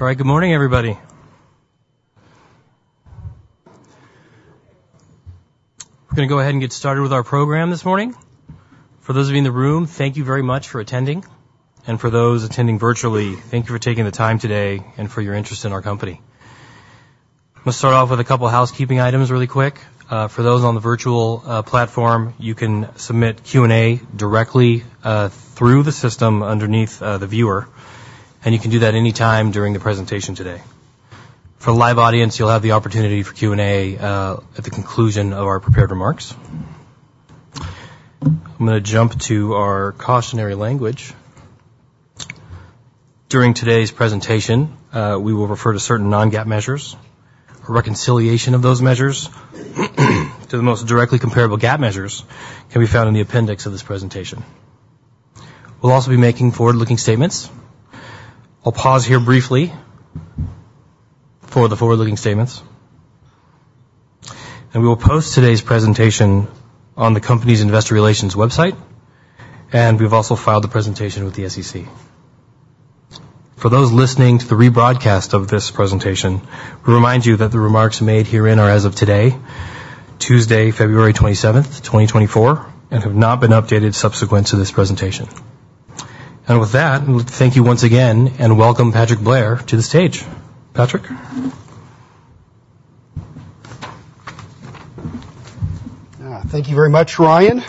All right, good morning, everybody. We're going to go ahead and get started with our program this morning. For those of you in the room, thank you very much for attending, and for those attending virtually, thank you for taking the time today and for your interest in our company. I'm going to start off with a couple of housekeeping items really quick. For those on the virtual platform, you can submit Q&A directly through the system underneath the viewer, and you can do that anytime during the presentation today. For the live audience, you'll have the opportunity for Q&A at the conclusion of our prepared remarks. I'm going to jump to our cautionary language. During today's presentation, we will refer to certain non-GAAP measures. A reconciliation of those measures to the most directly comparable GAAP measures can be found in the appendix of this presentation. We'll also be making forward-looking statements. I'll pause here briefly for the forward-looking statements. We will post today's presentation on the company's investor relations website, and we've also filed the presentation with the SEC. For those listening to the rebroadcast of this presentation, we remind you that the remarks made herein are as of today, Tuesday, February 27th, 2024, and have not been updated subsequent to this presentation. With that, I'd like to thank you once again and welcome Patrick Blair to the stage. Patrick? Thank you very much, Ryan.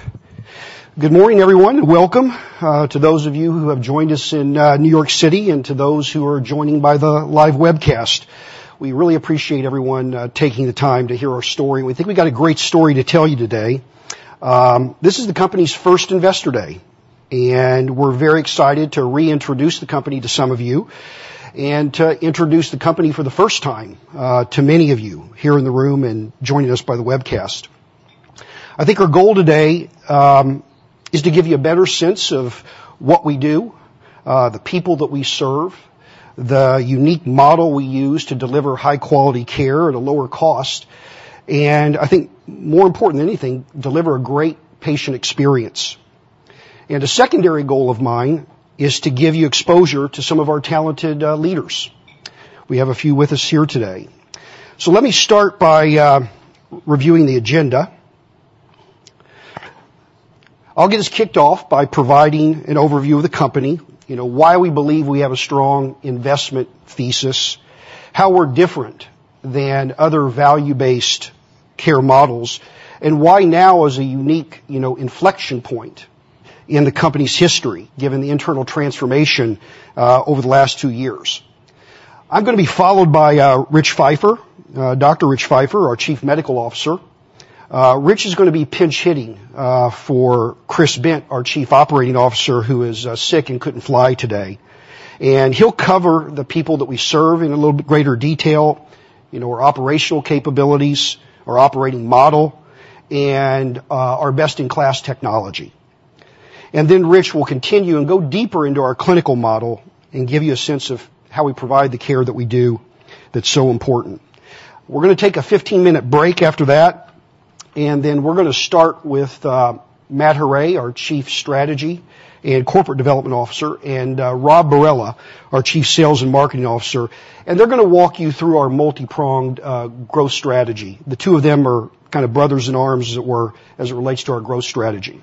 Good morning, everyone, and welcome to those of you who have joined us in New York City and to those who are joining by the live webcast. We really appreciate everyone taking the time to hear our story. We think we've got a great story to tell you today. This is the company's first Investor Day, and we're very excited to reintroduce the company to some of you and to introduce the company for the first time to many of you here in the room and joining us by the webcast. I think our goal today is to give you a better sense of what we do, the people that we serve, the unique model we use to deliver high-quality care at a lower cost, and I think, more important than anything, deliver a great patient experience. A secondary goal of mine is to give you exposure to some of our talented leaders. We have a few with us here today. Let me start by reviewing the agenda. I'll get us kicked off by providing an overview of the company, why we believe we have a strong investment thesis, how we're different than other value-based care models, and why now is a unique inflection point in the company's history given the internal transformation over the last two years. I'm going to be followed by Rich Feifer, Dr. Rich Feifer, our Chief Medical Officer. Rich is going to be pinch-hitting for Chris Bent, our Chief Operating Officer who is sick and couldn't fly today. He'll cover the people that we serve in a little bit greater detail, our operational capabilities, our operating model, and our best-in-class technology. Then Rich will continue and go deeper into our clinical model and give you a sense of how we provide the care that we do that's so important. We're going to take a 15-minute break after that, and then we're going to start with Matt Huray, our Chief Strategy and Corporate Development Officer, and Rob Borella, our Chief Sales and Marketing Officer. They're going to walk you through our multi-pronged growth strategy. The two of them are kind of brothers in arms, as it were, as it relates to our growth strategy.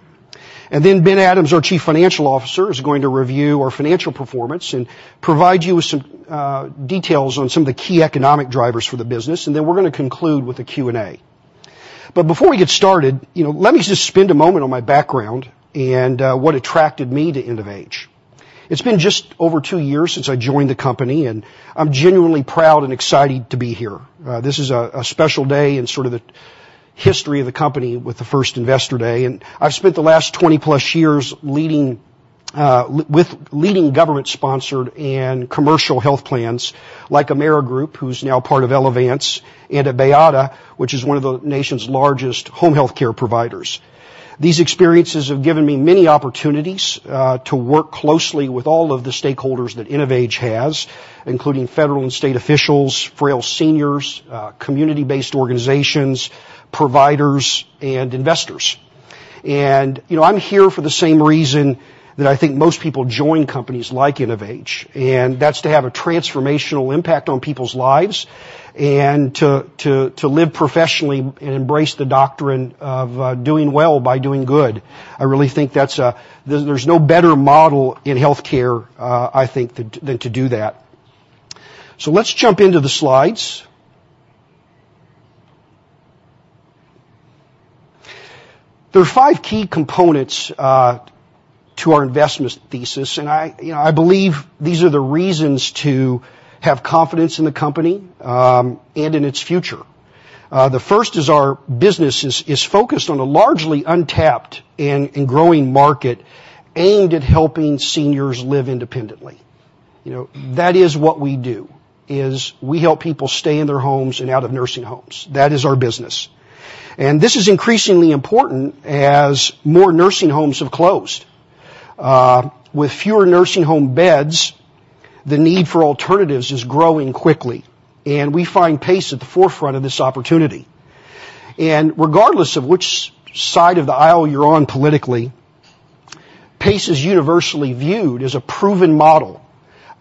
Then Ben Adams, our Chief Financial Officer, is going to review our financial performance and provide you with some details on some of the key economic drivers for the business, and then we're going to conclude with a Q&A. But before we get started, let me just spend a moment on my background and what attracted me to InnovAge. It's been just over two years since I joined the company, and I'm genuinely proud and excited to be here. This is a special day in sort of the history of the company with the first Investor Day. I've spent the last 20-plus years leading government-sponsored and commercial health plans like Amerigroup, who's now part of Elevance, and at BAYADA, which is one of the nation's largest home healthcare providers. These experiences have given me many opportunities to work closely with all of the stakeholders that InnovAge has, including federal and state officials, frail seniors, community-based organizations, providers, and investors. I'm here for the same reason that I think most people join companies like InnovAge, and that's to have a transformational impact on people's lives and to live professionally and embrace the doctrine of doing well by doing good. I really think there's no better model in healthcare, I think, than to do that. Let's jump into the slides. There are five key components to our investment thesis, and I believe these are the reasons to have confidence in the company and in its future. The first is our business is focused on a largely untapped and growing market aimed at helping seniors live independently. That is what we do, is we help people stay in their homes and out of nursing homes. That is our business. This is increasingly important as more nursing homes have closed. With fewer nursing home beds, the need for alternatives is growing quickly, and we find PACE at the forefront of this opportunity. Regardless of which side of the aisle you're on politically, PACE is universally viewed as a proven model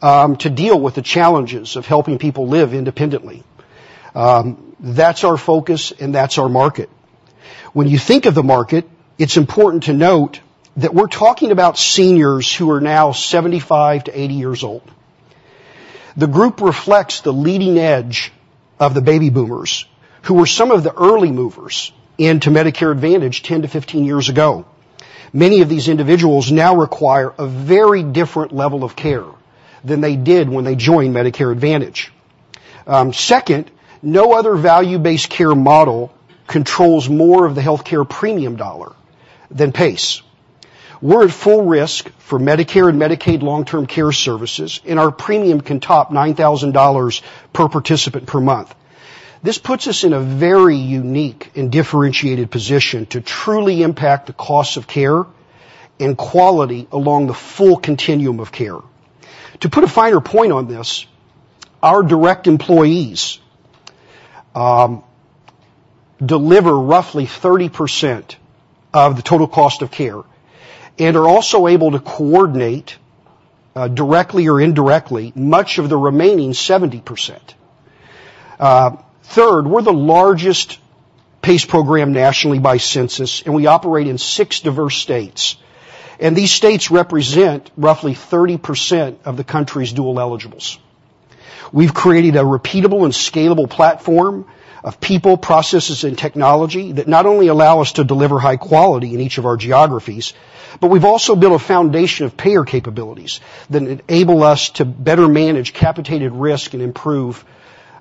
to deal with the challenges of helping people live independently. That's our focus, and that's our market. When you think of the market, it's important to note that we're talking about seniors who are now 75-80 years old. The group reflects the leading edge of the baby boomers, who were some of the early movers into Medicare Advantage 10-15 years ago. Many of these individuals now require a very different level of care than they did when they joined Medicare Advantage. Second, no other value-based care model controls more of the healthcare premium dollar than PACE. We're at full risk for Medicare and Medicaid long-term care services, and our premium can top $9,000 per participant per month. This puts us in a very unique and differentiated position to truly impact the cost of care and quality along the full continuum of care. To put a finer point on this, our direct employees deliver roughly 30% of the total cost of care and are also able to coordinate directly or indirectly much of the remaining 70%. Third, we're the largest PACE program nationally by census, and we operate in 6 diverse states. These states represent roughly 30% of the country's dual eligibles. We've created a repeatable and scalable platform of people, processes, and technology that not only allow us to deliver high quality in each of our geographies, but we've also built a foundation of payer capabilities that enable us to better manage capitated risk and improve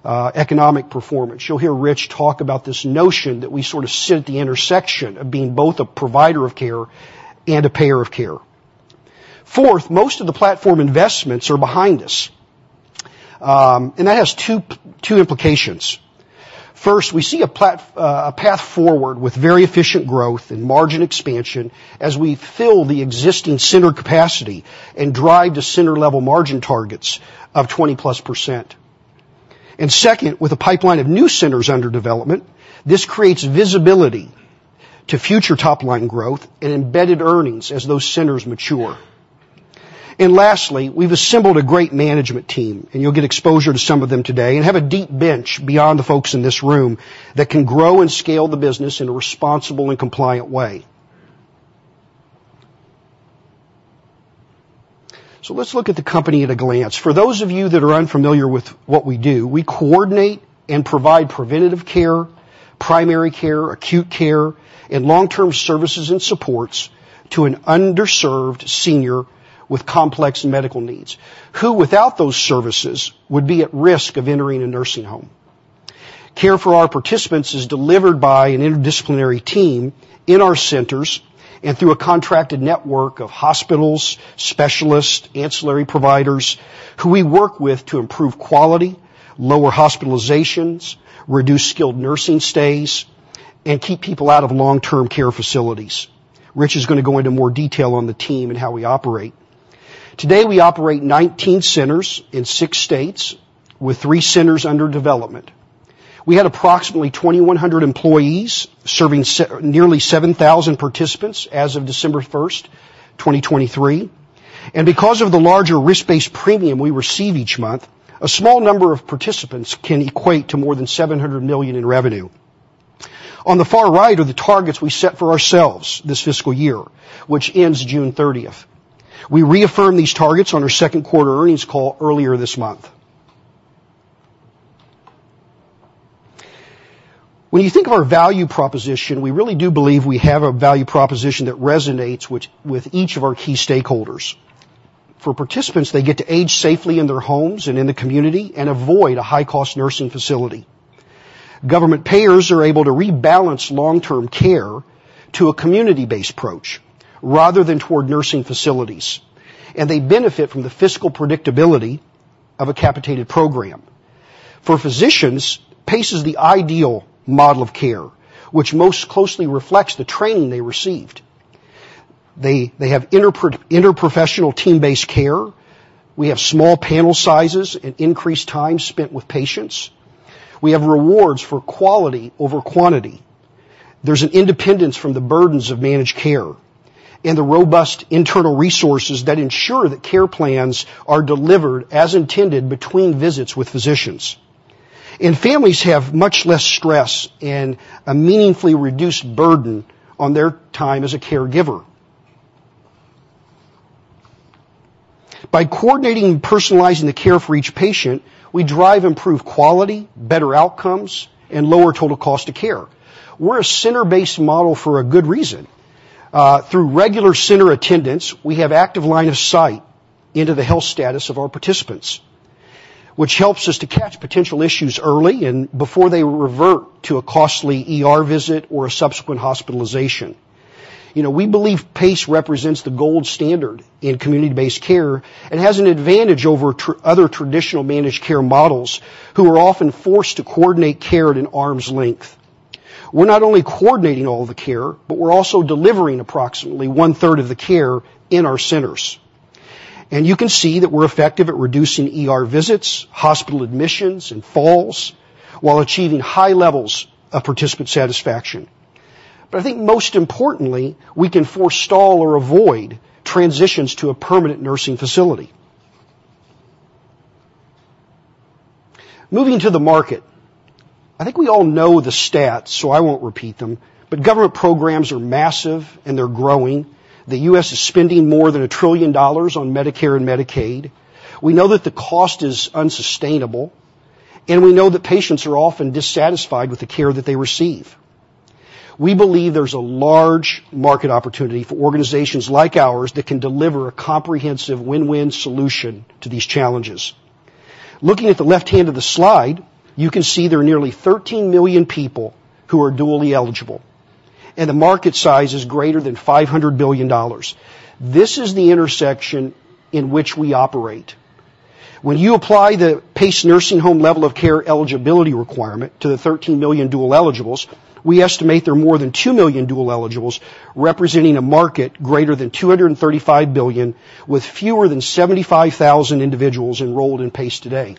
economic performance. You'll hear Rich talk about this notion that we sort of sit at the intersection of being both a provider of care and a payer of care. Fourth, most of the platform investments are behind us, and that has two implications. First, we see a path forward with very efficient growth and margin expansion as we fill the existing center capacity and drive to center-level margin targets of 20%+. And second, with a pipeline of new centers under development, this creates visibility to future top-line growth and embedded earnings as those centers mature. And lastly, we've assembled a great management team, and you'll get exposure to some of them today, and have a deep bench beyond the folks in this room that can grow and scale the business in a responsible and compliant way. So let's look at the company at a glance. For those of you that are unfamiliar with what we do, we coordinate and provide preventative care, primary care, acute care, and long-term services and supports to an underserved senior with complex medical needs who, without those services, would be at risk of entering a nursing home. Care for our participants is delivered by an interdisciplinary team in our centers and through a contracted network of hospitals, specialists, ancillary providers who we work with to improve quality, lower hospitalizations, reduce skilled nursing stays, and keep people out of long-term care facilities. Rich is going to go into more detail on the team and how we operate. Today, we operate 19 centers in six states with three centers under development. We had approximately 2,100 employees serving nearly 7,000 participants as of December 1st, 2023. Because of the larger risk-based premium we receive each month, a small number of participants can equate to more than $700 million in revenue. On the far right are the targets we set for ourselves this fiscal year, which ends June 30th. We reaffirm these targets on our second quarter earnings call earlier this month. When you think of our value proposition, we really do believe we have a value proposition that resonates with each of our key stakeholders. For participants, they get to age safely in their homes and in the community and avoid a high-cost nursing facility. Government payers are able to rebalance long-term care to a community-based approach rather than toward nursing facilities, and they benefit from the fiscal predictability of a capitated program. For physicians, PACE is the ideal model of care, which most closely reflects the training they received. They have interprofessional team-based care. We have small panel sizes and increased time spent with patients. We have rewards for quality over quantity. There's an independence from the burdens of managed care and the robust internal resources that ensure that care plans are delivered as intended between visits with physicians. Families have much less stress and a meaningfully reduced burden on their time as a caregiver. By coordinating and personalizing the care for each patient, we drive improved quality, better outcomes, and lower total cost of care. We're a center-based model for a good reason. Through regular center attendance, we have active line of sight into the health status of our participants, which helps us to catch potential issues early and before they revert to a costly visit or a subsequent hospitalization. We believe PACE represents the gold standard in community-based care and has an advantage over other traditional managed care models who are often forced to coordinate care at an arm's length. We're not only coordinating all of the care, but we're also delivering approximately one-third of the care in our centers. And you can see that we're effective at reducing visits, hospital admissions, and falls while achieving high levels of participant satisfaction. But I think, most importantly, we can forestall or avoid transitions to a permanent nursing facility. Moving to the market, I think we all know the stats, so I won't repeat them. But government programs are massive, and they're growing. The U.S. is spending more than $1 trillion on Medicare and Medicaid. We know that the cost is unsustainable, and we know that patients are often dissatisfied with the care that they receive. We believe there's a large market opportunity for organizations like ours that can deliver a comprehensive win-win solution to these challenges. Looking at the left hand of the slide, you can see there are nearly 13 million people who are dually eligible, and the market size is greater than $500 billion. This is the intersection in which we operate. When you apply the PACE nursing home level of care eligibility requirement to the 13 million dual eligibles, we estimate there are more than 2 million dual eligibles representing a market greater than $235 billion with fewer than 75,000 individuals enrolled in PACE today.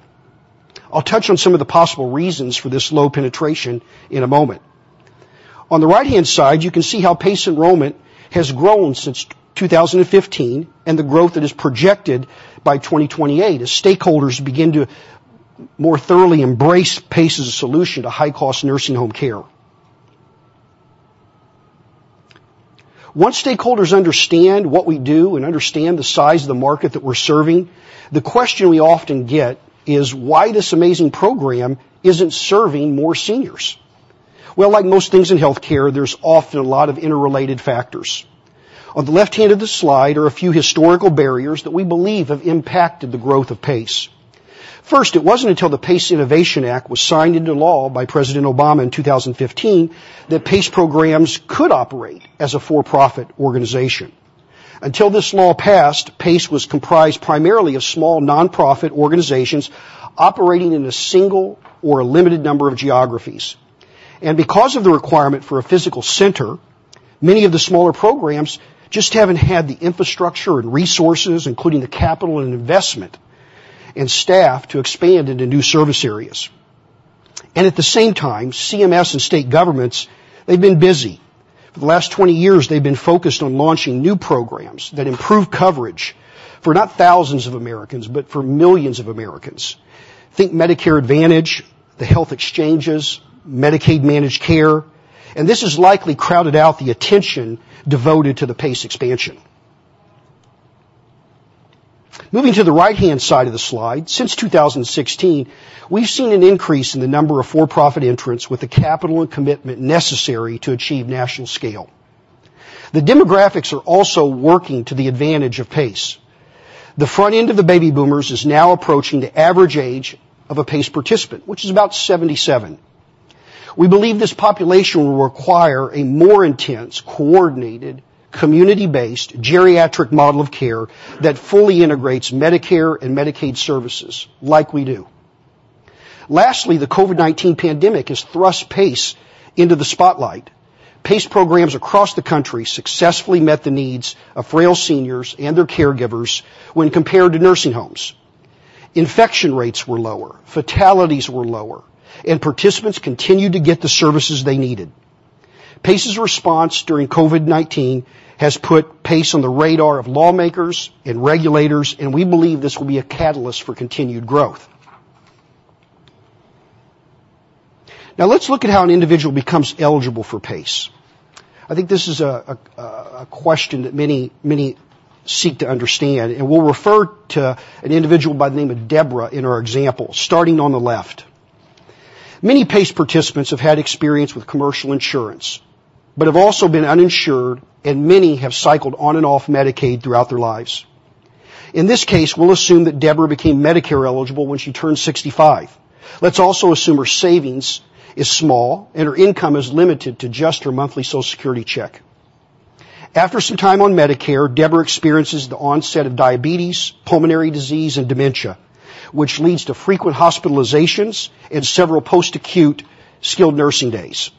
I'll touch on some of the possible reasons for this low penetration in a moment. On the right-hand side, you can see how PACE enrollment has grown since 2015 and the growth that is projected by 2028 as stakeholders begin to more thoroughly embrace PACE as a solution to high-cost nursing home care. Once stakeholders understand what we do and understand the size of the market that we're serving, the question we often get is, "Why this amazing program isn't serving more seniors?" Well, like most things in healthcare, there's often a lot of interrelated factors. On the left-hand of the slide are a few historical barriers that we believe have impacted the growth of PACE. First, it wasn't until the PACE Innovation Act was signed into law by President Obama in 2015 that PACE programs could operate as a for-profit organization. Until this law passed, PACE was comprised primarily of small nonprofit organizations operating in a single or a limited number of geographies. Because of the requirement for a physical center, many of the smaller programs just haven't had the infrastructure and resources, including the capital and investment and staff, to expand into new service areas. At the same time, CMS and state governments, they've been busy. For the last 20 years, they've been focused on launching new programs that improve coverage for not thousands of Americans, but for millions of Americans. Think Medicare Advantage, the health exchanges, Medicaid-managed care. This has likely crowded out the attention devoted to the PACE expansion. Moving to the right-hand side of the slide, since 2016, we've seen an increase in the number of for-profit entrants with the capital and commitment necessary to achieve national scale. The demographics are also working to the advantage of PACE. The front end of the baby boomers is now approaching the average age of a PACE participant, which is about 77. We believe this population will require a more intense, coordinated, community-based geriatric model of care that fully integrates Medicare and Medicaid services like we do. Lastly, the COVID-19 pandemic has thrust PACE into the spotlight. PACE programs across the country successfully met the needs of frail seniors and their caregivers when compared to nursing homes. Infection rates were lower, fatalities were lower, and participants continued to get the services they needed. PACE's response during COVID-19 has put PACE on the radar of lawmakers and regulators, and we believe this will be a catalyst for continued growth. Now, let's look at how an individual becomes eligible for PACE. I think this is a question that many seek to understand, and we'll refer to an individual by the name of Deborah in our example, starting on the left. Many PACE participants have had experience with commercial insurance but have also been uninsured, and many have cycled on and off Medicaid throughout their lives. In this case, we'll assume that Deborah became Medicare eligible when she turned 65. Let's also assume her savings is small and her income is limited to just her monthly Social Security check. After some time on Medicare, Deborah experiences the onset of diabetes, pulmonary disease, and dementia, which leads to frequent hospitalizations and several post-acute skilled nursing days.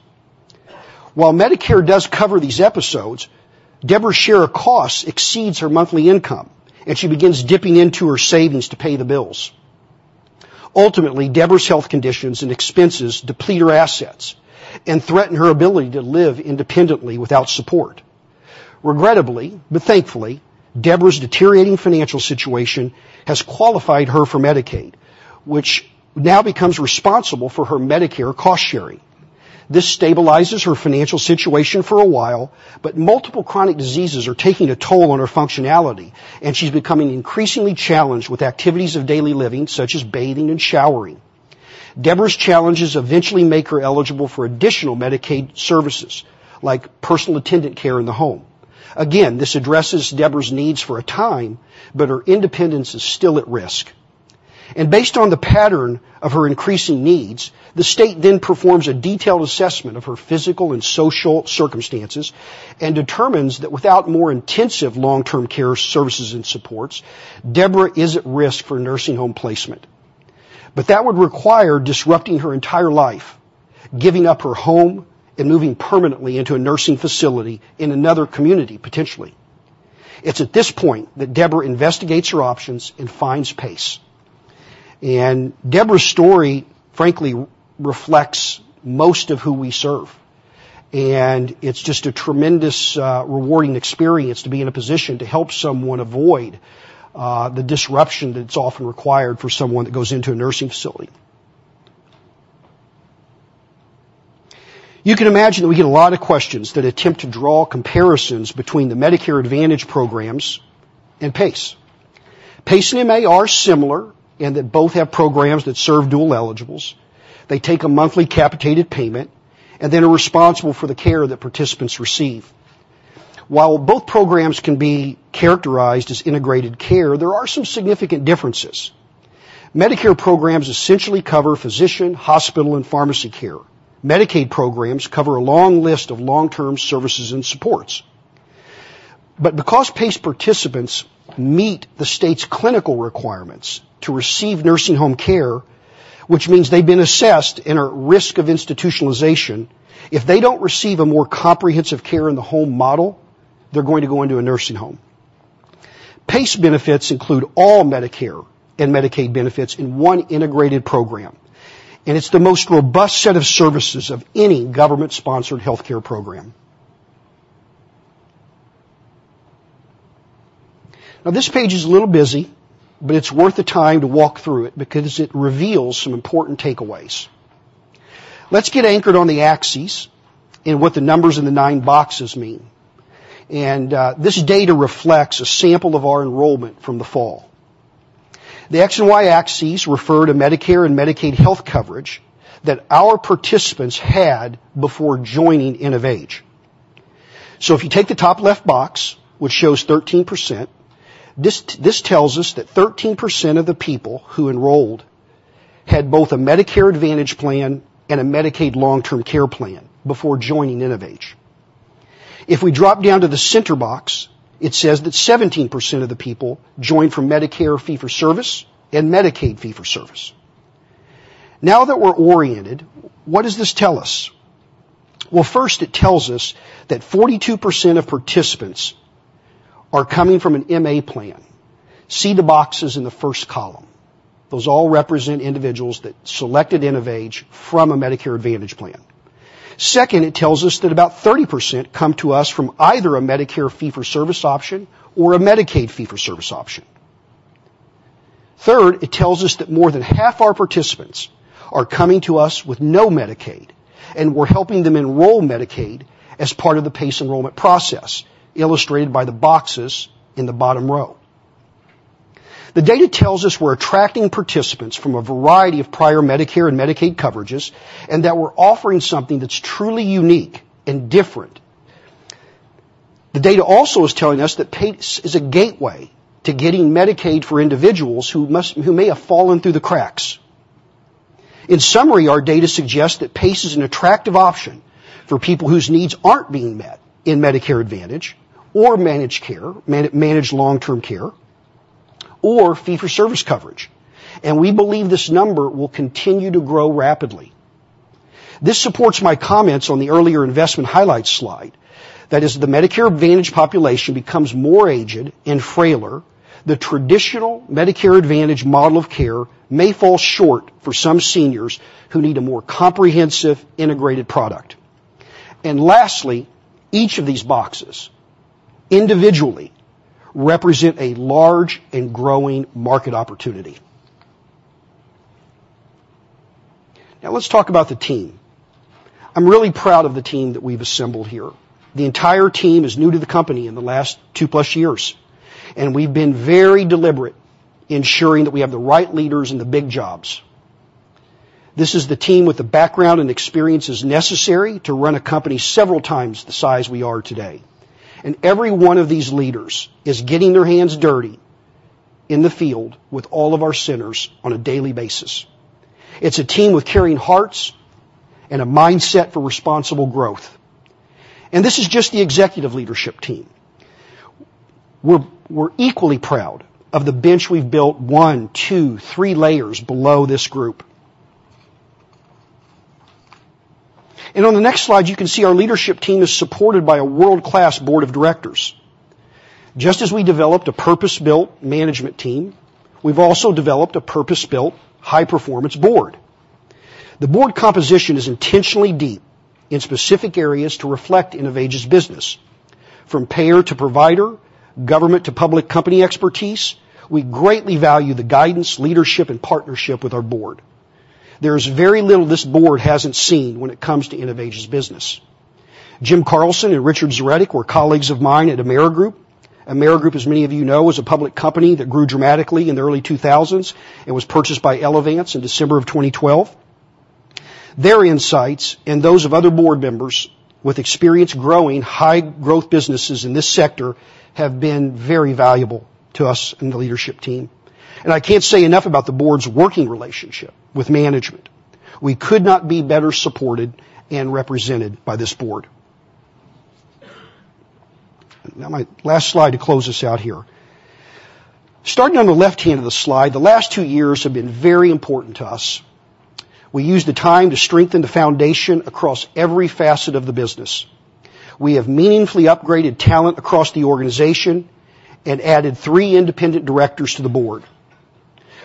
While Medicare does cover these episodes, Deborah's share of costs exceeds her monthly income, and she begins dipping into her savings to pay the bills. Ultimately, Deborah's health conditions and expenses deplete her assets and threaten her ability to live independently without support. Regrettably but thankfully, Deborah's deteriorating financial situation has qualified her for Medicaid, which now becomes responsible for her Medicare cost-sharing. This stabilizes her financial situation for a while, but multiple chronic diseases are taking a toll on her functionality, and she's becoming increasingly challenged with activities of daily living such as bathing and showering. Deborah's challenges eventually make her eligible for additional Medicaid services like personal attendant care in the home. Again, this addresses Deborah's needs for a time, but her independence is still at risk. Based on the pattern of her increasing needs, the state then performs a detailed assessment of her physical and social circumstances and determines that without more intensive long-term care services and supports, Deborah is at risk for nursing home placement. But that would require disrupting her entire life, giving up her home, and moving permanently into a nursing facility in another community, potentially. It's at this point that Deborah investigates her options and finds PACE. Deborah's story, frankly, reflects most of who we serve, and it's just a tremendous rewarding experience to be in a position to help someone avoid the disruption that's often required for someone that goes into a nursing facility. You can imagine that we get a lot of questions that attempt to draw comparisons between the Medicare Advantage programs and PACE. PACE and MA are similar in that both have programs that serve dual eligibles. They take a monthly capitated payment and then are responsible for the care that participants receive. While both programs can be characterized as integrated care, there are some significant differences. Medicare programs essentially cover physician, hospital, and pharmacy care. Medicaid programs cover a long list of long-term services and supports. But because PACE participants meet the state's clinical requirements to receive nursing home care, which means they've been assessed and are at risk of institutionalization, if they don't receive a more comprehensive care in the home model, they're going to go into a nursing home. PACE benefits include all Medicare and Medicaid benefits in one integrated program, and it's the most robust set of services of any government-sponsored healthcare program. Now, this page is a little busy, but it's worth the time to walk through it because it reveals some important takeaways. Let's get anchored on the axes and what the numbers in the 9 boxes mean. This data reflects a sample of our enrollment from the fall. The X and Y axes refer to Medicare and Medicaid health coverage that our participants had before joining InnovAge. So if you take the top left box, which shows 13%, this tells us that 13% of the people who enrolled had both a Medicare Advantage plan and a Medicaid long-term care plan before joining InnovAge. If we drop down to the center box, it says that 17% of the people joined for Medicare fee-for-service and Medicaid fee-for-service. Now that we're oriented, what does this tell us? Well, first, it tells us that 42% of participants are coming from an MA plan. See the boxes in the first column. Those all represent individuals that selected InnovAge from a Medicare Advantage plan. Second, it tells us that about 30% come to us from either a Medicare fee-for-service option or a Medicaid fee-for-service option. Third, it tells us that more than half our participants are coming to us with no Medicaid, and we're helping them enroll Medicaid as part of the PACE enrollment process illustrated by the boxes in the bottom row. The data tells us we're attracting participants from a variety of prior Medicare and Medicaid coverages and that we're offering something that's truly unique and different. The data also is telling us that PACE is a gateway to getting Medicaid for individuals who may have fallen through the cracks. In summary, our data suggests that PACE is an attractive option for people whose needs aren't being met in Medicare Advantage or managed long-term care or fee-for-service coverage. And we believe this number will continue to grow rapidly. This supports my comments on the earlier investment highlights slide. That is, the Medicare Advantage population becomes more aged and frailer. The traditional Medicare Advantage model of care may fall short for some seniors who need a more comprehensive, integrated product. And lastly, each of these boxes, individually, represent a large and growing market opportunity. Now, let's talk about the team. I'm really proud of the team that we've assembled here. The entire team is new to the company in the last 2+ years, and we've been very deliberate ensuring that we have the right leaders in the big jobs. This is the team with the background and experience that's necessary to run a company several times the size we are today. And every one of these leaders is getting their hands dirty in the field with all of our centers on a daily basis. It's a team with caring hearts and a mindset for responsible growth. And this is just the executive leadership team. We're equally proud of the bench we've built 1, 2, 3 layers below this group. On the next slide, you can see our leadership team is supported by a world-class board of directors. Just as we developed a purpose-built management team, we've also developed a purpose-built high-performance board. The board composition is intentionally deep in specific areas to reflect InnovAge's business. From payer to provider, government to public company expertise, we greatly value the guidance, leadership, and partnership with our board. There is very little this board hasn't seen when it comes to InnovAge's business. Jim Carlson and Richard Zoretic were colleagues of mine at Amerigroup. Amerigroup, as many of you know, is a public company that grew dramatically in the early 2000s and was purchased by Elevance in December of 2012. Their insights and those of other board members with experience growing high-growth businesses in this sector have been very valuable to us and the leadership team. I can't say enough about the board's working relationship with management. We could not be better supported and represented by this board. Now, my last slide to close us out here. Starting on the left hand of the slide, the last two years have been very important to us. We used the time to strengthen the foundation across every facet of the business. We have meaningfully upgraded talent across the organization and added three independent directors to the board.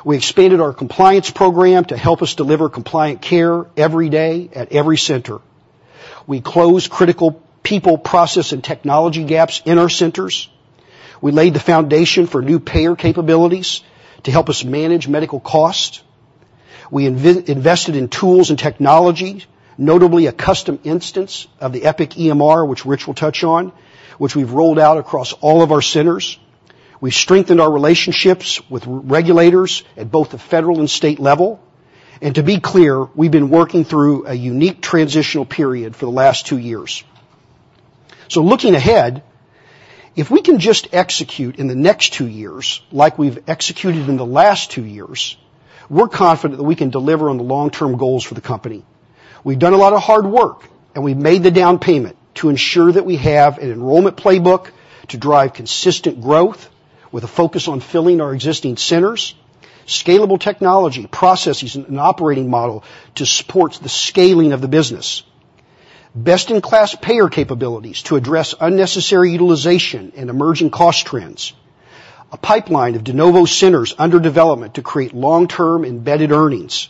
We expanded our compliance program to help us deliver compliant care every day at every center. We closed critical people, process, and technology gaps in our centers. We laid the foundation for new payer capabilities to help us manage medical cost. We invested in tools and technology, notably a custom instance of the Epic EMR, which Rich will touch on, which we've rolled out across all of our centers. We've strengthened our relationships with regulators at both the federal and state level. To be clear, we've been working through a unique transitional period for the last two years. Looking ahead, if we can just execute in the next two years like we've executed in the last two years, we're confident that we can deliver on the long-term goals for the company. We've done a lot of hard work, and we've made the down payment to ensure that we have an enrollment playbook to drive consistent growth with a focus on filling our existing centers, scalable technology, processes, and operating model to support the scaling of the business, best-in-class payer capabilities to address unnecessary utilization and emerging cost trends, a pipeline of de novo centers under development to create long-term embedded earnings,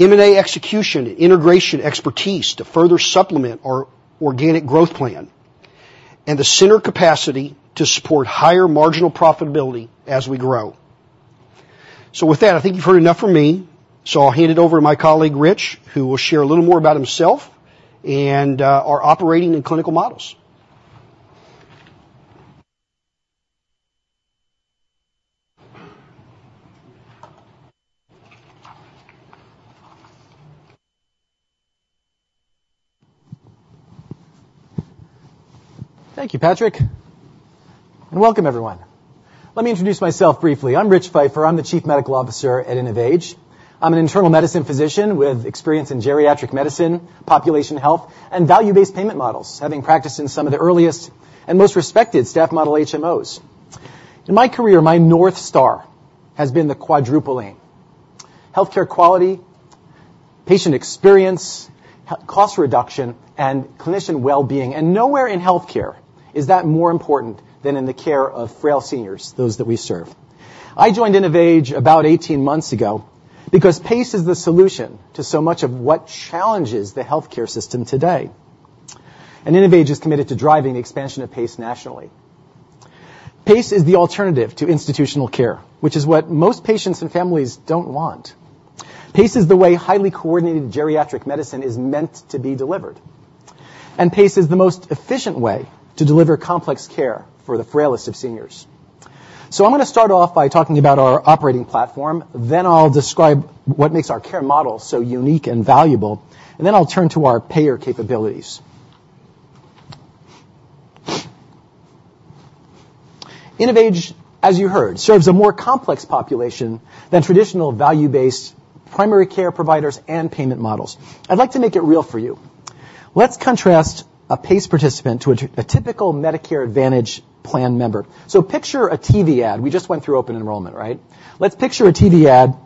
M&A execution and integration expertise to further supplement our organic growth plan, and the center capacity to support higher marginal profitability as we grow. So with that, I think you've heard enough from me. So I'll hand it over to my colleague Rich, who will share a little more about himself and our operating and clinical models. Thank you, Patrick. And welcome, everyone. Let me introduce myself briefly. I'm Rich Feifer. I'm the Chief Medical Officer at InnovAge. I'm an internal medicine physician with experience in geriatric medicine, population health, and value-based payment models, having practiced in some of the earliest and most respected staff model HMOs. In my career, my north star has been the Quadruple Aim healthcare quality, patient experience, cost reduction, and clinician well-being. And nowhere in healthcare is that more important than in the care of frail seniors, those that we serve. I joined InnovAge about 18 months ago because PACE is the solution to so much of what challenges the healthcare system today. And InnovAge is committed to driving the expansion of PACE nationally. PACE is the alternative to institutional care, which is what most patients and families don't want. PACE is the way highly coordinated geriatric medicine is meant to be delivered. PACE is the most efficient way to deliver complex care for the frailest of seniors. I'm going to start off by talking about our operating platform. I'll describe what makes our care model so unique and valuable. I'll turn to our payer capabilities. InnovAge, as you heard, serves a more complex population than traditional value-based primary care providers and payment models. I'd like to make it real for you. Let's contrast a PACE participant to a typical Medicare Advantage plan member. Picture a TV ad. We just went through open enrollment, right? Picture a TV ad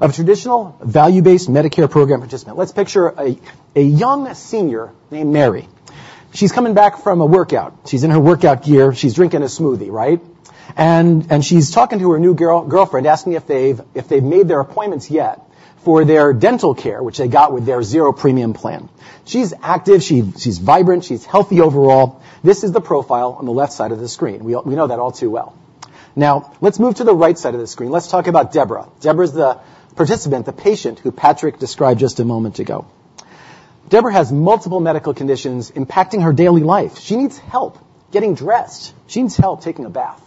of a traditional value-based Medicare program participant. Picture a young senior named Mary. She's coming back from a workout. She's in her workout gear. She's drinking a smoothie, right? And she's talking to her new girlfriend, asking if they've made their appointments yet for their dental care, which they got with their zero premium plan. She's active. She's vibrant. She's healthy overall. This is the profile on the left side of the screen. We know that all too well. Now, let's move to the right side of the screen. Let's talk about Deborah. Deborah is the participant, the patient who Patrick described just a moment ago. Deborah has multiple medical conditions impacting her daily life. She needs help getting dressed. She needs help taking a bath.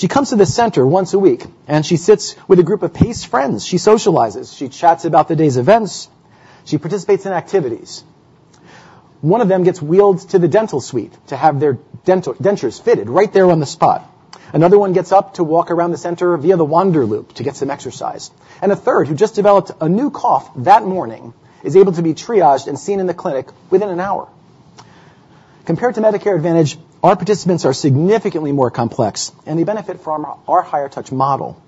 She comes to the center once a week, and she sits with a group of PACE friends. She socializes. She chats about the day's events. She participates in activities. One of them gets wheeled to the dental suite to have their dentures fitted right there on the spot. Another one gets up to walk around the center via the wander loop to get some exercise. A third, who just developed a new cough that morning, is able to be triaged and seen in the clinic within an hour. Compared to Medicare Advantage, our participants are significantly more complex, and they benefit from our higher touch model.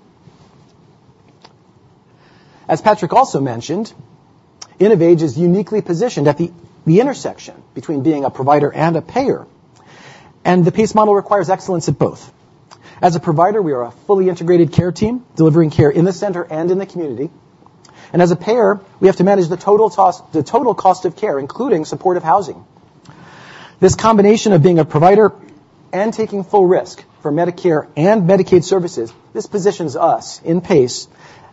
As Patrick also mentioned, InnovAge is uniquely positioned at the intersection between being a provider and a payer. The PACE model requires excellence at both. As a provider, we are a fully integrated care team delivering care in the center and in the community. As a payer, we have to manage the total cost of care, including supportive housing. This combination of being a provider and taking full risk for Medicare and Medicaid services, this positions us in PACE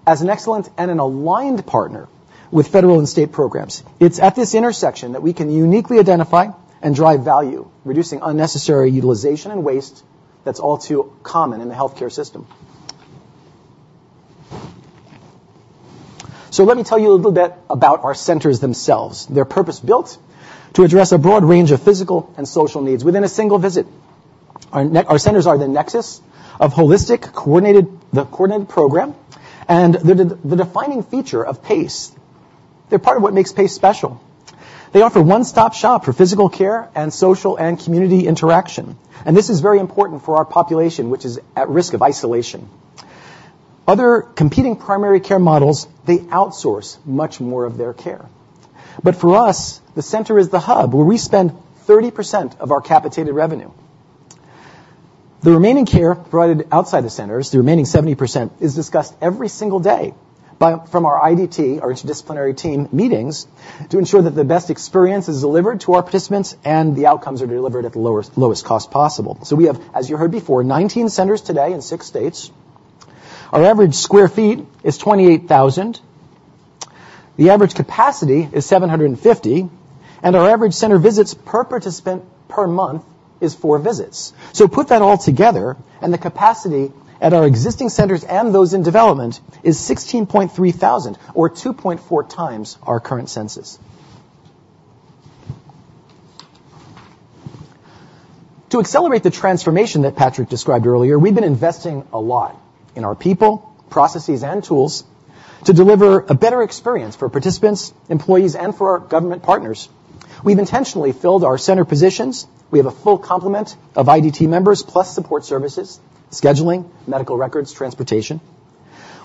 as an excellent and an aligned partner with federal and state programs. It's at this intersection that we can uniquely identify and drive value, reducing unnecessary utilization and waste that's all too common in the healthcare system. So let me tell you a little bit about our centers themselves. They're purpose-built to address a broad range of physical and social needs within a single visit. Our centers are the nexus of holistic, coordinated program. And the defining feature of PACE, they're part of what makes PACE special. They offer one-stop shop for physical care and social and community interaction. And this is very important for our population, which is at risk of isolation. Other competing primary care models, they outsource much more of their care. For us, the center is the hub where we spend 30% of our capitated revenue. The remaining care provided outside the centers, the remaining 70%, is discussed every single day from our IDT, our interdisciplinary team, meetings to ensure that the best experience is delivered to our participants and the outcomes are delivered at the lowest cost possible. We have, as you heard before, 19 centers today in six states. Our average square feet is 28,000 sq ft. The average capacity is 750. And our average center visits per participant per month is four visits. Put that all together, and the capacity at our existing centers and those in development is 16,300, or 2.4x our current census. To accelerate the transformation that Patrick described earlier, we've been investing a lot in our people, processes, and tools to deliver a better experience for participants, employees, and for our government partners. We've intentionally filled our center positions. We have a full complement of IDT members plus support services, scheduling, medical records, transportation.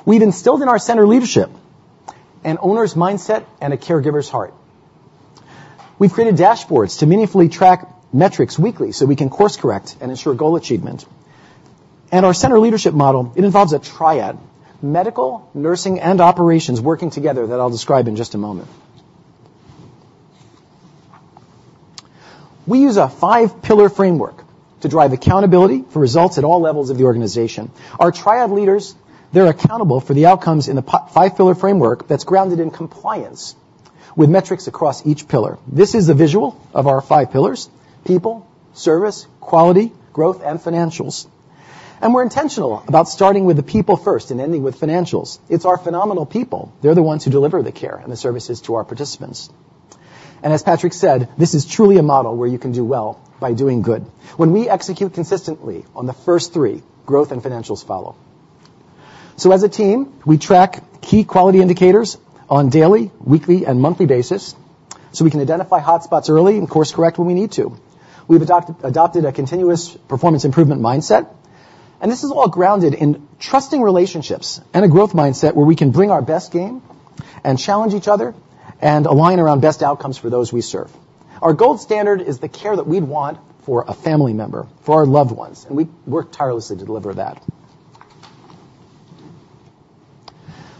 We've instilled in our center leadership an owner's mindset and a caregiver's heart. We've created dashboards to meaningfully track metrics weekly so we can course-correct and ensure goal achievement. Our center leadership model involves a triad: medical, nursing, and operations working together that I'll describe in just a moment. We use a five-pillar framework to drive accountability for results at all levels of the organization. Our triad leaders are accountable for the outcomes in the five-pillar framework that's grounded in compliance with metrics across each pillar. This is the visual of our five pillars: people, service, quality, growth, and financials. We're intentional about starting with the people first and ending with financials. It's our phenomenal people. They're the ones who deliver the care and the services to our participants. As Patrick said, this is truly a model where you can do well by doing good when we execute consistently on the first three. Growth and financials follow. As a team, we track key quality indicators on daily, weekly, and monthly basis so we can identify hotspots early and course-correct when we need to. We've adopted a continuous performance improvement mindset. This is all grounded in trusting relationships and a growth mindset where we can bring our best game and challenge each other and align around best outcomes for those we serve. Our gold standard is the care that we'd want for a family member, for our loved ones. We work tirelessly to deliver that.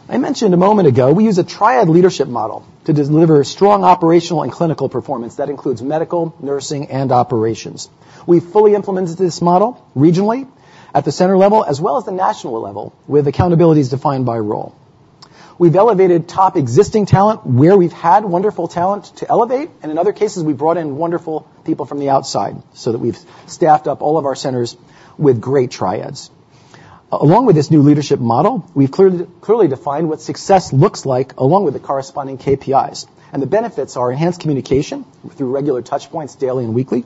I mentioned a moment ago, we use a Triad Leadership Model to deliver strong operational and clinical performance that includes medical, nursing, and operations. We've fully implemented this model regionally at the center level as well as the national level with accountabilities defined by role. We've elevated top existing talent where we've had wonderful talent to elevate. In other cases, we've brought in wonderful people from the outside so that we've staffed up all of our centers with great triads. Along with this new leadership model, we've clearly defined what success looks like along with the corresponding KPIs. The benefits are enhanced communication through regular touchpoints daily and weekly,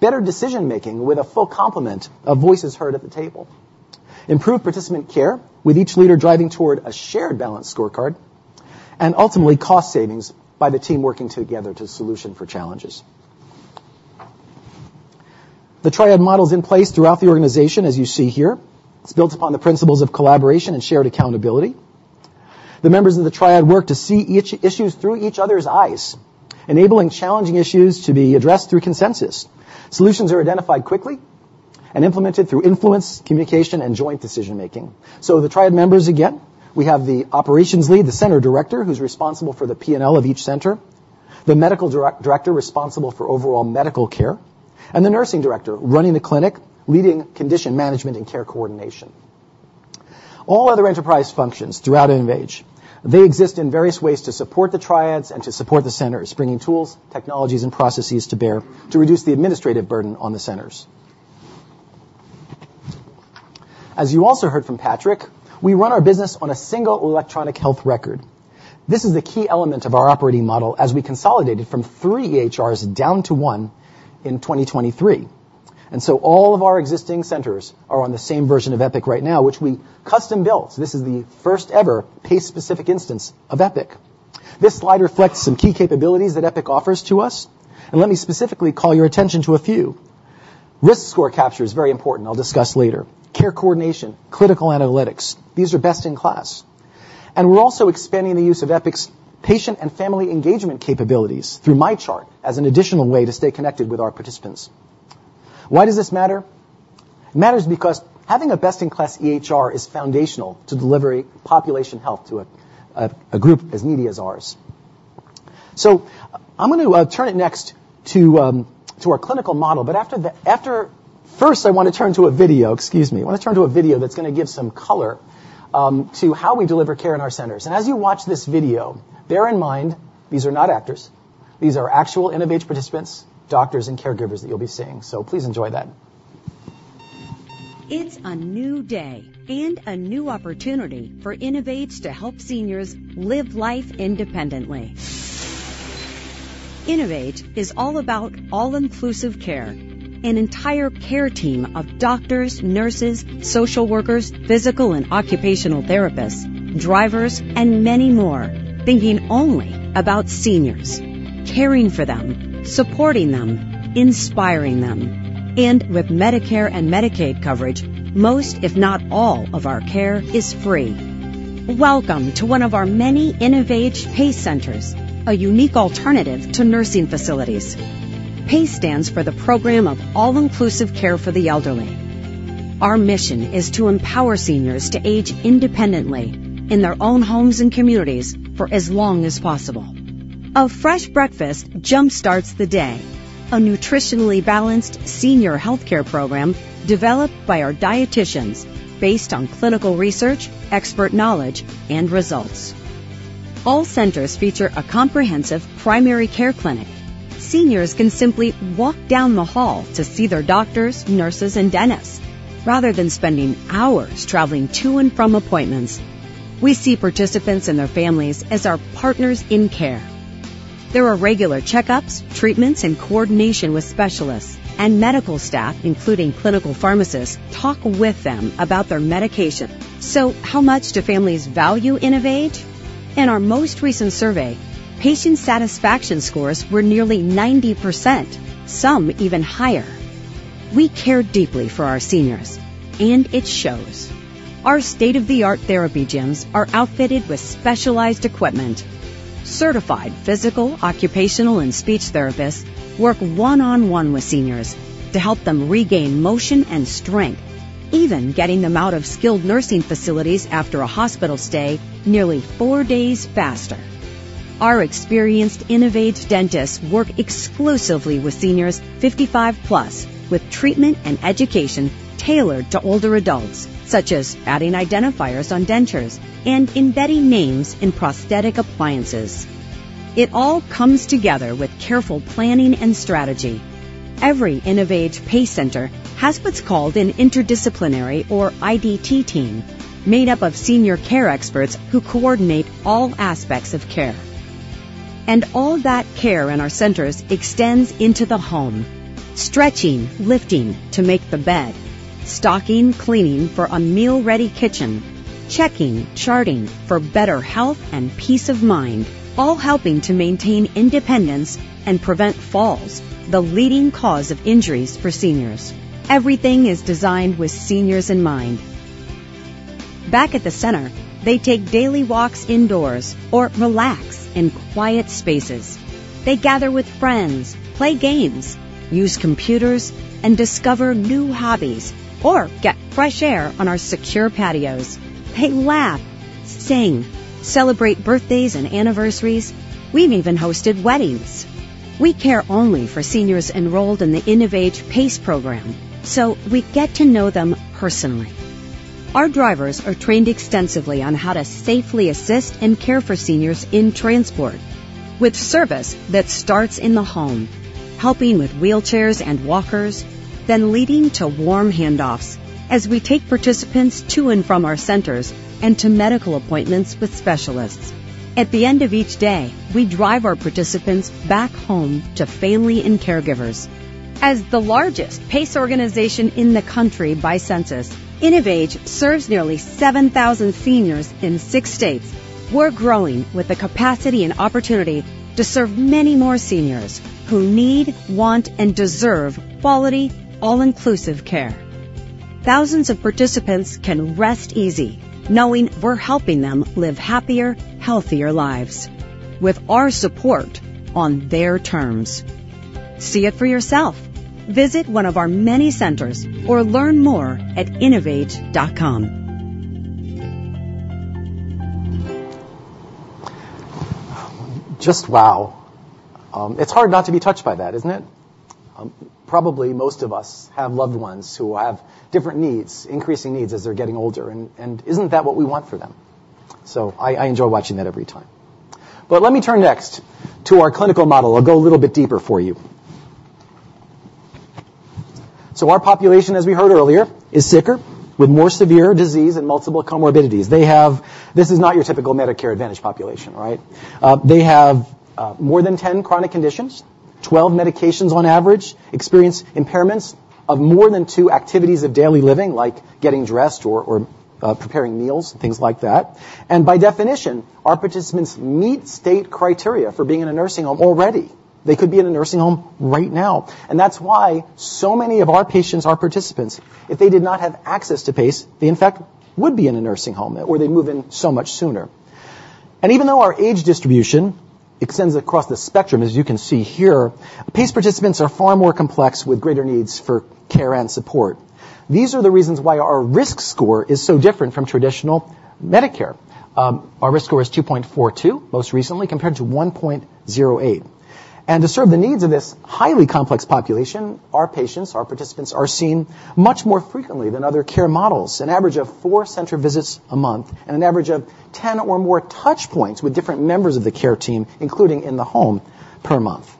better decision-making with a full complement of voices heard at the table, improved participant care with each leader driving toward a shared balanced scorecard, and ultimately, cost savings by the team working together to solution for challenges. The triad model is in place throughout the organization, as you see here. It's built upon the principles of collaboration and shared accountability. The members of the triad work to see issues through each other's eyes, enabling challenging issues to be addressed through consensus. Solutions are identified quickly and implemented through influence, communication, and joint decision-making. The triad members, again, we have the operations lead, the center director, who's responsible for the P&L of each center, the medical director responsible for overall medical care, and the nursing director running the clinic, leading condition management and care coordination. All other enterprise functions throughout InnovAge, they exist in various ways to support the triads and to support the centers, bringing tools, technologies, and processes to bear to reduce the administrative burden on the centers. As you also heard from Patrick, we run our business on a single electronic health record. This is the key element of our operating model as we consolidated from three EHRs down to one in 2023. And so all of our existing centers are on the same version of Epic right now, which we custom-built. So this is the first-ever PACE-specific instance of Epic. This slide reflects some key capabilities that Epic offers to us. And let me specifically call your attention to a few. Risk score capture is very important. I'll discuss later. Care coordination, clinical analytics, these are best in class. We're also expanding the use of Epic's patient and family engagement capabilities through MyChart as an additional way to stay connected with our participants. Why does this matter? It matters because having a best-in-class EHR is foundational to delivering population health to a group as needy as ours. So I'm going to turn it next to our clinical model. But first, I want to turn to a video, excuse me. I want to turn to a video that's going to give some color to how we deliver care in our centers. And as you watch this video, bear in mind these are not actors. These are actual InnovAge participants, doctors, and caregivers that you'll be seeing. So please enjoy that. It's a new day and a new opportunity for InnovAge to help seniors live life independently. InnovAge is all about all-inclusive care, an entire care team of doctors, nurses, social workers, physical and occupational therapists, drivers, and many more, thinking only about seniors, caring for them, supporting them, inspiring them. And with Medicare and Medicaid coverage, most, if not all, of our care is free. Welcome to one of our many InnovAge PACE centers, a unique alternative to nursing facilities. PACE stands for the program of all-inclusive care for the elderly. Our mission is to empower seniors to age independently in their own homes and communities for as long as possible. A fresh breakfast jump-starts the day, a nutritionally balanced senior healthcare program developed by our dieticians based on clinical research, expert knowledge, and results. All centers feature a comprehensive primary care clinic. Seniors can simply walk down the hall to see their doctors, nurses, and dentists rather than spending hours traveling to and from appointments. We see participants and their families as our partners in care. There are regular checkups, treatments, and coordination with specialists. Medical staff, including clinical pharmacists, talk with them about their medication. How much do families value InnovAge? In our most recent survey, patient satisfaction scores were nearly 90%, some even higher. We care deeply for our seniors, and it shows. Our state-of-the-art therapy gyms are outfitted with specialized equipment. Certified physical, occupational, and speech therapists work one-on-one with seniors to help them regain motion and strength, even getting them out of skilled nursing facilities after a hospital stay nearly four days faster. Our experienced InnovAge dentists work exclusively with seniors 55-plus with treatment and education tailored to older adults, such as adding identifiers on dentures and embedding names in prosthetic appliances. It all comes together with careful planning and strategy. Every InnovAge PACE center has what's called an interdisciplinary or IDT team made up of senior care experts who coordinate all aspects of care. All that care in our centers extends into the home: stretching, lifting to make the bed, stocking, cleaning for a meal-ready kitchen, checking, charting for better health and peace of mind, all helping to maintain independence and prevent falls, the leading cause of injuries for seniors. Everything is designed with seniors in mind. Back at the center, they take daily walks indoors or relax in quiet spaces. They gather with friends, play games, use computers, and discover new hobbies or get fresh air on our secure patios. They laugh, sing, celebrate birthdays and anniversaries. We've even hosted weddings. We care only for seniors enrolled in the InnovAge PACE program so we get to know them personally. Our drivers are trained extensively on how to safely assist and care for seniors in transport with service that starts in the home, helping with wheelchairs and walkers, then leading to warm handoffs as we take participants to and from our centers and to medical appointments with specialists. At the end of each day, we drive our participants back home to family and caregivers. As the largest PACE organization in the country by census, InnovAge serves nearly 7,000 seniors in six states. We're growing with the capacity and opportunity to serve many more seniors who need, want, and deserve quality, all-inclusive care. Thousands of participants can rest easy knowing we're helping them live happier, healthier lives with our support on their terms. See it for yourself. Visit one of our many centers or learn more at InnovAge.com. Just wow. It's hard not to be touched by that, isn't it? Probably most of us have loved ones who have different needs, increasing needs as they're getting older. Isn't that what we want for them? I enjoy watching that every time. Let me turn next to our clinical model. I'll go a little bit deeper for you. Our population, as we heard earlier, is sicker with more severe disease and multiple comorbidities. This is not your typical Medicare Advantage population, right? They have more than 10 chronic conditions, 12 medications on average, experience impairments of more than two activities of daily living like getting dressed or preparing meals, things like that. And by definition, our participants meet state criteria for being in a nursing home already. They could be in a nursing home right now. That's why so many of our patients, our participants, if they did not have access to PACE, they, in fact, would be in a nursing home or they'd move in so much sooner. Even though our age distribution extends across the spectrum, as you can see here, PACE participants are far more complex with greater needs for care and support. These are the reasons why our risk score is so different from traditional Medicare. Our risk score is 2.42 most recently compared to 1.08. To serve the needs of this highly complex population, our patients, our participants, are seen much more frequently than other care models, an average of four center visits a month, and an average of 10 or more touchpoints with different members of the care team, including in the home, per month.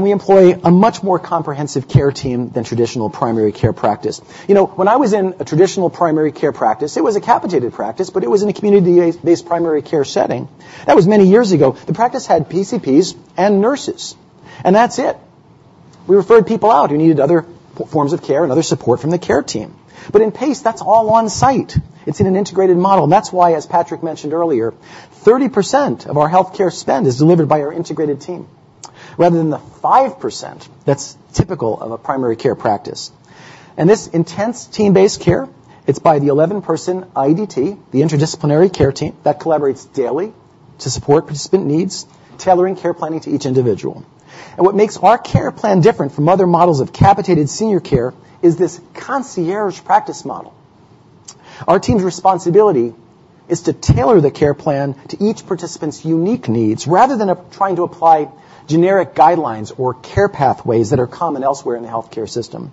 We employ a much more comprehensive care team than traditional primary care practice. When I was in a traditional primary care practice, it was a capitated practice, but it was in a community-based primary care setting. That was many years ago. The practice had PCPs and nurses. That's it. We referred people out who needed other forms of care and other support from the care team. But in PACE, that's all on-site. It's in an integrated model. That's why, as Patrick mentioned earlier, 30% of our healthcare spend is delivered by our integrated team rather than the 5% that's typical of a primary care practice. This intense team-based care, it's by the 11-person IDT, the interdisciplinary care team that collaborates daily to support participant needs, tailoring care planning to each individual. What makes our care plan different from other models of capitated senior care is this concierge practice model. Our team's responsibility is to tailor the care plan to each participant's unique needs rather than trying to apply generic guidelines or care pathways that are common elsewhere in the healthcare system.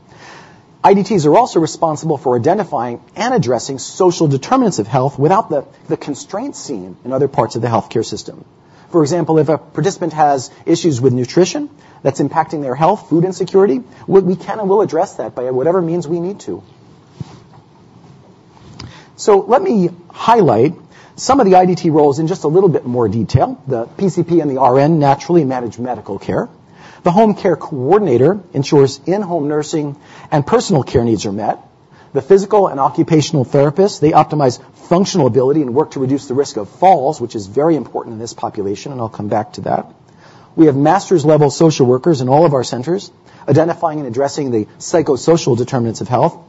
IDTs are also responsible for identifying and addressing social determinants of health without the constraints seen in other parts of the healthcare system. For example, if a participant has issues with nutrition that's impacting their health, food insecurity, we can and will address that by whatever means we need to. Let me highlight some of the IDT roles in just a little bit more detail. The PCP and the RN naturally manage medical care. The home care coordinator ensures in-home nursing and personal care needs are met. The physical and occupational therapists, they optimize functional ability and work to reduce the risk of falls, which is very important in this population. I'll come back to that. We have master's-level social workers in all of our centers identifying and addressing the psychosocial determinants of health.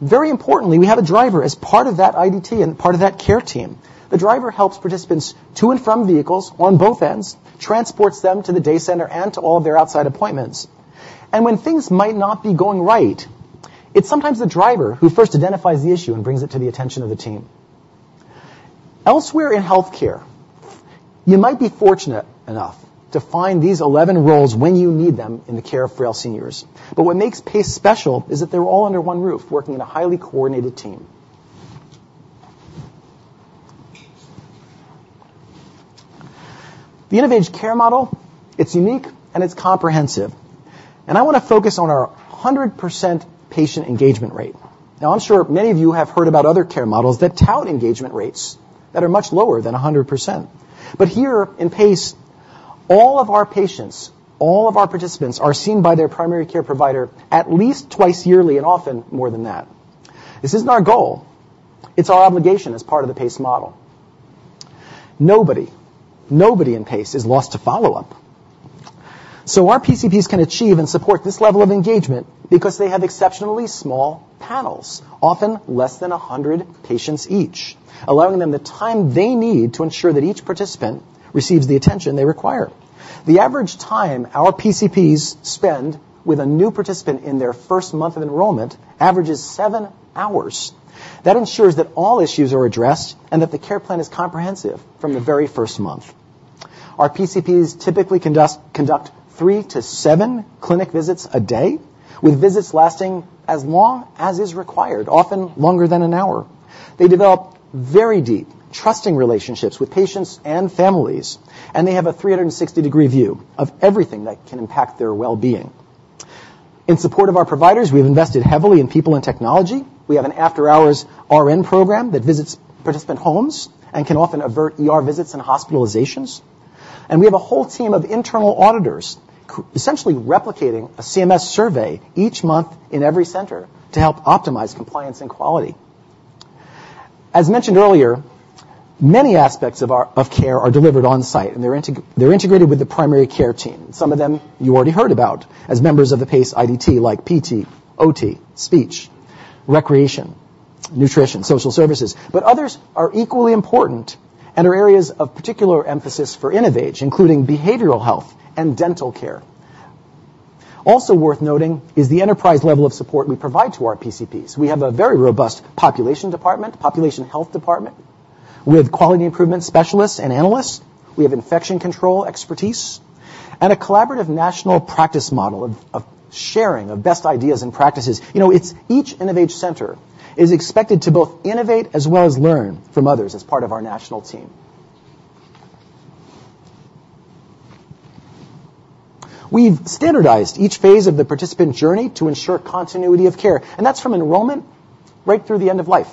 Very importantly, we have a driver as part of that IDT and part of that care team. The driver helps participants to and from vehicles on both ends, transports them to the day center and to all of their outside appointments. When things might not be going right, it's sometimes the driver who first identifies the issue and brings it to the attention of the team. Elsewhere in healthcare, you might be fortunate enough to find these 11 roles when you need them in the care of frail seniors. What makes PACE special is that they're all under one roof working in a highly coordinated team. The InnovAge care model, it's unique, and it's comprehensive. I want to focus on our 100% patient engagement rate. Now, I'm sure many of you have heard about other care models that tout engagement rates that are much lower than 100%. Here in PACE, all of our patients, all of our participants are seen by their primary care provider at least twice yearly and often more than that. This isn't our goal. It's our obligation as part of the PACE model. Nobody, nobody in PACE is lost to follow-up. Our PCPs can achieve and support this level of engagement because they have exceptionally small panels, often less than 100 patients each, allowing them the time they need to ensure that each participant receives the attention they require. The average time our PCPs spend with a new participant in their first month of enrollment averages 7 hours. That ensures that all issues are addressed and that the care plan is comprehensive from the very first month. Our PCPs typically conduct 3-7 clinic visits a day with visits lasting as long as is required, often longer than an hour. They develop very deep, trusting relationships with patients and families, and they have a 360-degree view of everything that can impact their well-being. In support of our providers, we've invested heavily in people and technology. We have an after-hours RN program that visits participant homes and can often avert visits and hospitalizations. We have a whole team of internal auditors essentially replicating a CMS survey each month in every center to help optimize compliance and quality. As mentioned earlier, many aspects of care are delivered on-site, and they're integrated with the primary care team. Some of them you already heard about as members of the PACE IDT like PT, OT, speech, recreation, nutrition, social services. But others are equally important and are areas of particular emphasis for InnovAge, including behavioral health and dental care. Also worth noting is the enterprise level of support we provide to our PCPs. We have a very robust population department, population health department with quality improvement specialists and analysts. We have infection control expertise and a collaborative national practice model of sharing of best ideas and practices. Each InnovAge center is expected to both innovate as well as learn from others as part of our national team. We've standardized each phase of the participant journey to ensure continuity of care. And that's from enrollment right through the end of life.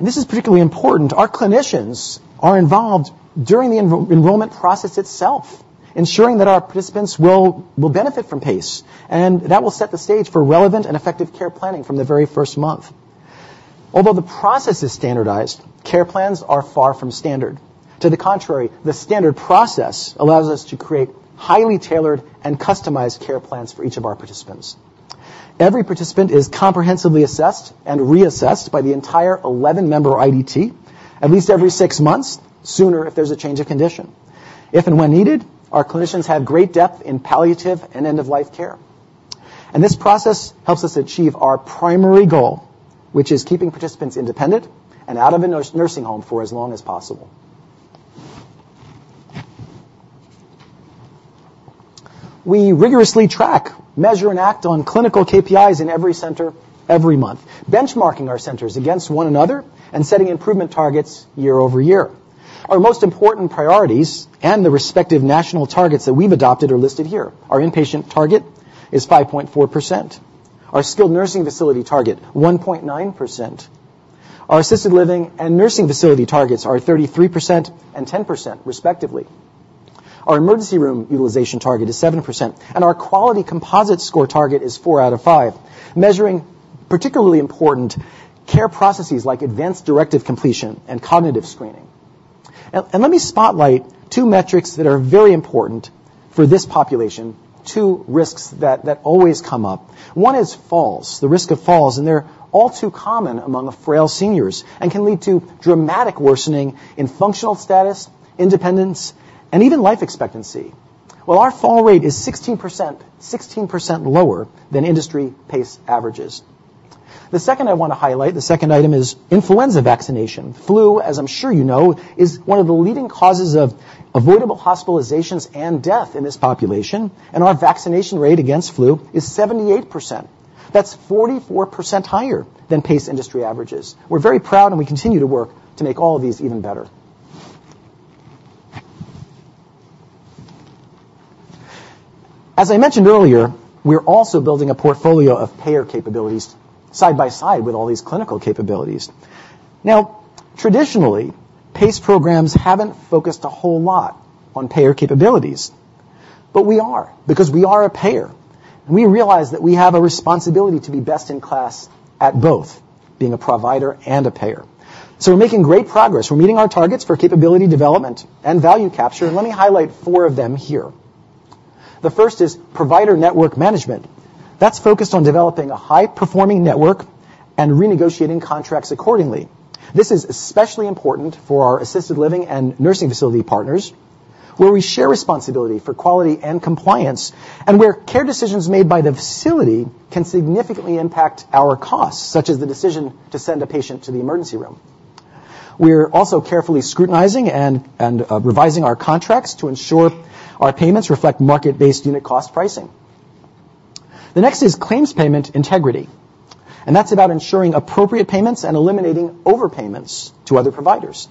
This is particularly important. Our clinicians are involved during the enrollment process itself, ensuring that our participants will benefit from PACE. And that will set the stage for relevant and effective care planning from the very first month. Although the process is standardized, care plans are far from standard. To the contrary, the standard process allows us to create highly tailored and customized care plans for each of our participants. Every participant is comprehensively assessed and reassessed by the entire 11-member IDT at least every six months, sooner if there's a change of condition. If and when needed, our clinicians have great depth in palliative and end-of-life care. And this process helps us achieve our primary goal, which is keeping participants independent and out of a nursing home for as long as possible. We rigorously track, measure, and act on clinical KPIs in every center every month, benchmarking our centers against one another and setting improvement targets year-over-year. Our most important priorities and the respective national targets that we've adopted are listed here. Our inpatient target is 5.4%, our skilled nursing facility target, 1.9%. Our assisted living and nursing facility targets are 33% and 10%, respectively. Our emergency room utilization target is 7%, and our quality composite score target is 4 out of 5, measuring particularly important care processes like advanced directive completion and cognitive screening. And let me spotlight two metrics that are very important for this population, two risks that always come up. One is falls, the risk of falls. And they're all too common among frail seniors and can lead to dramatic worsening in functional status, independence, and even life expectancy. Well, our fall rate is 16% lower than industry PACE averages. The second I want to highlight, the second item is influenza vaccination. Flu, as I'm sure you know, is one of the leading causes of avoidable hospitalizations and death in this population. And our vaccination rate against flu is 78%. That's 44% higher than PACE industry averages. We're very proud, and we continue to work to make all of these even better. As I mentioned earlier, we're also building a portfolio of payer capabilities side by side with all these clinical capabilities. Now, traditionally, PACE programs haven't focused a whole lot on payer capabilities. But we are because we are a payer. And we realize that we have a responsibility to be best in class at both, being a provider and a payer. So we're making great progress. We're meeting our targets for capability development and value capture. Let me highlight four of them here. The first is provider network management. That's focused on developing a high-performing network and renegotiating contracts accordingly. This is especially important for our assisted living and nursing facility partners, where we share responsibility for quality and compliance and where care decisions made by the facility can significantly impact our costs, such as the decision to send a patient to the emergency room. We're also carefully scrutinizing and revising our contracts to ensure our payments reflect market-based unit cost pricing. The next is claims payment integrity. That's about ensuring appropriate payments and eliminating overpayments to other providers.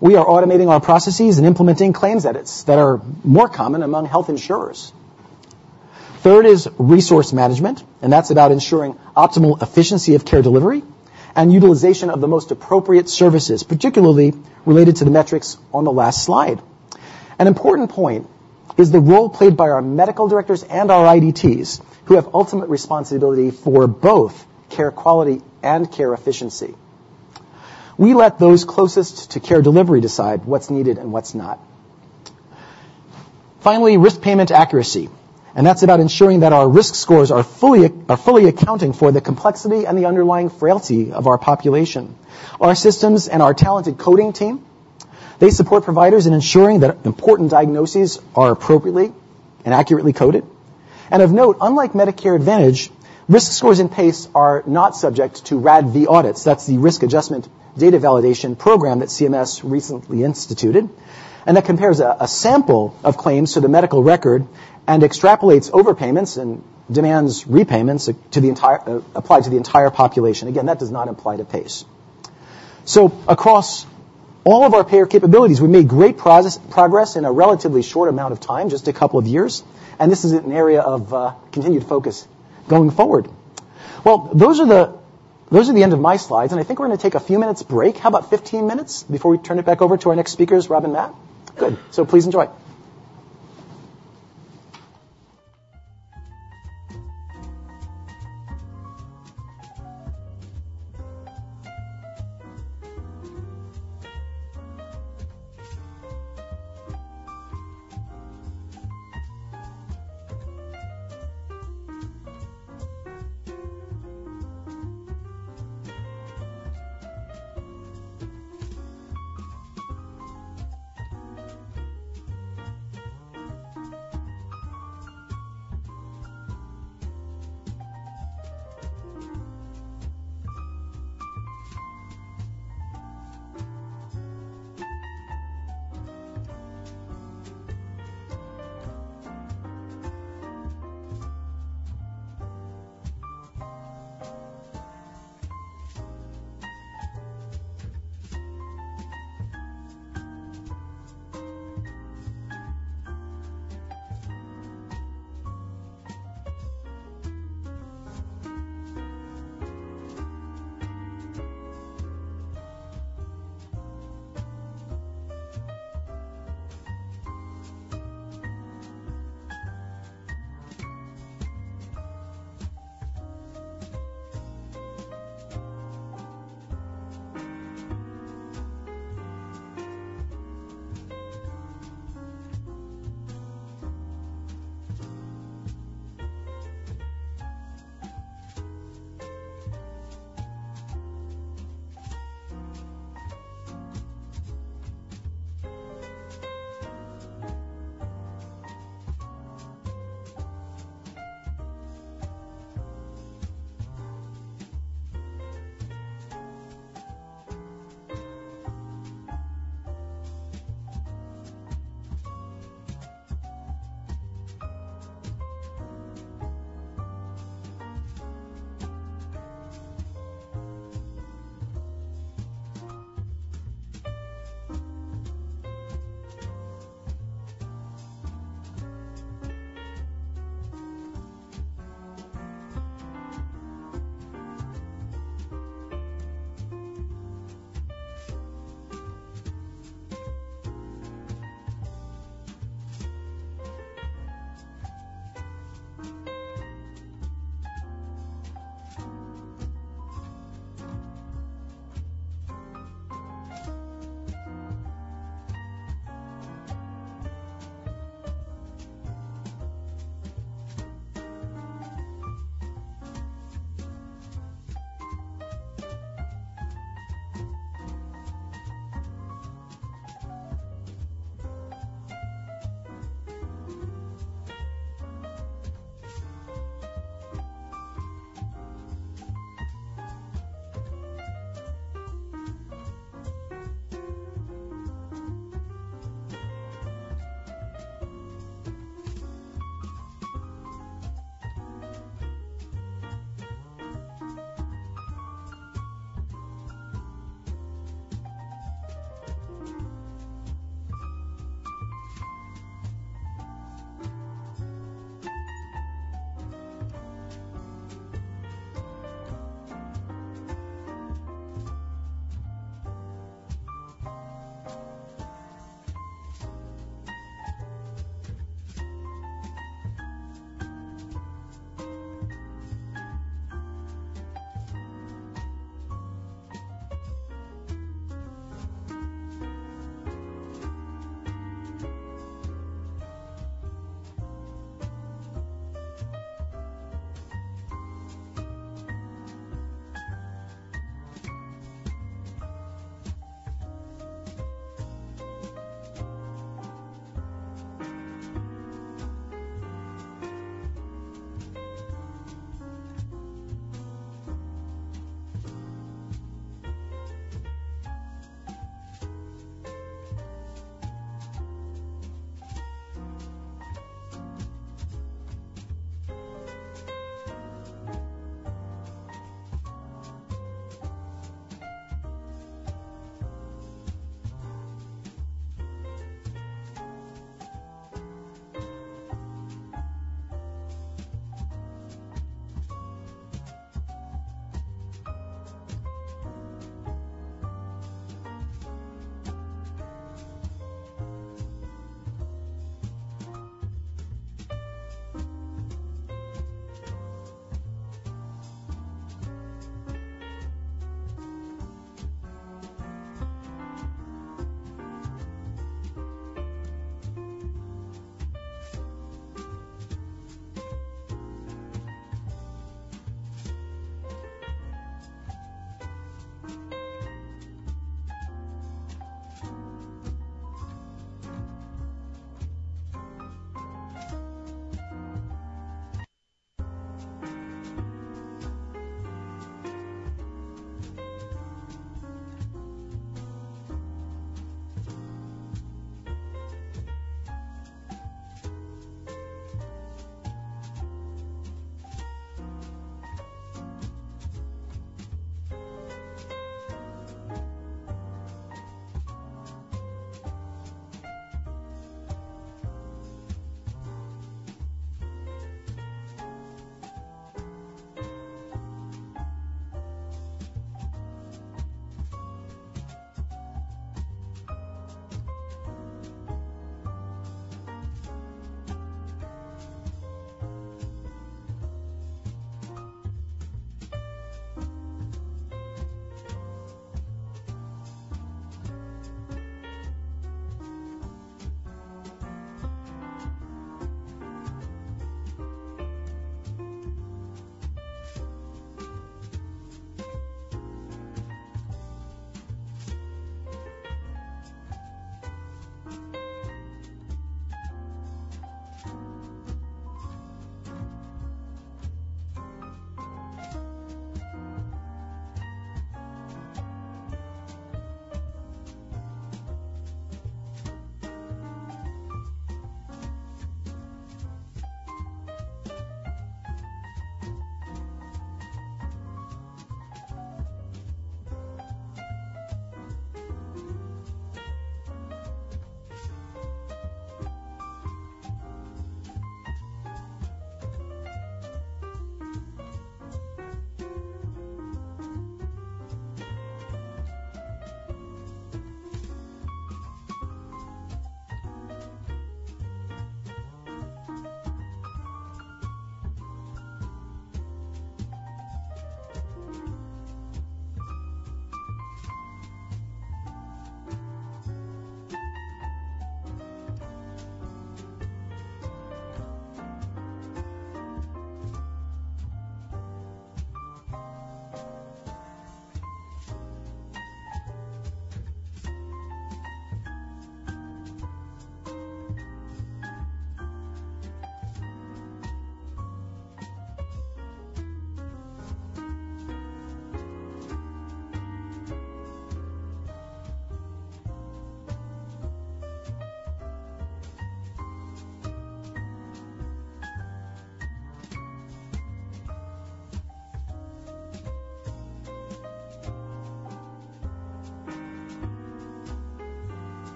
We are automating our processes and implementing claims edits that are more common among health insurers. Third is resource management. That's about ensuring optimal efficiency of care delivery and utilization of the most appropriate services, particularly related to the metrics on the last slide. An important point is the role played by our medical directors and our IDTs who have ultimate responsibility for both care quality and care efficiency. We let those closest to care delivery decide what's needed and what's not. Finally, risk payment accuracy. That's about ensuring that our risk scores are fully accounting for the complexity and the underlying frailty of our population. Our systems and our talented coding team, they support providers in ensuring that important diagnoses are appropriately and accurately coded. Of note, unlike Medicare Advantage, risk scores in PACE are not subject to RADV audits. That's the risk adjustment data validation program that CMS recently instituted. That compares a sample of claims to the medical record and extrapolates overpayments and demands repayments applied to the entire population. Again, that does not apply to PACE. Across all of our payer capabilities, we made great progress in a relatively short amount of time, just a couple of years. This is an area of continued focus going forward. Well, those are the end of my slides. I think we're going to take a few minutes break. How about 15 minutes before we turn it back over to our next speakers, Rob and Matt? Good. Please enjoy.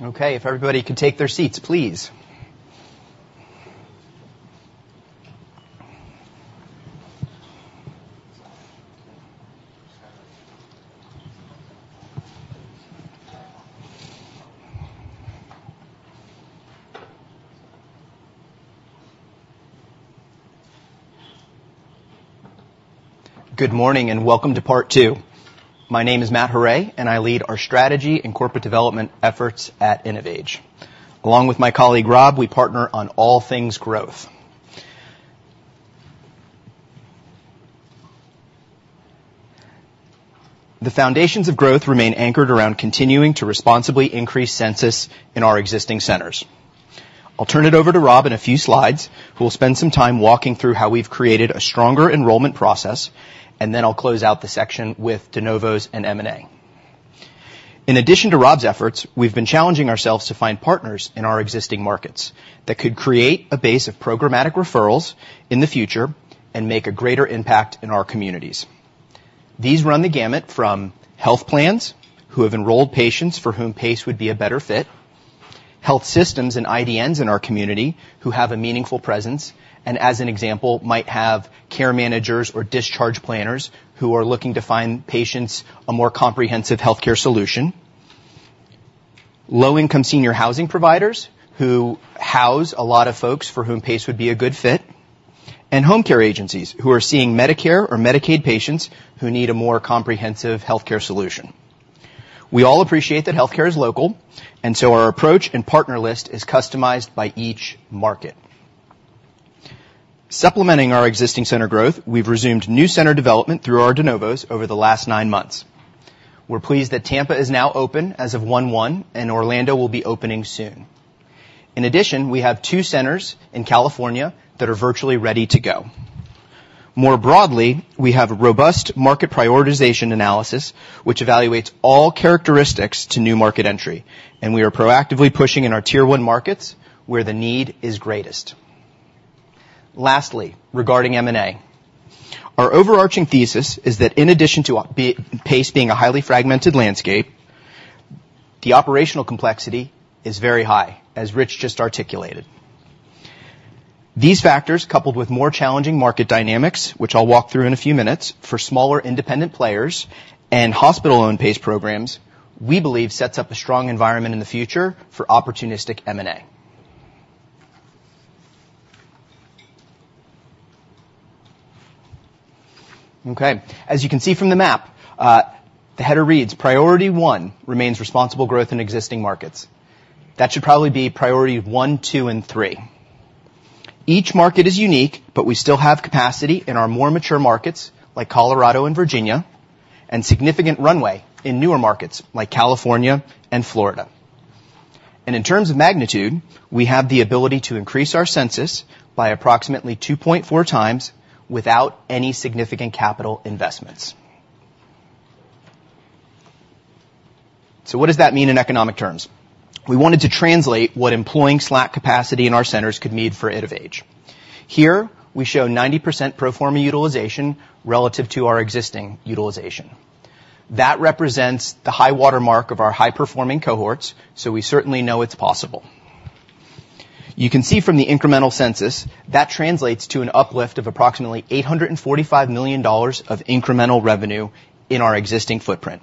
Okay. If everybody could take their seats, please. Good morning and welcome to Part Two. My name is Matt Huray, and I lead our strategy and corporate development efforts at InnovAge. Along with my colleague Rob, we partner on all things growth. The foundations of growth remain anchored around continuing to responsibly increase census in our existing centers. I'll turn it over to Rob in a few slides, who will spend some time walking through how we've created a stronger enrollment process, and then I'll close out the section with de novos and M&A. In addition to Rob's efforts, we've been challenging ourselves to find partners in our existing markets that could create a base of programmatic referrals in the future and make a greater impact in our communities. These run the gamut from health plans who have enrolled patients for whom PACE would be a better fit. Health systems and IDNs in our community who have a meaningful presence and, as an example, might have care managers or discharge planners who are looking to find patients a more comprehensive healthcare solution. Low-income senior housing providers who house a lot of folks for whom PACE would be a good fit. And home care agencies who are seeing Medicare or Medicaid patients who need a more comprehensive healthcare solution. We all appreciate that healthcare is local, and so our approach and partner list is customized by each market. Supplementing our existing center growth, we've resumed new center development through our de novos over the last nine months. We're pleased that Tampa is now open as of 1/1, and Orlando will be opening soon. In addition, we have two centers in California that are virtually ready to go. More broadly, we have a robust market prioritization analysis, which evaluates all characteristics to new market entry, and we are proactively pushing in our Tier 1 markets where the need is greatest. Lastly, regarding M&A, our overarching thesis is that in addition to PACE being a highly fragmented landscape, the operational complexity is very high, as Rich just articulated. These factors, coupled with more challenging market dynamics, which I'll walk through in a few minutes, for smaller independent players and hospital-owned PACE programs, we believe sets up a strong environment in the future for opportunistic M&A. Okay. As you can see from the map, the header reads, "Priority 1 remains responsible growth in existing markets." That should probably be priority one, two, and three. Each market is unique, but we still have capacity in our more mature markets like Colorado and Virginia and significant runway in newer markets like California and Florida. In terms of magnitude, we have the ability to increase our census by approximately 2.4 times without any significant capital investments. What does that mean in economic terms? We wanted to translate what employing slack capacity in our centers could mean for InnovAge. Here, we show 90% pro forma utilization relative to our existing utilization. That represents the high watermark of our high-performing cohorts, so we certainly know it's possible. You can see from the incremental census that translates to an uplift of approximately $845 million of incremental revenue in our existing footprint.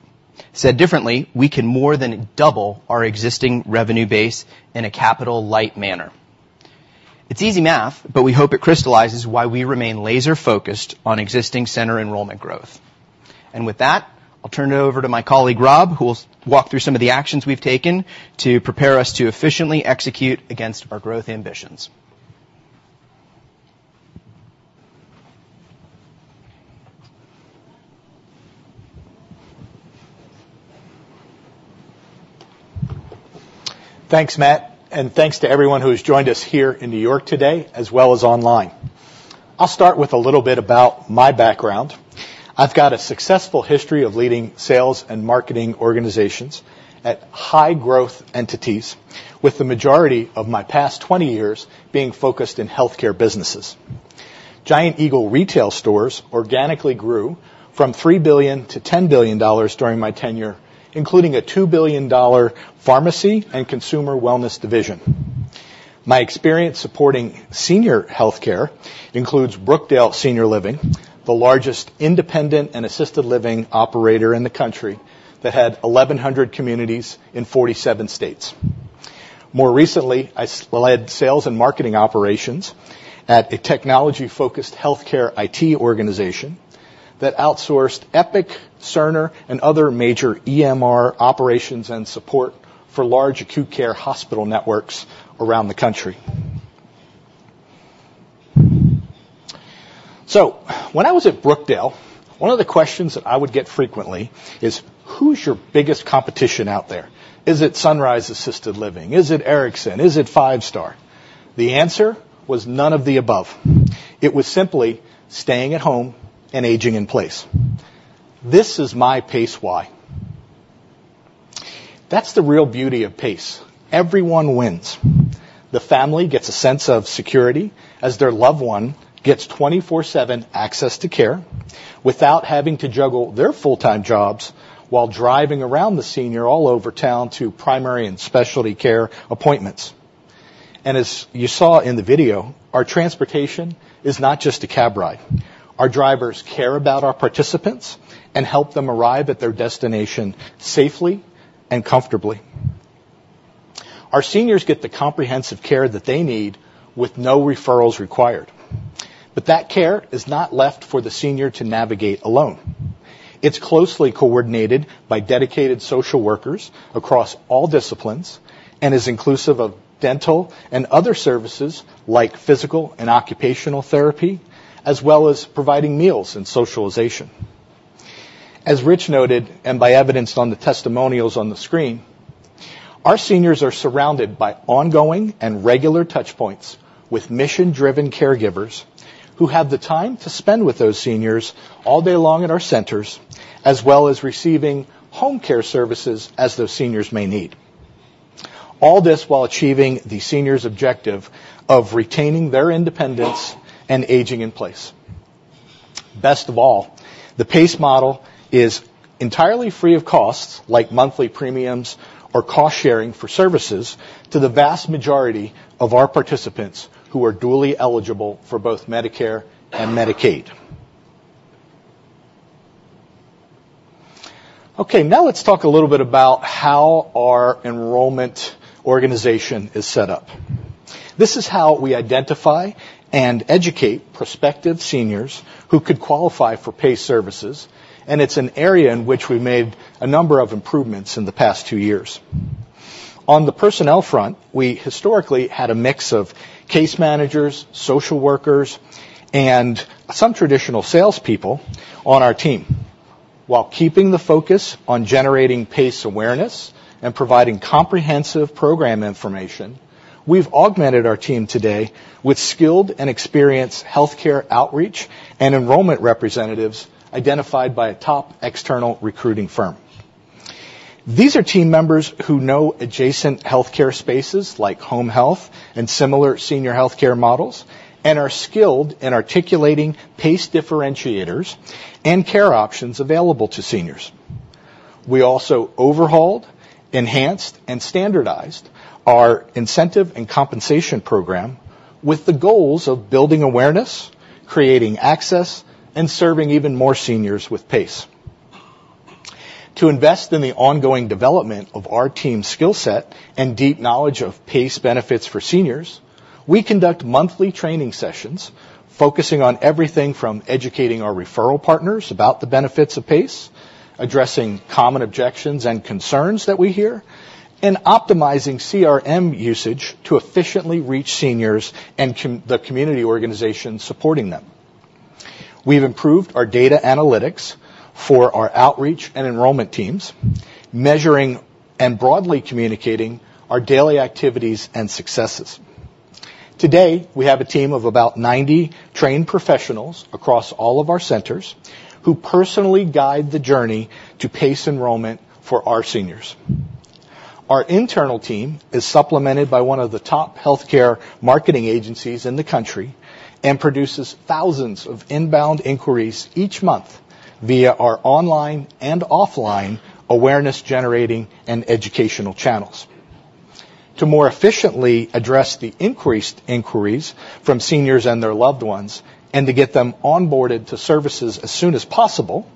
Said differently, we can more than double our existing revenue base in a capital-light manner. It's easy math, but we hope it crystallizes why we remain laser-focused on existing center enrollment growth. With that, I'll turn it over to my colleague Rob, who will walk through some of the actions we've taken to prepare us to efficiently execute against our growth ambitions. Thanks, Matt. Thanks to everyone who has joined us here in New York today, as well as online. I'll start with a little bit about my background. I've got a successful history of leading sales and marketing organizations at high-growth entities, with the majority of my past 20 years being focused in healthcare businesses. Giant Eagle retail stores organically grew from $3 billion-$10 billion during my tenure, including a $2 billion pharmacy and consumer wellness division. My experience supporting senior healthcare includes Brookdale Senior Living, the largest independent and assisted living operator in the country that had 1,100 communities in 47 states. More recently, I led sales and marketing operations at a technology-focused healthcare IT organization that outsourced Epic, Cerner, and other major EMR operations and support for large acute care hospital networks around the country. So when I was at Brookdale, one of the questions that I would get frequently is, "Who's your biggest competition out there? Is it Sunrise Assisted Living? Is it Erickson? Is it Five Star?" The answer was none of the above. It was simply staying at home and aging in place. This is my Pace why. That's the real beauty of Pace. Everyone wins. The family gets a sense of security as their loved one gets 24/7 access to care without having to juggle their full-time jobs while driving around the senior all over town to primary and specialty care appointments. As you saw in the video, our transportation is not just a cab ride. Our drivers care about our participants and help them arrive at their destination safely and comfortably. Our seniors get the comprehensive care that they need with no referrals required. But that care is not left for the senior to navigate alone. It's closely coordinated by dedicated social workers across all disciplines and is inclusive of dental and other services like physical and occupational therapy, as well as providing meals and socialization. As Rich noted and as evidenced on the testimonials on the screen, our seniors are surrounded by ongoing and regular touchpoints with mission-driven caregivers who have the time to spend with those seniors all day long at our centers, as well as receiving home care services as those seniors may need. All this while achieving the senior's objective of retaining their independence and aging in place. Best of all, the PACE model is entirely free of costs, like monthly premiums or cost-sharing for services, to the vast majority of our participants who are duly eligible for both Medicare and Medicaid. Okay. Now let's talk a little bit about how our enrollment organization is set up. This is how we identify and educate prospective seniors who could qualify for PACE services, and it's an area in which we've made a number of improvements in the past two years. On the personnel front, we historically had a mix of case managers, social workers, and some traditional salespeople on our team. While keeping the focus on generating PACE awareness and providing comprehensive program information, we've augmented our team today with skilled and experienced healthcare outreach and enrollment representatives identified by a top external recruiting firm. These are team members who know adjacent healthcare spaces like home health and similar senior healthcare models and are skilled in articulating PACE differentiators and care options available to seniors. We also overhauled, enhanced, and standardized our incentive and compensation program with the goals of building awareness, creating access, and serving even more seniors with PACE. To invest in the ongoing development of our team's skill set and deep knowledge of PACE benefits for seniors, we conduct monthly training sessions focusing on everything from educating our referral partners about the benefits of PACE, addressing common objections and concerns that we hear, and optimizing CRM usage to efficiently reach seniors and the community organizations supporting them. We've improved our data analytics for our outreach and enrollment teams, measuring and broadly communicating our daily activities and successes. Today, we have a team of about 90 trained professionals across all of our centers who personally guide the journey to PACE enrollment for our seniors. Our internal team is supplemented by one of the top healthcare marketing agencies in the country and produces thousands of inbound inquiries each month via our online and offline awareness-generating and educational channels. To more efficiently address the increased inquiries from seniors and their loved ones and to get them onboarded to services as soon as possible,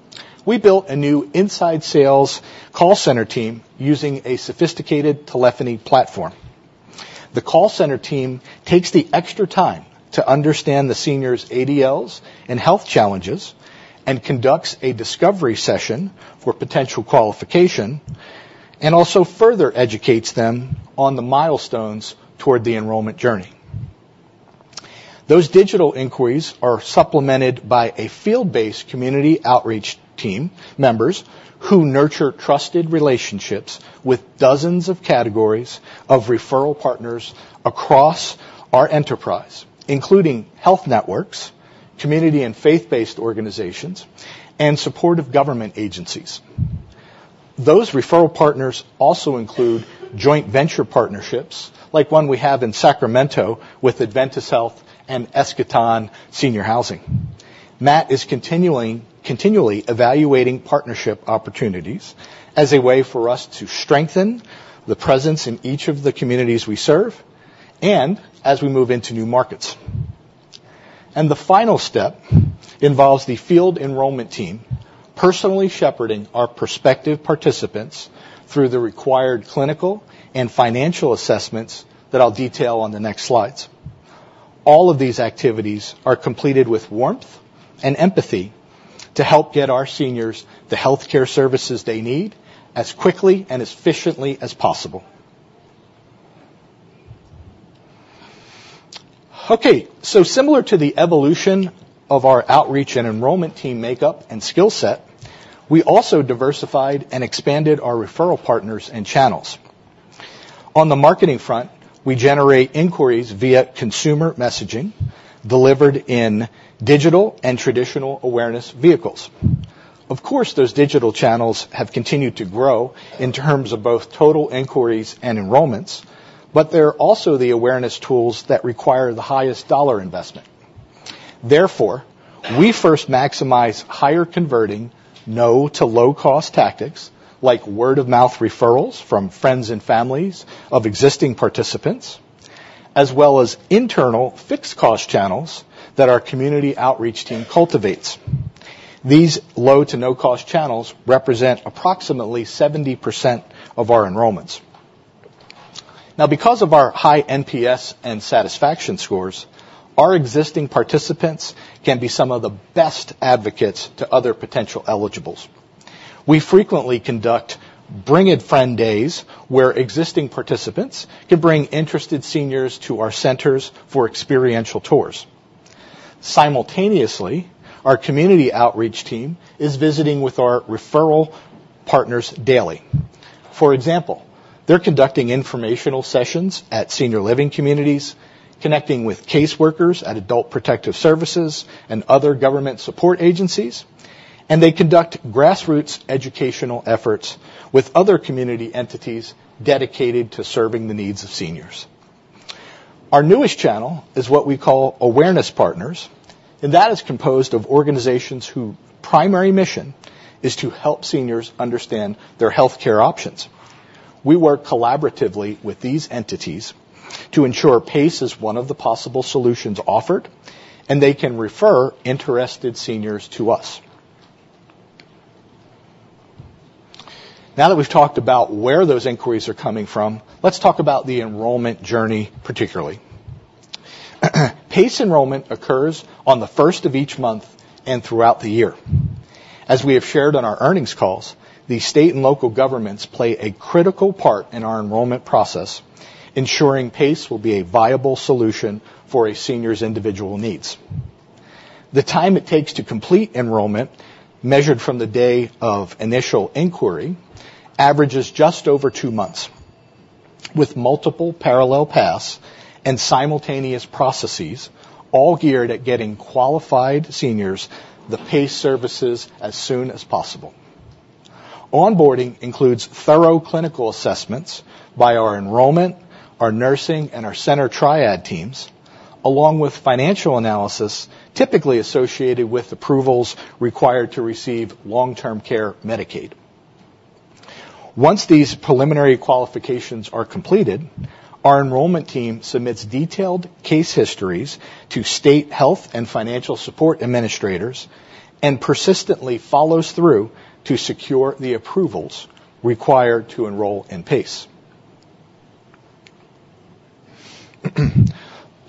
we built a new inside sales call center team using a sophisticated telephony platform. The call center team takes the extra time to understand the senior's ADLs and health challenges and conducts a discovery session for potential qualification and also further educates them on the milestones toward the enrollment journey. Those digital inquiries are supplemented by a field-based community outreach team members who nurture trusted relationships with dozens of categories of referral partners across our enterprise, including health networks, community and faith-based organizations, and supportive government agencies. Those referral partners also include joint venture partnerships like one we have in Sacramento with Adventist Health and Eskaton Senior Housing. Matt is continually evaluating partnership opportunities as a way for us to strengthen the presence in each of the communities we serve and as we move into new markets. And the final step involves the field enrollment team personally shepherding our prospective participants through the required clinical and financial assessments that I'll detail on the next slides. All of these activities are completed with warmth and empathy to help get our seniors the healthcare services they need as quickly and as efficiently as possible. Okay. So similar to the evolution of our outreach and enrollment team makeup and skill set, we also diversified and expanded our referral partners and channels. On the marketing front, we generate inquiries via consumer messaging delivered in digital and traditional awareness vehicles. Of course, those digital channels have continued to grow in terms of both total inquiries and enrollments, but they're also the awareness tools that require the highest dollar investment. Therefore, we first maximize higher-converting, no-to-low-cost tactics like word-of-mouth referrals from friends and families of existing participants, as well as internal fixed-cost channels that our community outreach team cultivates. These low-to-no-cost channels represent approximately 70% of our enrollments. Now, because of our high NPS and satisfaction scores, our existing participants can be some of the best advocates to other potential eligibles. We frequently conduct Bring a Friend Days where existing participants can bring interested seniors to our centers for experiential tours. Simultaneously, our community outreach team is visiting with our referral partners daily. For example, they're conducting informational sessions at senior living communities, connecting with caseworkers at adult protective services and other government support agencies, and they conduct grassroots educational efforts with other community entities dedicated to serving the needs of seniors. Our newest channel is what we call Awareness Partners, and that is composed of organizations whose primary mission is to help seniors understand their healthcare options. We work collaboratively with these entities to ensure PACE is one of the possible solutions offered, and they can refer interested seniors to us. Now that we've talked about where those inquiries are coming from, let's talk about the enrollment journey particularly. PACE enrollment occurs on the first of each month and throughout the year. As we have shared on our earnings calls, the state and local governments play a critical part in our enrollment process, ensuring PACE will be a viable solution for a senior's individual needs. The time it takes to complete enrollment, measured from the day of initial inquiry, averages just over two months, with multiple parallel paths and simultaneous processes all geared at getting qualified seniors the PACE services as soon as possible. Onboarding includes thorough clinical assessments by our enrollment, our nursing, and our center Triad teams, along with financial analysis typically associated with approvals required to receive long-term care Medicaid. Once these preliminary qualifications are completed, our enrollment team submits detailed case histories to state health and financial support administrators and persistently follows through to secure the approvals required to enroll in PACE.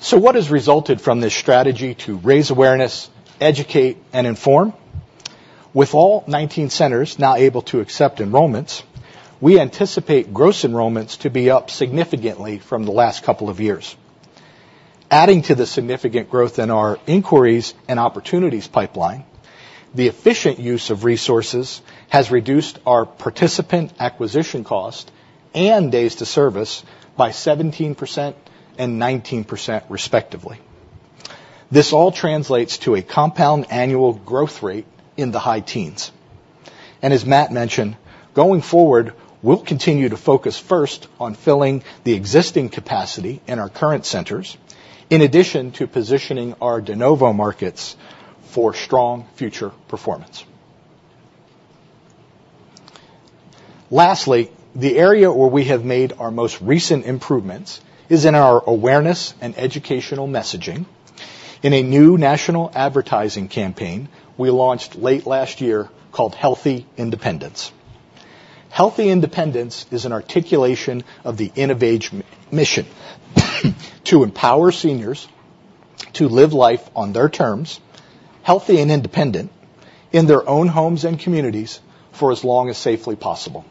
So what has resulted from this strategy to raise awareness, educate, and inform? With all 19 centers now able to accept enrollments, we anticipate gross enrollments to be up significantly from the last couple of years. Adding to the significant growth in our inquiries and opportunities pipeline, the efficient use of resources has reduced our participant acquisition cost and days to service by 17% and 19%, respectively. This all translates to a compound annual growth rate in the high teens. As Matt mentioned, going forward, we'll continue to focus first on filling the existing capacity in our current centers, in addition to positioning our de novo markets for strong future performance. Lastly, the area where we have made our most recent improvements is in our awareness and educational messaging. In a new national advertising campaign we launched late last year called Healthy Independence. Healthy Independence is an articulation of the InnovAge mission to empower seniors to live life on their terms, healthy and independent, in their own homes and communities for as long as safely possible.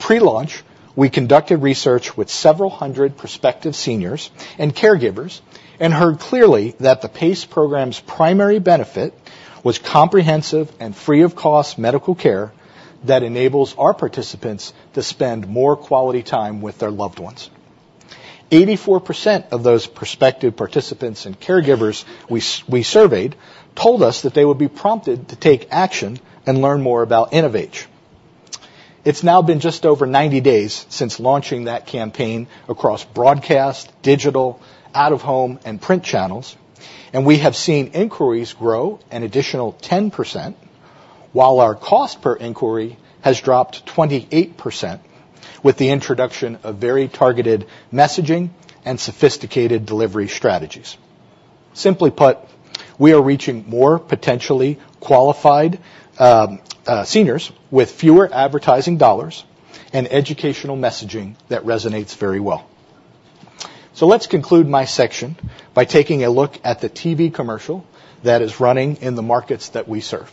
Pre-launch, we conducted research with several hundred prospective seniors and caregivers and heard clearly that the PACE program's primary benefit was comprehensive and free-of-cost medical care that enables our participants to spend more quality time with their loved ones. 84% of those prospective participants and caregivers we surveyed told us that they would be prompted to take action and learn more about InnovAge. It's now been just over 90 days since launching that campaign across broadcast, digital, out-of-home, and print channels, and we have seen inquiries grow an additional 10% while our cost per inquiry has dropped 28% with the introduction of very targeted messaging and sophisticated delivery strategies. Simply put, we are reaching more potentially qualified seniors with fewer advertising dollars and educational messaging that resonates very well. So let's conclude my section by taking a look at the TV commercial that is running in the markets that we serve.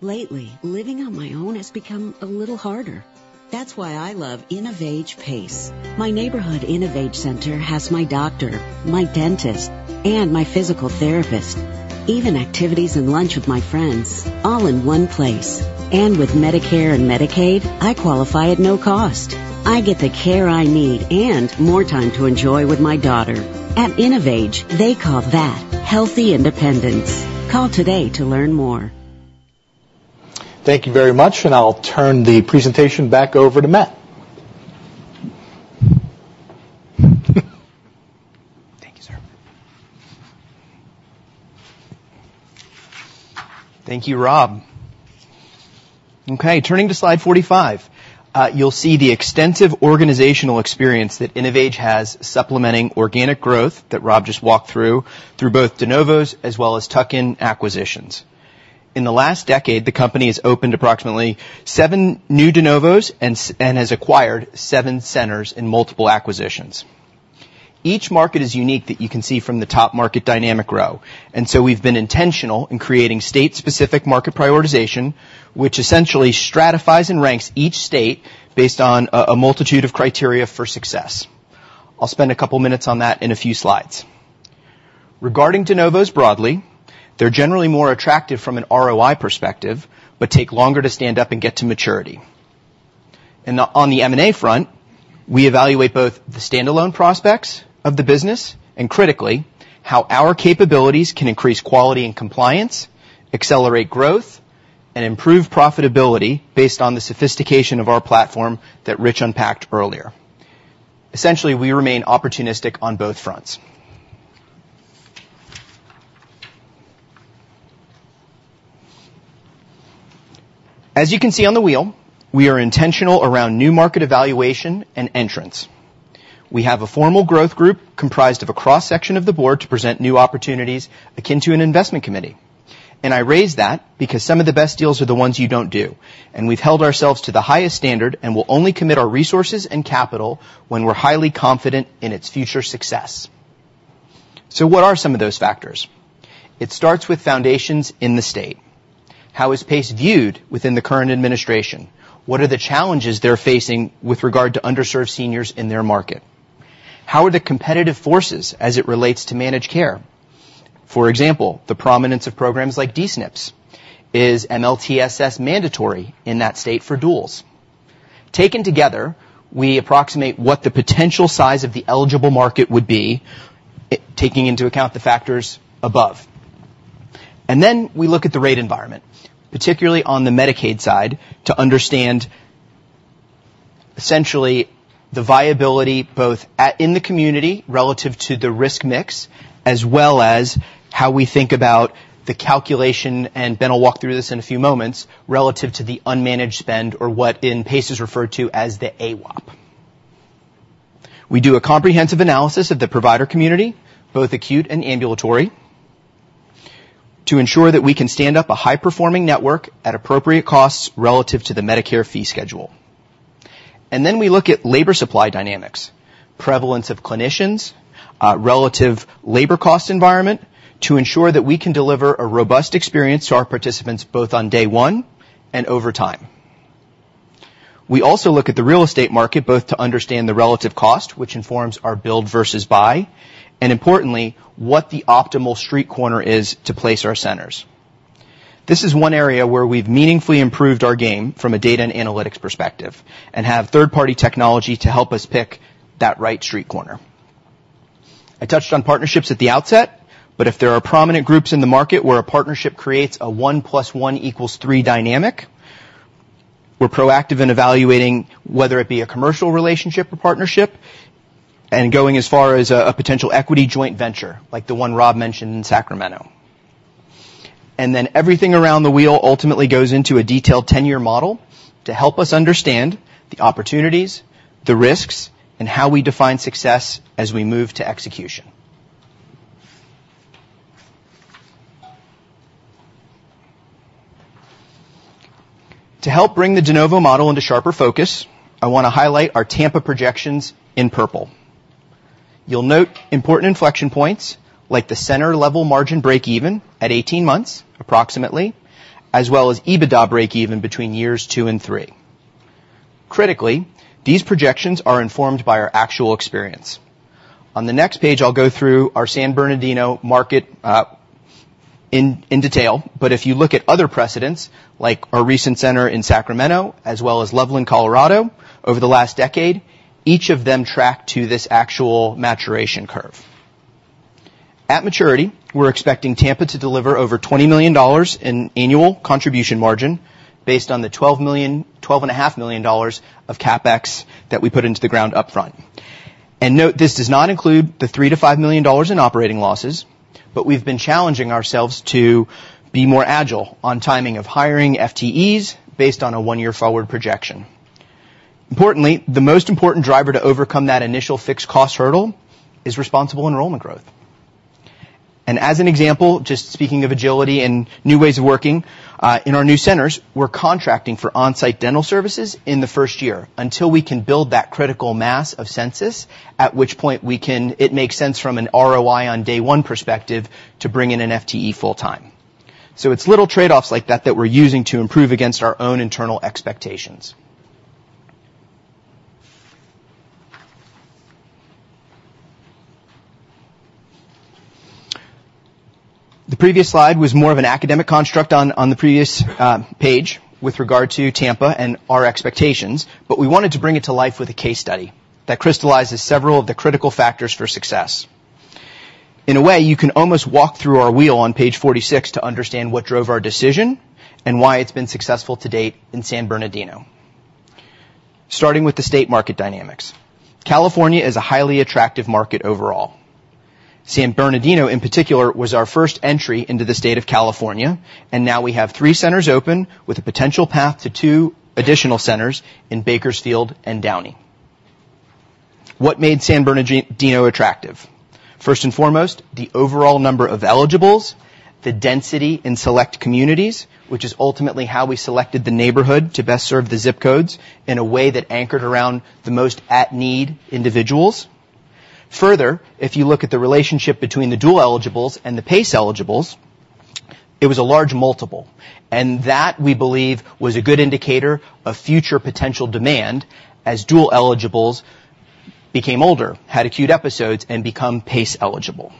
Lately, living on my own has become a little harder. That's why I love InnovAge PACE. My neighborhood InnovAge Center has my doctor, my dentist, and my physical therapist, even activities and lunch with my friends, all in one place. And with Medicare and Medicaid, I qualify at no cost. I get the care I need and more time to enjoy with my daughter. At InnovAge, they call that healthy independence. Call today to learn more. Thank you very much, and I'll turn the presentation back over to Matt. Thank you, sir. Thank you, Rob. Okay. Turning to slide 45, you'll see the extensive organizational experience that InnovAge has supplementing organic growth that Rob just walked through, through both de novos as well as tuck-in acquisitions. In the last decade, the company has opened approximately 7 new de novos and has acquired 7 centers in multiple acquisitions. Each market is unique that you can see from the top market dynamic row, and so we've been intentional in creating state-specific market prioritization, which essentially stratifies and ranks each state based on a multitude of criteria for success. I'll spend a couple of minutes on that in a few slides. Regarding de novos broadly, they're generally more attractive from an ROI perspective but take longer to stand up and get to maturity. On the M&A front, we evaluate both the standalone prospects of the business and, critically, how our capabilities can increase quality and compliance, accelerate growth, and improve profitability based on the sophistication of our platform that Rich unpacked earlier. Essentially, we remain opportunistic on both fronts. As you can see on the wheel, we are intentional around new market evaluation and entrance. We have a formal growth group comprised of a cross-section of the board to present new opportunities akin to an investment committee. And I raise that because some of the best deals are the ones you don't do, and we've held ourselves to the highest standard and will only commit our resources and capital when we're highly confident in its future success. So what are some of those factors? It starts with foundations in the state. How is PACE viewed within the current administration? What are the challenges they're facing with regard to underserved seniors in their market? How are the competitive forces as it relates to managed care? For example, the prominence of programs like D-SNPs. Is MLTSS mandatory in that state for duals? Taken together, we approximate what the potential size of the eligible market would be, taking into account the factors above. Then we look at the rate environment, particularly on the Medicaid side, to understand, essentially, the viability both in the community relative to the risk mix as well as how we think about the calculation and Ben will walk through this in a few moments relative to the unmanaged spend or what in PACE is referred to as the AWOP. We do a comprehensive analysis of the provider community, both acute and ambulatory, to ensure that we can stand up a high-performing network at appropriate costs relative to the Medicare fee schedule. Then we look at labor supply dynamics, prevalence of clinicians, relative labor cost environment to ensure that we can deliver a robust experience to our participants both on day one and over time. We also look at the real estate market both to understand the relative cost, which informs our build versus buy, and importantly, what the optimal street corner is to place our centers. This is one area where we've meaningfully improved our game from a data and analytics perspective and have third-party technology to help us pick that right street corner. I touched on partnerships at the outset, but if there are prominent groups in the market where a partnership creates a one plus one equals three dynamic, we're proactive in evaluating whether it be a commercial relationship or partnership and going as far as a potential equity joint venture like the one Rob mentioned in Sacramento. Then everything around the wheel ultimately goes into a detailed 10-year model to help us understand the opportunities, the risks, and how we define success as we move to execution. To help bring the de novo model into sharper focus, I want to highlight our Tampa projections in purple. You'll note important inflection points like the center-level margin break-even at 18 months, approximately, as well as EBITDA break-even between years two and three. Critically, these projections are informed by our actual experience. On the next page, I'll go through our San Bernardino market in detail, but if you look at other precedents like our recent center in Sacramento as well as Loveland, Colorado, over the last decade, each of them track to this actual maturation curve. At maturity, we're expecting Tampa to deliver over $20 million in annual contribution margin based on the $12.5 million of CapEx that we put into the ground upfront. And note, this does not include the $3-$5 million in operating losses, but we've been challenging ourselves to be more agile on timing of hiring FTEs based on a one-year forward projection. Importantly, the most important driver to overcome that initial fixed cost hurdle is responsible enrollment growth. As an example, just speaking of agility and new ways of working, in our new centers, we're contracting for on-site dental services in the first year until we can build that critical mass of census, at which point it makes sense from an ROI on day one perspective to bring in an FTE full-time. So it's little trade-offs like that that we're using to improve against our own internal expectations. The previous slide was more of an academic construct on the previous page with regard to Tampa and our expectations, but we wanted to bring it to life with a case study that crystallizes several of the critical factors for success. In a way, you can almost walk through our wheel on page 46 to understand what drove our decision and why it's been successful to date in San Bernardino. Starting with the state market dynamics, California is a highly attractive market overall. San Bernardino, in particular, was our first entry into the state of California, and now we have three centers open with a potential path to two additional centers in Bakersfield and Downey. What made San Bernardino attractive? First and foremost, the overall number of eligibles, the density in select communities, which is ultimately how we selected the neighborhood to best serve the ZIP codes in a way that anchored around the most at-need individuals. Further, if you look at the relationship between the dual eligibles and the PACE eligibles, it was a large multiple, and that, we believe, was a good indicator of future potential demand as dual eligibles became older, had acute episodes, and become PACE eligible.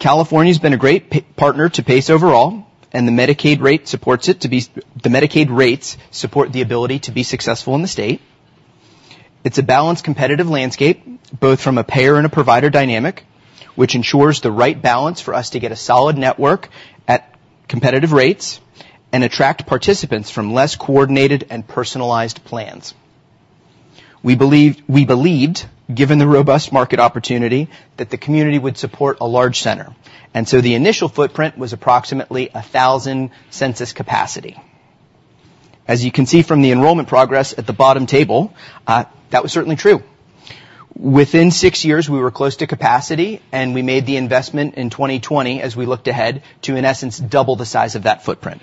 California's been a great partner to PACE overall, and the Medicaid rate supports it to be the Medicaid rates support the ability to be successful in the state. It's a balanced competitive landscape both from a payer and a provider dynamic, which ensures the right balance for us to get a solid network at competitive rates and attract participants from less coordinated and personalized plans. We believed, given the robust market opportunity, that the community would support a large center, and so the initial footprint was approximately 1,000 census capacity. As you can see from the enrollment progress at the bottom table, that was certainly true. Within six years, we were close to capacity, and we made the investment in 2020, as we looked ahead, to, in essence, double the size of that footprint.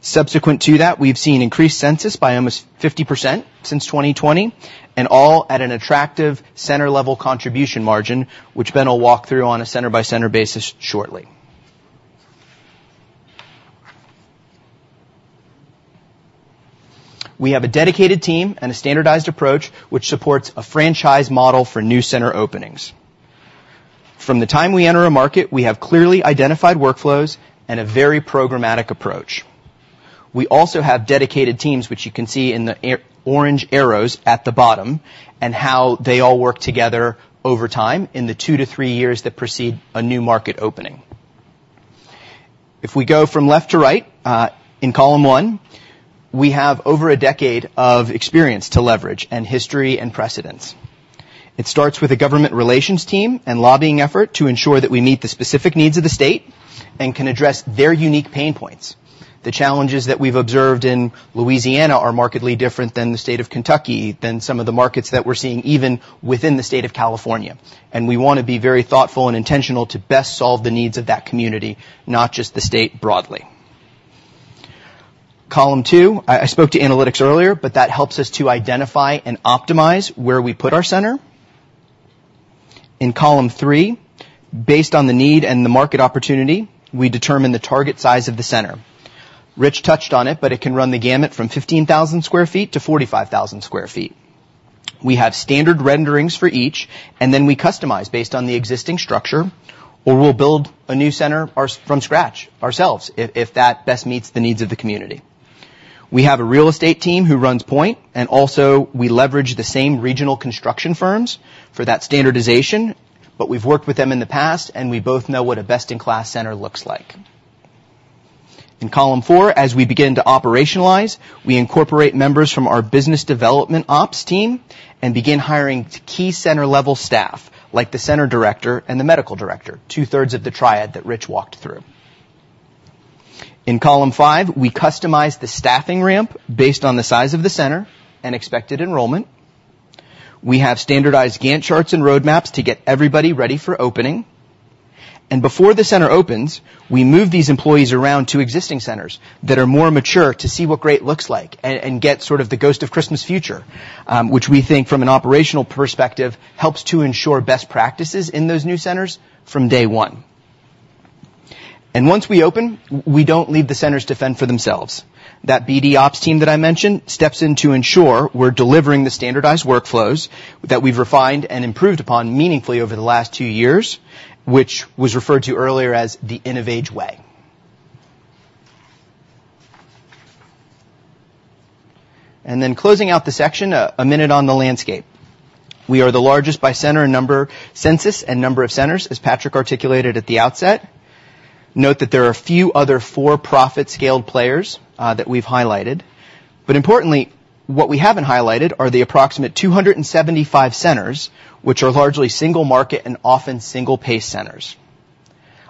Subsequent to that, we've seen increased census by almost 50% since 2020, and all at an attractive center-level contribution margin, which Ben will walk through on a center-by-center basis shortly. We have a dedicated team and a standardized approach which supports a franchise model for new center openings. From the time we enter a market, we have clearly identified workflows and a very programmatic approach. We also have dedicated teams, which you can see in the orange arrows at the bottom, and how they all work together over time in the 2-3 years that precede a new market opening. If we go from left to right, in column one, we have over a decade of experience to leverage and history and precedence. It starts with a government relations team and lobbying effort to ensure that we meet the specific needs of the state and can address their unique pain points. The challenges that we've observed in Louisiana are markedly different than the state of Kentucky, than some of the markets that we're seeing even within the state of California, and we want to be very thoughtful and intentional to best solve the needs of that community, not just the state broadly. Column two, I spoke to analytics earlier, but that helps us to identify and optimize where we put our center. In column three, based on the need and the market opportunity, we determine the target size of the center. Rich touched on it, but it can run the gamut from 15,000 sq ft to 45,000 sq ft. We have standard renderings for each, and then we customize based on the existing structure, or we'll build a new center from scratch ourselves if that best meets the needs of the community. We have a real estate team who runs point, and also we leverage the same regional construction firms for that standardization, but we've worked with them in the past, and we both know what a best-in-class center looks like. In column four, as we begin to operationalize, we incorporate members from our business development ops team and begin hiring key center-level staff like the center director and the medical director, two-thirds of the triad that Rich walked through. In column five, we customize the staffing ramp based on the size of the center and expected enrollment. We have standardized Gantt charts and roadmaps to get everybody ready for opening. And before the center opens, we move these employees around to existing centers that are more mature to see what great looks like and get sort of the ghost of Christmas future, which we think, from an operational perspective, helps to ensure best practices in those new centers from day one. And once we open, we don't leave the centers to fend for themselves. That BD ops team that I mentioned steps in to ensure we're delivering the standardized workflows that we've refined and improved upon meaningfully over the last two years, which was referred to earlier as the InnovAge way. And then closing out the section, a minute on the landscape. We are the largest by center number census and number of centers, as Patrick articulated at the outset. Note that there are a few other for-profit scaled players that we've highlighted, but importantly, what we haven't highlighted are the approximately 275 centers, which are largely single-market and often single-PACE centers.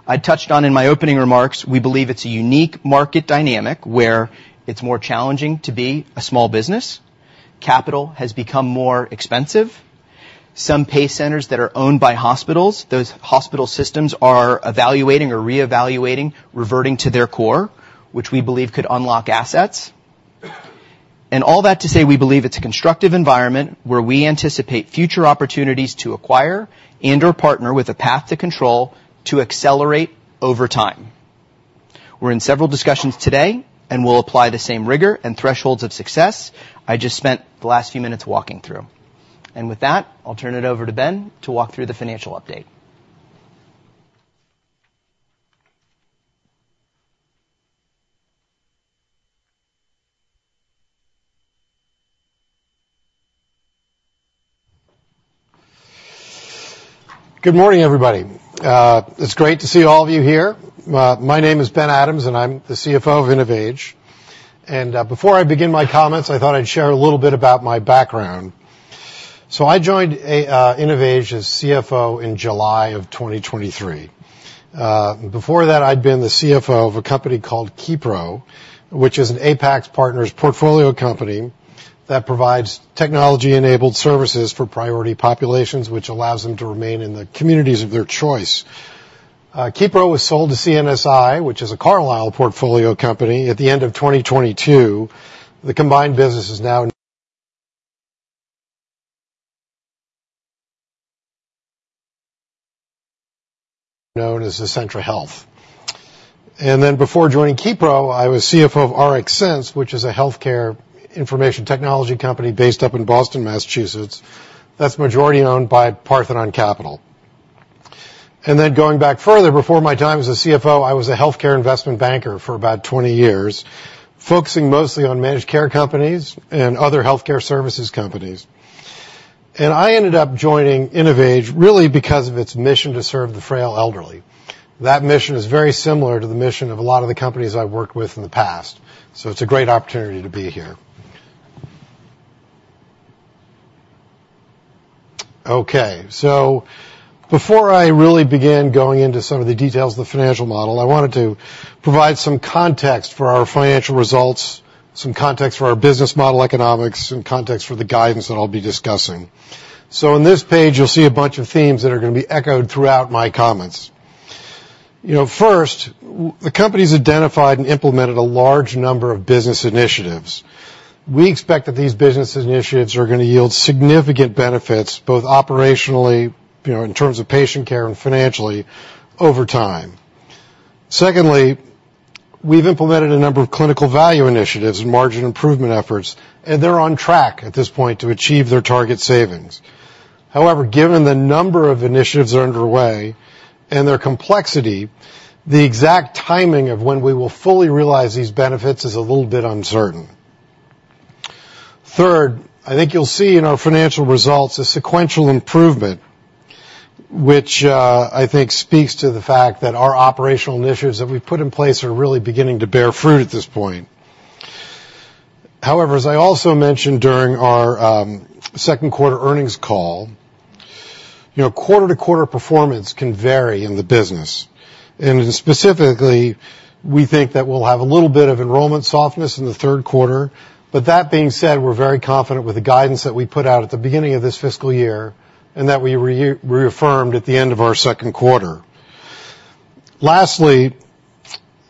I touched on in my opening remarks, we believe it's a unique market dynamic where it's more challenging to be a small business. Capital has become more expensive. Some PACE centers that are owned by hospitals, those hospital systems are evaluating or reevaluating, reverting to their core, which we believe could unlock assets. And all that to say we believe it's a constructive environment where we anticipate future opportunities to acquire and/or partner with a path to control to accelerate over time. We're in several discussions today, and we'll apply the same rigor and thresholds of success I just spent the last few minutes walking through. With that, I'll turn it over to Ben to walk through the financial update. Good morning, everybody. It's great to see all of you here. My name is Ben Adams, and I'm the CFO of InnovAge. Before I begin my comments, I thought I'd share a little bit about my background. I joined InnovAge as CFO in July of 2023. Before that, I'd been the CFO of a company called KEPRO, which is an Apax Partners portfolio company that provides technology-enabled services for priority populations, which allows them to remain in the communities of their choice. KEPRO was sold to CNSI, which is a Carlyle portfolio company at the end of 2022. The combined business is now known as Acentra Health. Before joining KEPRO, I was CFO of RxSense, which is a healthcare information technology company based up in Boston, Massachusetts. That's majority owned by Parthenon Capital. And then going back further, before my time as a CFO, I was a healthcare investment banker for about 20 years, focusing mostly on managed care companies and other healthcare services companies. And I ended up joining InnovAge really because of its mission to serve the frail elderly. That mission is very similar to the mission of a lot of the companies I've worked with in the past, so it's a great opportunity to be here. Okay. So before I really begin going into some of the details of the financial model, I wanted to provide some context for our financial results, some context for our business model economics, and context for the guidance that I'll be discussing. So on this page, you'll see a bunch of themes that are going to be echoed throughout my comments. First, the company's identified and implemented a large number of business initiatives. We expect that these business initiatives are going to yield significant benefits, both operationally in terms of patient care and financially, over time. Secondly, we've implemented a number of clinical value initiatives and margin improvement efforts, and they're on track at this point to achieve their target savings. However, given the number of initiatives that are underway and their complexity, the exact timing of when we will fully realize these benefits is a little bit uncertain. Third, I think you'll see in our financial results a sequential improvement, which I think speaks to the fact that our operational initiatives that we've put in place are really beginning to bear fruit at this point. However, as I also mentioned during our second quarter earnings call, quarter-to-quarter performance can vary in the business. Specifically, we think that we'll have a little bit of enrollment softness in the third quarter, but that being said, we're very confident with the guidance that we put out at the beginning of this fiscal year and that we reaffirmed at the end of our second quarter. Lastly,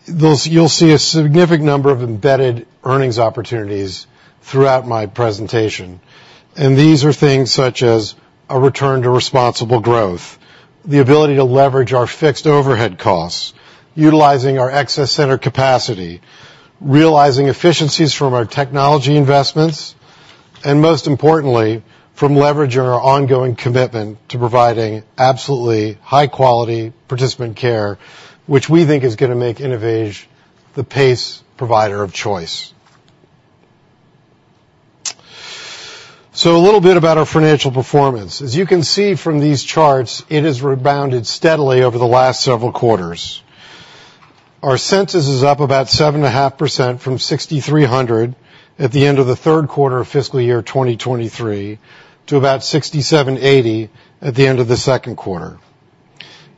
you'll see a significant number of embedded earnings opportunities throughout my presentation, and these are things such as a return to responsible growth, the ability to leverage our fixed overhead costs, utilizing our excess center capacity, realizing efficiencies from our technology investments, and most importantly, from leveraging our ongoing commitment to providing absolutely high-quality participant care, which we think is going to make InnovAge the PACE provider of choice. A little bit about our financial performance. As you can see from these charts, it has rebounded steadily over the last several quarters. Our census is up about 7.5% from 6,300 at the end of the third quarter of fiscal year 2023 to about 6,780 at the end of the second quarter.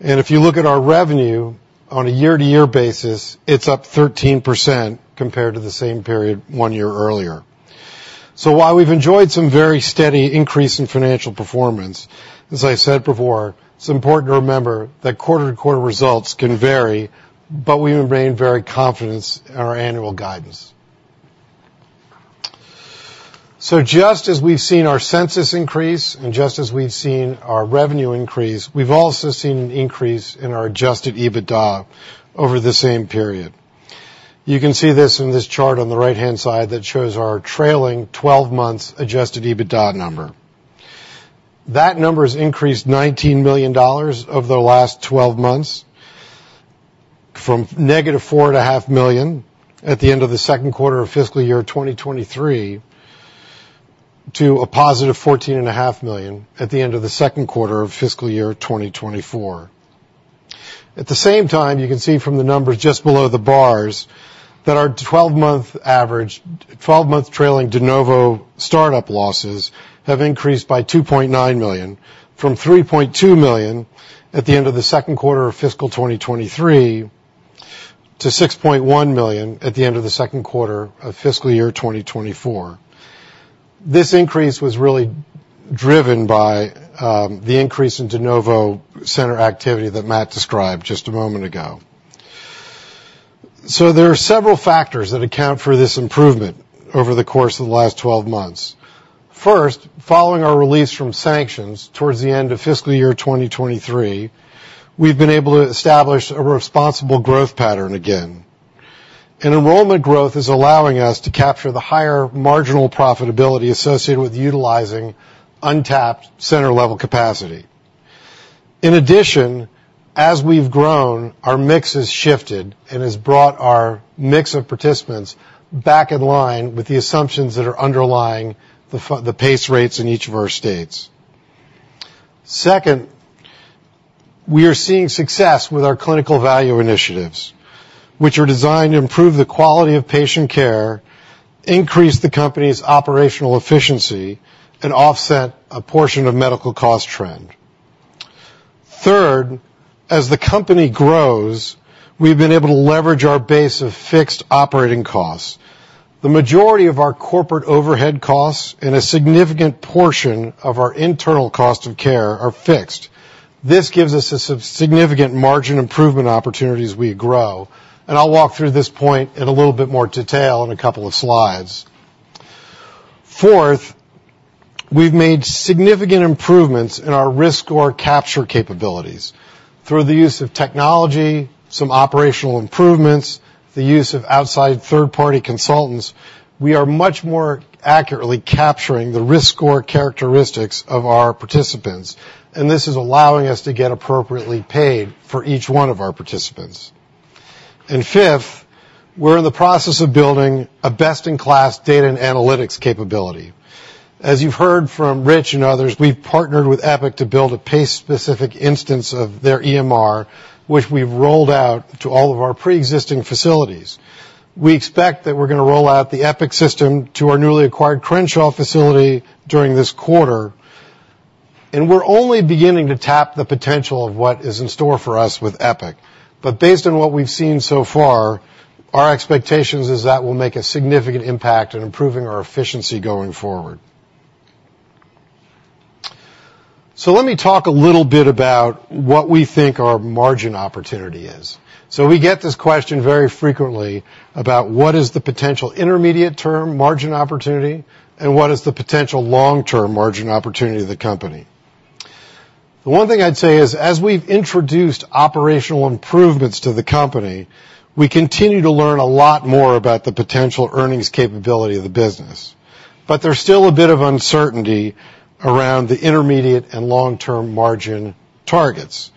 If you look at our revenue on a year-to-year basis, it's up 13% compared to the same period one year earlier. While we've enjoyed some very steady increase in financial performance, as I said before, it's important to remember that quarter-to-quarter results can vary, but we remain very confident in our annual guidance. Just as we've seen our census increase and just as we've seen our revenue increase, we've also seen an increase in our adjusted EBITDA over the same period. You can see this in this chart on the right-hand side that shows our trailing 12-month adjusted EBITDA number. That number has increased $19 million over the last 12 months from -$4.5 million at the end of the second quarter of fiscal year 2023 to $14.5 million at the end of the second quarter of fiscal year 2024. At the same time, you can see from the numbers just below the bars that our 12-month trailing De Novo startup losses have increased by $2.9 million from $3.2 million at the end of the second quarter of fiscal 2023 to $6.1 million at the end of the second quarter of fiscal year 2024. This increase was really driven by the increase in De Novo center activity that Matt described just a moment ago. So there are several factors that account for this improvement over the course of the last 12 months. First, following our release from sanctions towards the end of fiscal year 2023, we've been able to establish a responsible growth pattern again, and enrollment growth is allowing us to capture the higher marginal profitability associated with utilizing untapped center-level capacity. In addition, as we've grown, our mix has shifted and has brought our mix of participants back in line with the assumptions that are underlying the PACE rates in each of our states. Second, we are seeing success with our Clinical Value Initiatives, which are designed to improve the quality of patient care, increase the company's operational efficiency, and offset a portion of medical cost trend. Third, as the company grows, we've been able to leverage our base of fixed operating costs. The majority of our corporate overhead costs and a significant portion of our internal cost of care are fixed. This gives us a significant margin improvement opportunities we grow. And I'll walk through this point in a little bit more detail in a couple of slides. Fourth, we've made significant improvements in our risk score capture capabilities through the use of technology, some operational improvements, the use of outside third-party consultants. We are much more accurately capturing the risk score characteristics of our participants, and this is allowing us to get appropriately paid for each one of our participants. And fifth, we're in the process of building a best-in-class data and analytics capability. As you've heard from Rich and others, we've partnered with Epic to build a pace-specific instance of their EMR, which we've rolled out to all of our pre-existing facilities. We expect that we're going to roll out the Epic system to our newly acquired Crenshaw facility during this quarter. We're only beginning to tap the potential of what is in store for us with Epic. But based on what we've seen so far, our expectations are that will make a significant impact in improving our efficiency going forward. Let me talk a little bit about what we think our margin opportunity is. We get this question very frequently about what is the potential intermediate-term margin opportunity, and what is the potential long-term margin opportunity of the company. The one thing I'd say is, as we've introduced operational improvements to the company, we continue to learn a lot more about the potential earnings capability of the business. There's still a bit of uncertainty around the intermediate and long-term margin targets,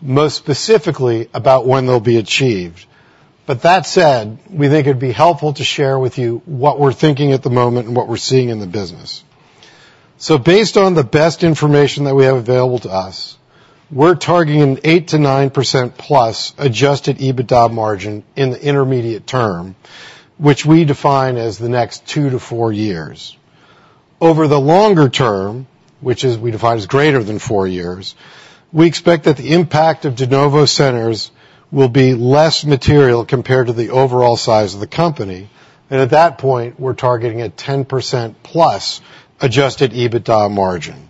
most specifically about when they'll be achieved. But that said, we think it'd be helpful to share with you what we're thinking at the moment and what we're seeing in the business. So based on the best information that we have available to us, we're targeting an 8%-9%+ adjusted EBITDA margin in the intermediate term, which we define as the next 2-4 years. Over the longer term, which we define as greater than 4 years, we expect that the impact of De Novo centers will be less material compared to the overall size of the company. And at that point, we're targeting a 10%+ adjusted EBITDA margin.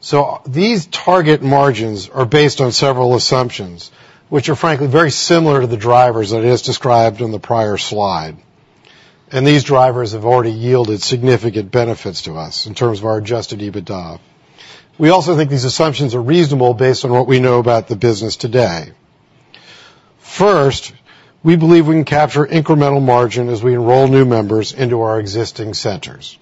So these target margins are based on several assumptions, which are, frankly, very similar to the drivers that I just described on the prior slide. And these drivers have already yielded significant benefits to us in terms of our adjusted EBITDA. We also think these assumptions are reasonable based on what we know about the business today. First, we believe we can capture incremental margin as we enroll new members into our existing centers.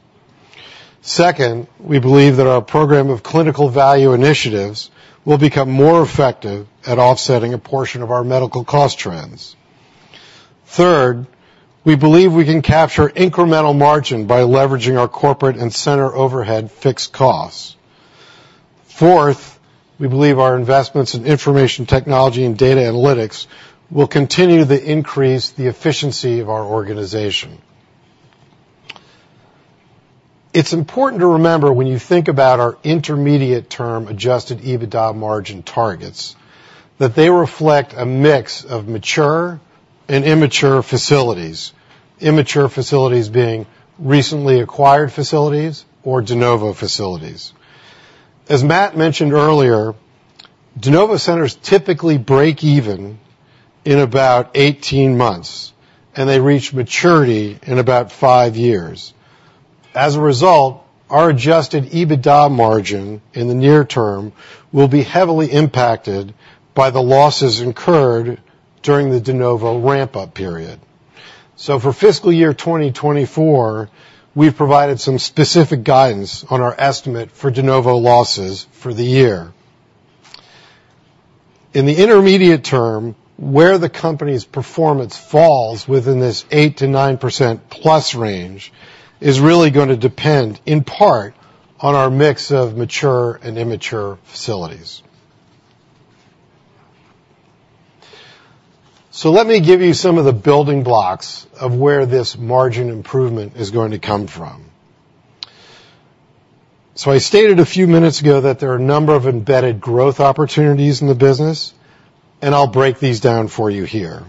Second, we believe that our program of clinical value initiatives will become more effective at offsetting a portion of our medical cost trends. Third, we believe we can capture incremental margin by leveraging our corporate and center overhead fixed costs. Fourth, we believe our investments in information technology and data analytics will continue to increase the efficiency of our organization. It's important to remember when you think about our intermediate-term adjusted EBITDA margin targets that they reflect a mix of mature and immature facilities, immature facilities being recently acquired facilities or De Novo facilities. As Matt mentioned earlier, De Novo centers typically break even in about 18 months, and they reach maturity in about 5 years. As a result, our adjusted EBITDA margin in the near term will be heavily impacted by the losses incurred during the De Novo ramp-up period. So for fiscal year 2024, we've provided some specific guidance on our estimate for De Novo losses for the year. In the intermediate term, where the company's performance falls within this 8%-9%+ range is really going to depend in part on our mix of mature and immature facilities. So let me give you some of the building blocks of where this margin improvement is going to come from. So I stated a few minutes ago that there are a number of embedded growth opportunities in the business, and I'll break these down for you here.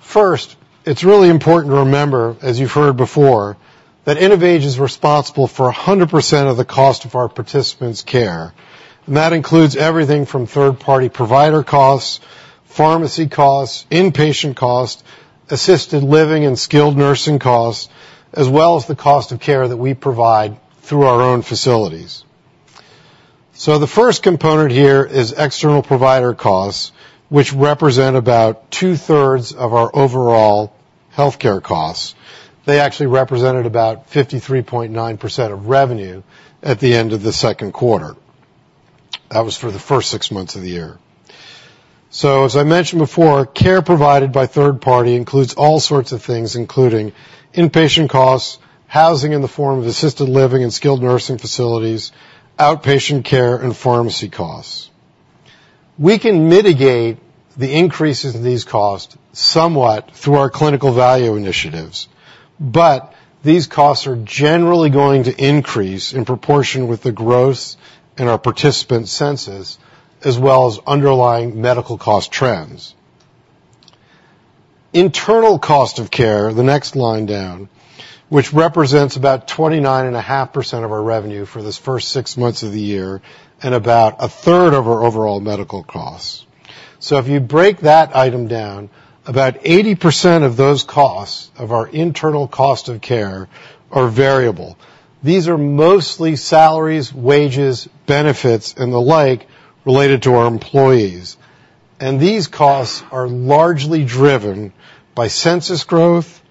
First, it's really important to remember, as you've heard before, that InnovAge is responsible for 100% of the cost of our participants' care. That includes everything from third-party provider costs, pharmacy costs, inpatient costs, assisted living and skilled nursing costs, as well as the cost of care that we provide through our own facilities. The first component here is external provider costs, which represent about two-thirds of our overall healthcare costs. They actually represented about 53.9% of revenue at the end of the second quarter. That was for the first six months of the year. As I mentioned before, care provided by third-party includes all sorts of things, including inpatient costs, housing in the form of assisted living and skilled nursing facilities, outpatient care, and pharmacy costs. We can mitigate the increases in these costs somewhat through our clinical value initiatives, but these costs are generally going to increase in proportion with the growth in our participants' census as well as underlying medical cost trends. Internal cost of care, the next line down, which represents about 29.5% of our revenue for this first six months of the year and about a third of our overall medical costs. So if you break that item down, about 80% of those costs of our internal cost of care are variable. These are mostly salaries, wages, benefits, and the like related to our employees. These costs are largely driven by census growth,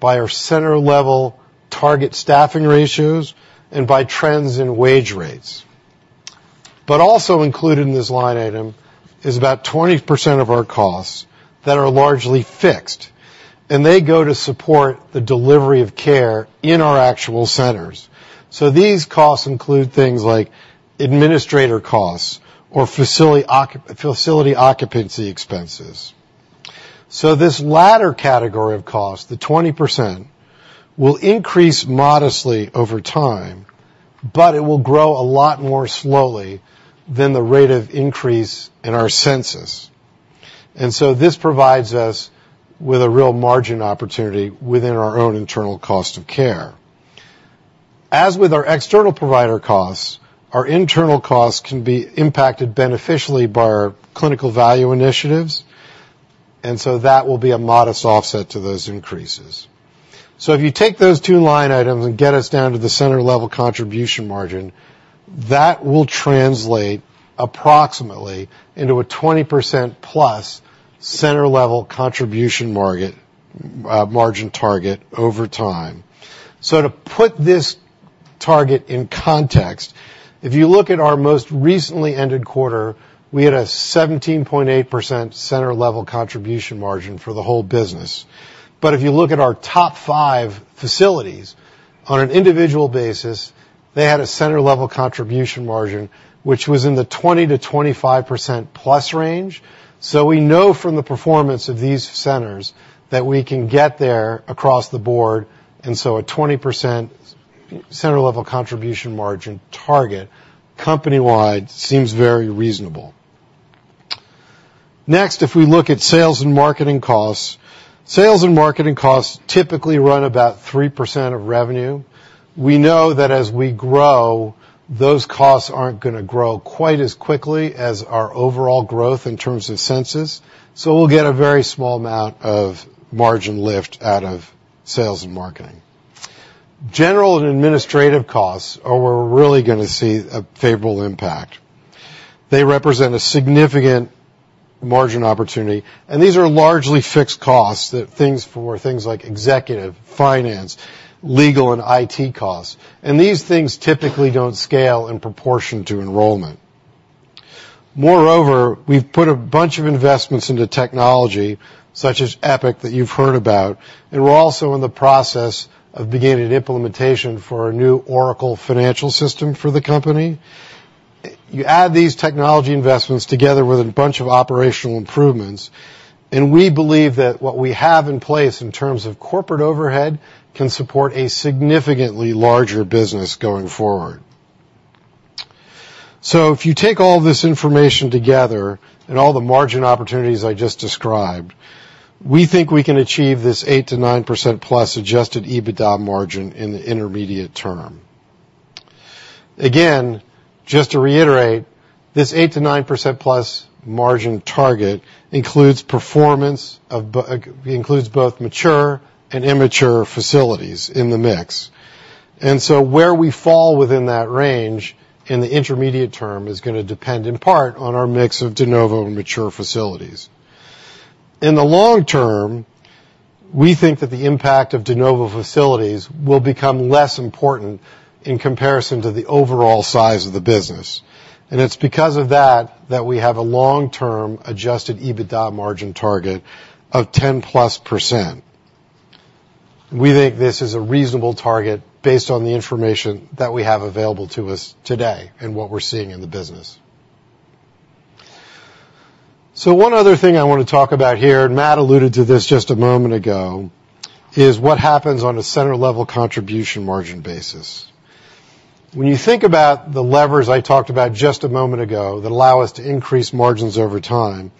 by our center-level target staffing ratios, and by trends in wage rates. Also included in this line item is about 20% of our costs that are largely fixed, and they go to support the delivery of care in our actual centers. These costs include things like administrator costs or facility occupancy expenses. So this latter category of cost, the 20%, will increase modestly over time, but it will grow a lot more slowly than the rate of increase in our census. And so this provides us with a real margin opportunity within our own internal cost of care. As with our external provider costs, our internal costs can be impacted beneficially by our clinical value initiatives, and so that will be a modest offset to those increases. So if you take those two line items and get us down to the center-level contribution margin, that will translate approximately into a 20%-plus center-level contribution margin target over time. So to put this target in context, if you look at our most recently ended quarter, we had a 17.8% center-level contribution margin for the whole business. But if you look at our top 5 facilities, on an individual basis, they had a Center-Level Contribution Margin, which was in the 20%-25%+ range. So we know from the performance of these centers that we can get there across the board. And so a 20% Center-Level Contribution Margin target company-wide seems very reasonable. Next, if we look at sales and marketing costs, sales and marketing costs typically run about 3% of revenue. We know that as we grow, those costs aren't going to grow quite as quickly as our overall growth in terms of census. So we'll get a very small amount of margin lift out of sales and marketing. General and administrative costs are where we're really going to see a favorable impact. They represent a significant margin opportunity. And these are largely fixed costs for things like executive, finance, legal, and IT costs. These things typically don't scale in proportion to enrollment. Moreover, we've put a bunch of investments into technology such as Epic that you've heard about, and we're also in the process of beginning implementation for a new Oracle financial system for the company. You add these technology investments together with a bunch of operational improvements, and we believe that what we have in place in terms of corporate overhead can support a significantly larger business going forward. So if you take all this information together and all the margin opportunities I just described, we think we can achieve this 8%-9%+ adjusted EBITDA margin in the intermediate term. Again, just to reiterate, this 8%-9%+ margin target includes performance of both mature and immature facilities in the mix. And so where we fall within that range in the intermediate term is going to depend in part on our mix of De Novo and mature facilities. In the long term, we think that the impact of De Novo facilities will become less important in comparison to the overall size of the business. And it's because of that that we have a long-term adjusted EBITDA margin target of 10%+. We think this is a reasonable target based on the information that we have available to us today and what we're seeing in the business. So one other thing I want to talk about here - and Matt alluded to this just a moment ago - is what happens on a center-level contribution margin basis. When you think about the levers I talked about just a moment ago that allow us to increase margins over time,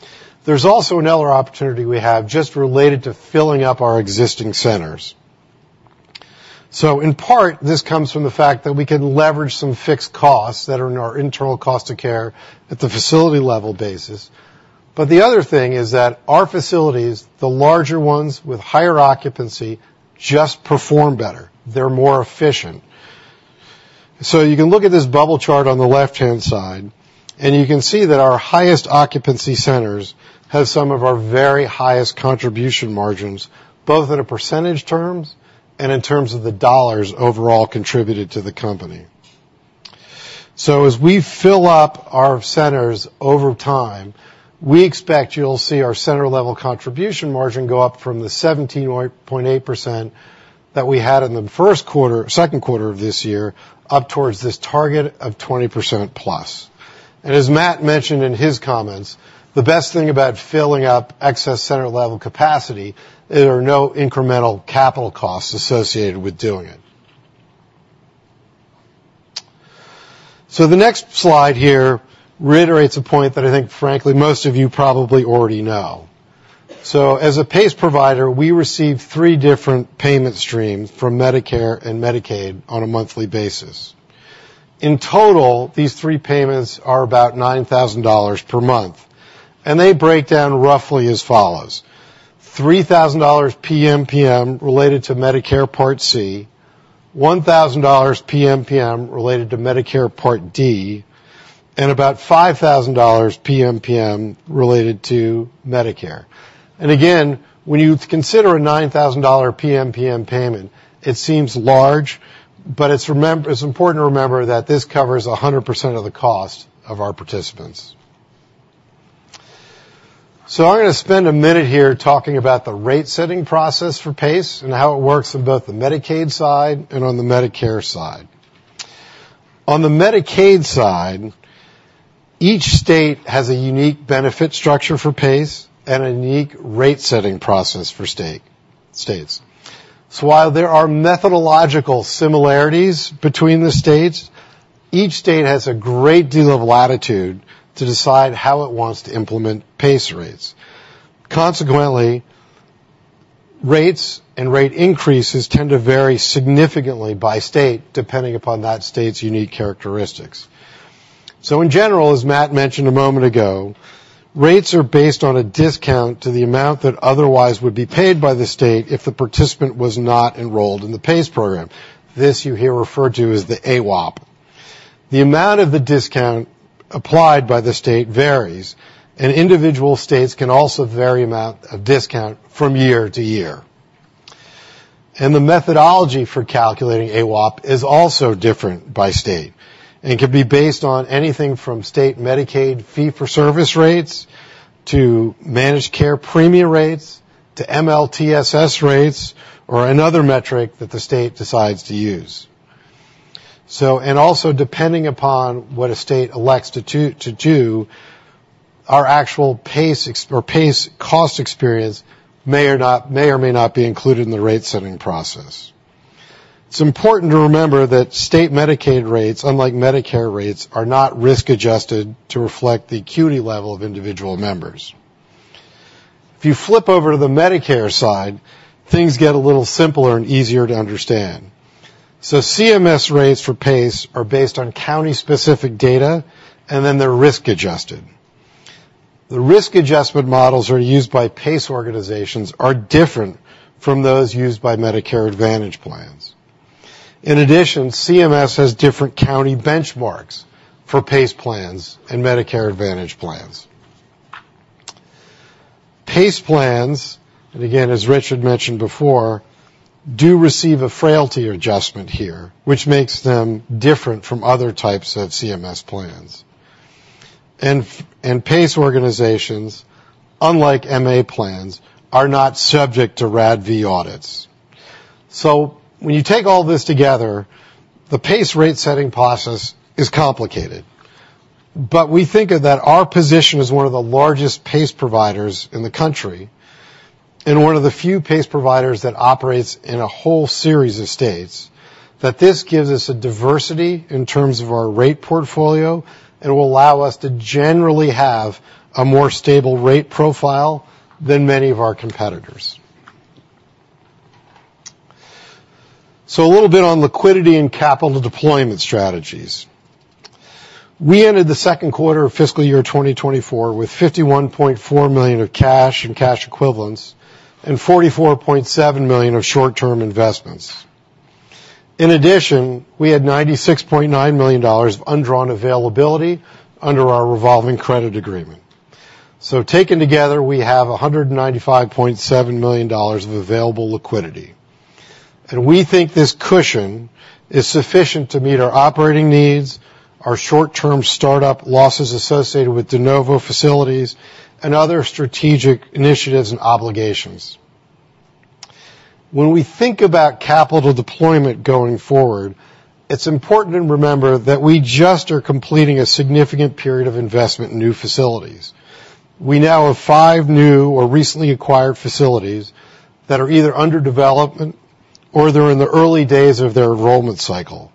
there's also another opportunity we have just related to filling up our existing centers. So in part, this comes from the fact that we can leverage some fixed costs that are in our internal cost of care at the facility-level basis. But the other thing is that our facilities, the larger ones with higher occupancy, just perform better. They're more efficient. So you can look at this bubble chart on the left-hand side, and you can see that our highest occupancy centers have some of our very highest contribution margins, both in percentage terms and in terms of the dollars overall contributed to the company. As we fill up our centers over time, we expect you'll see our center-level contribution margin go up from the 17.8% that we had in the second quarter of this year up towards this target of 20%+. As Matt mentioned in his comments, the best thing about filling up excess center-level capacity is there are no incremental capital costs associated with doing it. The next slide here reiterates a point that I think, frankly, most of you probably already know. As a PACE provider, we receive three different payment streams from Medicare and Medicaid on a monthly basis. In total, these three payments are about $9,000 per month, and they break down roughly as follows: $3,000 PM/PM related to Medicare Part C, $1,000 PM/PM related to Medicare Part D, and about $5,000 PM/PM related to Medicare. Again, when you consider a $9,000 PM/PM payment, it seems large, but it's important to remember that this covers 100% of the cost of our participants. I'm going to spend a minute here talking about the rate-setting process for PACE and how it works on both the Medicaid side and on the Medicare side. On the Medicaid side, each state has a unique benefit structure for PACE and a unique rate-setting process for states. While there are methodological similarities between the states, each state has a great deal of latitude to decide how it wants to implement PACE rates. Consequently, rates and rate increases tend to vary significantly by state depending upon that state's unique characteristics. So in general, as Matt mentioned a moment ago, rates are based on a discount to the amount that otherwise would be paid by the state if the participant was not enrolled in the PACE program. This you hear referred to as the AWOP. The amount of the discount applied by the state varies, and individual states can also vary the amount of discount from year to year. The methodology for calculating AWOP is also different by state and can be based on anything from state Medicaid fee-for-service rates to managed care premium rates to MLTSS rates or another metric that the state decides to use. Also depending upon what a state elects to do, our actual PACE cost experience may or may not be included in the rate-setting process. It's important to remember that state Medicaid rates, unlike Medicare rates, are not risk-adjusted to reflect the acuity level of individual members. If you flip over to the Medicare side, things get a little simpler and easier to understand. So CMS rates for PACE are based on county-specific data, and then they're risk-adjusted. The risk-adjustment models are used by PACE organizations are different from those used by Medicare Advantage plans. In addition, CMS has different county benchmarks for PACE plans and Medicare Advantage plans. PACE plans, and again, as Richard mentioned before, do receive a frailty adjustment here, which makes them different from other types of CMS plans. And PACE organizations, unlike MA plans, are not subject to RADV audits. So when you take all this together, the PACE rate-setting process is complicated. But we think that our position as one of the largest PACE providers in the country and one of the few PACE providers that operates in a whole series of states, that this gives us a diversity in terms of our rate portfolio, and it will allow us to generally have a more stable rate profile than many of our competitors. So a little bit on liquidity and capital deployment strategies. We ended the second quarter of fiscal year 2024 with $51.4 million of cash and cash equivalents and $44.7 million of short-term investments. In addition, we had $96.9 million of undrawn availability under our revolving credit agreement. So taken together, we have $195.7 million of available liquidity. And we think this cushion is sufficient to meet our operating needs, our short-term startup losses associated with De Novo facilities, and other strategic initiatives and obligations. When we think about capital deployment going forward, it's important to remember that we just are completing a significant period of investment in new facilities. We now have five new or recently acquired facilities that are either under development or they're in the early days of their enrollment cycle.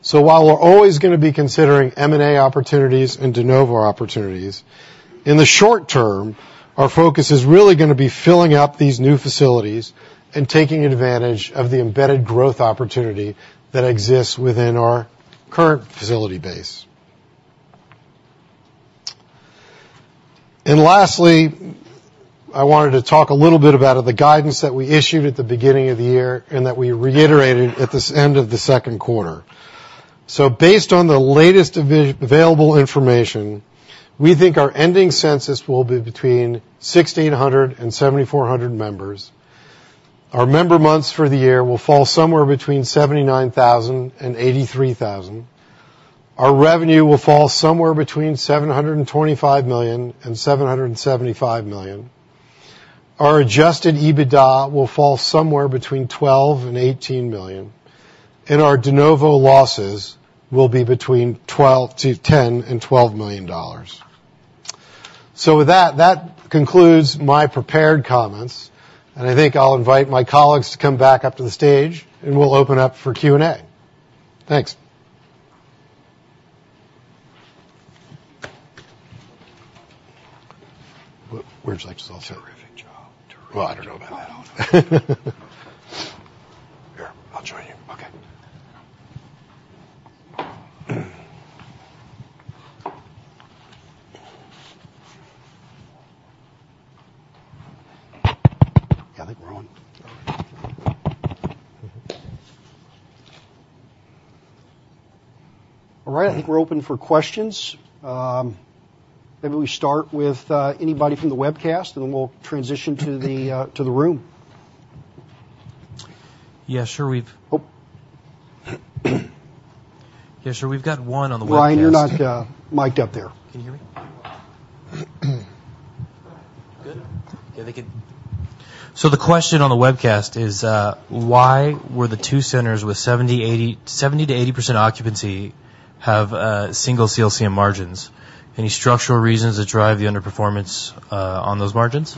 So while we're always going to be considering M&A opportunities and De Novo opportunities, in the short term, our focus is really going to be filling up these new facilities and taking advantage of the embedded growth opportunity that exists within our current facility base. Lastly, I wanted to talk a little bit about the guidance that we issued at the beginning of the year and that we reiterated at the end of the second quarter. Based on the latest available information, we think our ending census will be between 1,600 and 7,400 members. Our member months for the year will fall somewhere between 79,000 and 83,000. Our revenue will fall somewhere between $725 million-$775 million. Our adjusted EBITDA will fall somewhere between $12 million-$18 million, and our De Novo losses will be between $10 million-$12 million. So with that, that concludes my prepared comments. And I think I'll invite my colleagues to come back up to the stage, and we'll open up for Q&A. Thanks. Where'd you like to start? Terrific job. Terrific. Well, I don't know about that. I don't know. Here, I'll join you. Okay. Yeah, I think we're on. All right. I think we're open for questions. Maybe we start with anybody from the webcast, and then we'll transition to the room. Yeah, sure. We've. Oh. Yeah, sure. We've got one on the webcast. Ryan, you're not mic'd up there. Can you hear me? Good. Yeah, they could. So the question on the webcast is, why were the two centers with 70%-80% occupancy have single CLCM margins? Any structural reasons that drive the underperformance on those margins?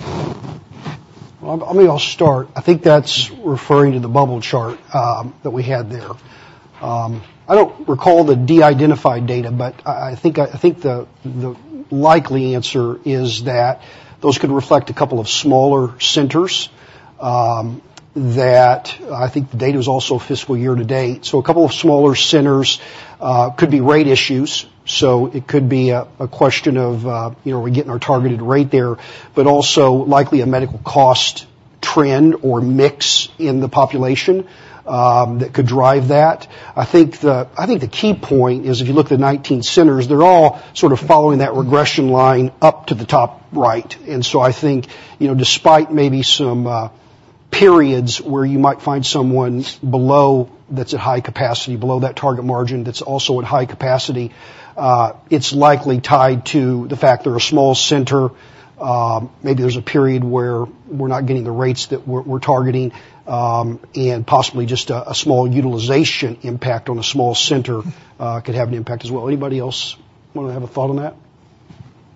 Well, I mean, I'll start. I think that's referring to the bubble chart that we had there. I don't recall the de-identified data, but I think the likely answer is that those could reflect a couple of smaller centers. I think the data is also fiscal year to date. So a couple of smaller centers could be rate issues. So it could be a question of, "Are we getting our targeted rate there?" but also likely a medical cost trend or mix in the population that could drive that. I think the key point is, if you look at the 19 centers, they're all sort of following that regression line up to the top right. So I think despite maybe some periods where you might find someone that's at high capacity, below that target margin, that's also at high capacity, it's likely tied to the fact they're a small center. Maybe there's a period where we're not getting the rates that we're targeting, and possibly just a small utilization impact on a small center could have an impact as well. Anybody else want to have a thought on that?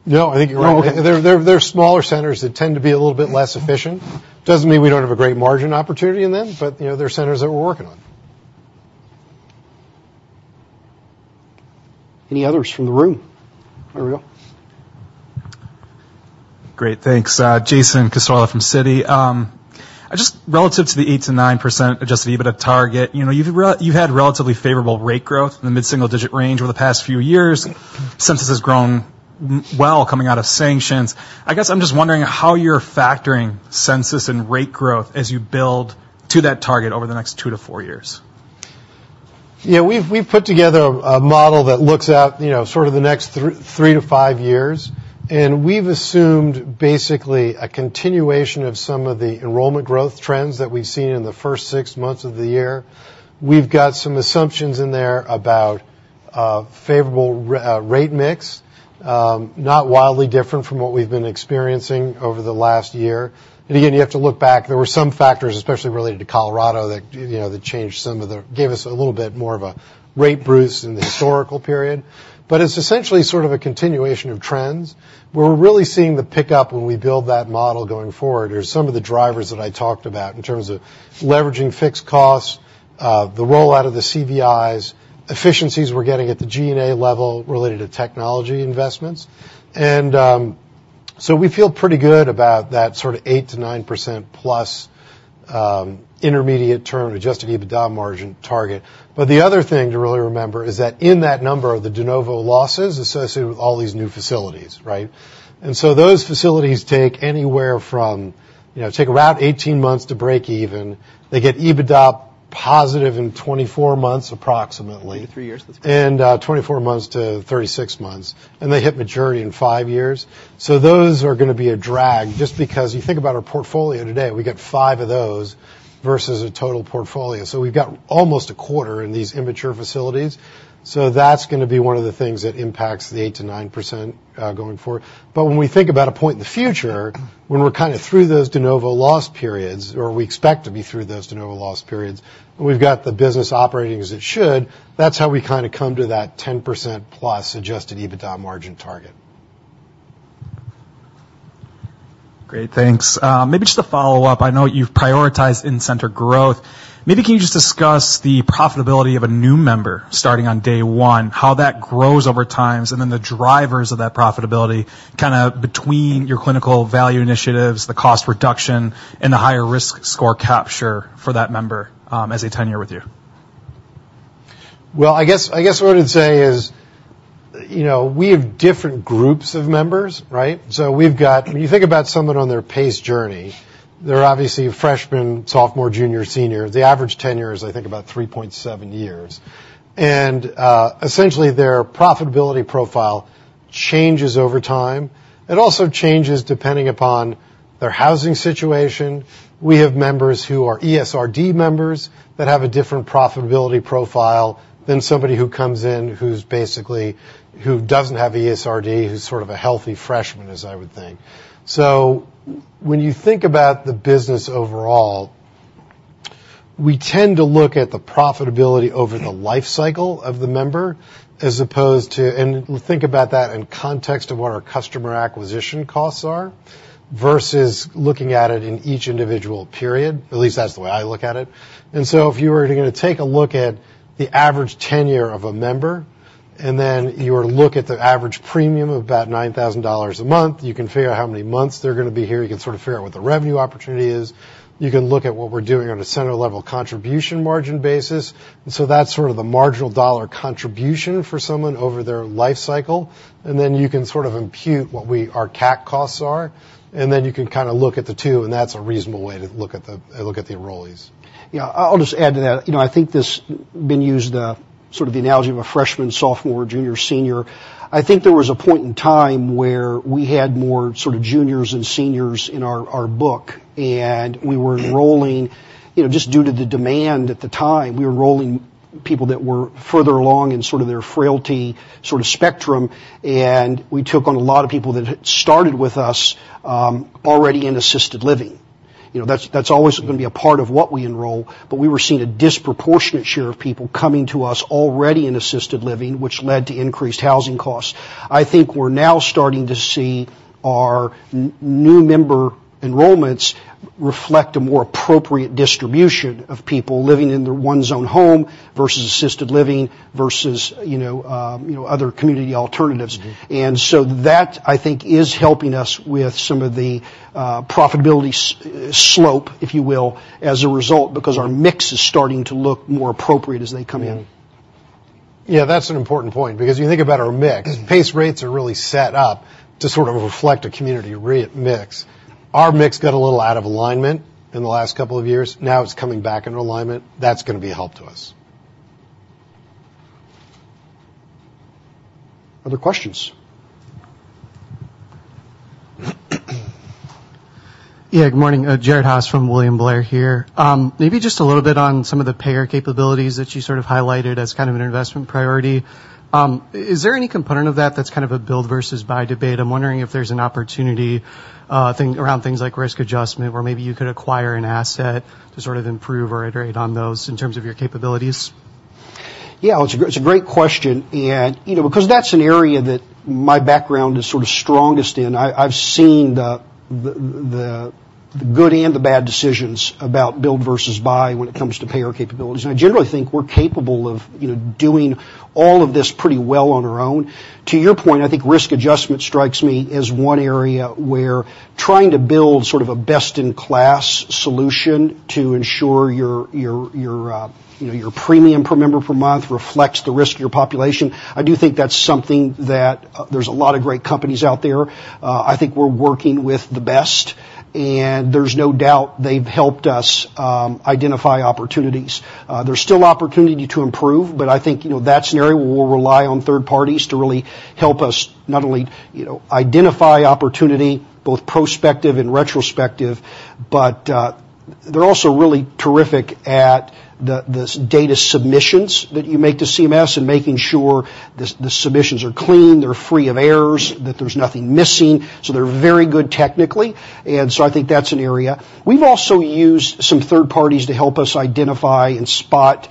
No, I think you're right. No, okay. There are smaller centers that tend to be a little bit less efficient. It doesn't mean we don't have a great margin opportunity in them, but there are centers that we're working on. Any others from the room? There we go. Great. Thanks. Jason Cassorla from Citi. Relative to the 8%-9% adjusted EBITDA target, you've had relatively favorable rate growth in the mid-single-digit range over the past few years. Census has grown well coming out of sanctions. I guess I'm just wondering how you're factoring census and rate growth as you build to that target over the next 2 to 4 years. Yeah, we've put together a model that looks at sort of the next 3-5 years. We've assumed basically a continuation of some of the enrollment growth trends that we've seen in the first six months of the year. We've got some assumptions in there about a favorable rate mix, not wildly different from what we've been experiencing over the last year. Again, you have to look back. There were some factors, especially related to Colorado, that changed some of the, gave us a little bit more of a rate boost in the historical period. But it's essentially sort of a continuation of trends. Where we're really seeing the pickup when we build that model going forward are some of the drivers that I talked about in terms of leveraging fixed costs, the rollout of the CVIs, efficiencies we're getting at the G&A level related to technology investments. And so we feel pretty good about that sort of 8%-9%+ intermediate-term adjusted EBITDA margin target. But the other thing to really remember is that in that number are the De Novo losses associated with all these new facilities, right? And so those facilities take anywhere from about 18 months to break even. They get EBITDA positive in 24 months approximately. 23 years, that's great. 24-36 months. They hit maturity in 5 years. Those are going to be a drag just because you think about our portfolio today, we got 5 of those versus a total portfolio. So we've got almost a quarter in these immature facilities. That's going to be one of the things that impacts the 8%-9% going forward. But when we think about a point in the future, when we're kind of through those De Novo loss periods, or we expect to be through those De Novo loss periods, when we've got the business operating as it should, that's how we kind of come to that 10%+ adjusted EBITDA margin target. Great. Thanks. Maybe just a follow-up. I know you've prioritized in-center growth. Maybe can you just discuss the profitability of a new member starting on day one, how that grows over times, and then the drivers of that profitability kind of between your clinical value initiatives, the cost reduction, and the higher risk score capture for that member as they tenure with you? Well, I guess what I'd say is we have different groups of members, right? So when you think about someone on their PACE journey, they're obviously freshmen, sophomore, junior, senior. The average tenure is, I think, about 3.7 years. And essentially, their profitability profile changes over time. It also changes depending upon their housing situation. We have members who are ESRD members that have a different profitability profile than somebody who comes in who doesn't have ESRD, who's sort of a healthy freshman, as I would think. So when you think about the business overall, we tend to look at the profitability over the life cycle of the member as opposed to and think about that in context of what our customer acquisition costs are versus looking at it in each individual period. At least that's the way I look at it. If you were going to take a look at the average tenure of a member, and then you were to look at the average premium of about $9,000 a month, you can figure out how many months they're going to be here. You can sort of figure out what the revenue opportunity is. You can look at what we're doing on a center-level contribution margin basis. That's sort of the marginal dollar contribution for someone over their life cycle. And then you can sort of impute what our CAC costs are. And then you can kind of look at the two, and that's a reasonable way to look at the enrollees. Yeah, I'll just add to that. I think this has been used, sort of the analogy of a freshman, sophomore, junior, senior. I think there was a point in time where we had more sort of juniors and seniors in our book, and we were enrolling just due to the demand at the time. We were enrolling people that were further along in sort of their frailty sort of spectrum, and we took on a lot of people that had started with us already in assisted living. That's always going to be a part of what we enroll, but we were seeing a disproportionate share of people coming to us already in assisted living, which led to increased housing costs. I think we're now starting to see our new member enrollments reflect a more appropriate distribution of people living in their one's own home versus assisted living versus other community alternatives. And so that, I think, is helping us with some of the profitability slope, if you will, as a result because our mix is starting to look more appropriate as they come in. Yeah, that's an important point because you think about our mix. PACE rates are really set up to sort of reflect a community mix. Our mix got a little out of alignment in the last couple of years. Now it's coming back into alignment. That's going to be a help to us. Other questions? Yeah, good morning. Jared Haase from William Blair here. Maybe just a little bit on some of the payer capabilities that you sort of highlighted as kind of an investment priority. Is there any component of that that's kind of a build versus buy debate? I'm wondering if there's an opportunity around things like risk adjustment where maybe you could acquire an asset to sort of improve or iterate on those in terms of your capabilities. Yeah, it's a great question. And because that's an area that my background is sort of strongest in, I've seen the good and the bad decisions about build versus buy when it comes to payer capabilities. And I generally think we're capable of doing all of this pretty well on our own. To your point, I think risk adjustment strikes me as one area where trying to build sort of a best-in-class solution to ensure your premium per member per month reflects the risk of your population. I do think that's something that there's a lot of great companies out there. I think we're working with the best, and there's no doubt they've helped us identify opportunities. There's still opportunity to improve, but I think that scenario where we'll rely on third parties to really help us not only identify opportunity, both prospective and retrospective, but they're also really terrific at the data submissions that you make to CMS and making sure the submissions are clean, they're free of errors, that there's nothing missing. So they're very good technically. And so I think that's an area. We've also used some third parties to help us identify and spot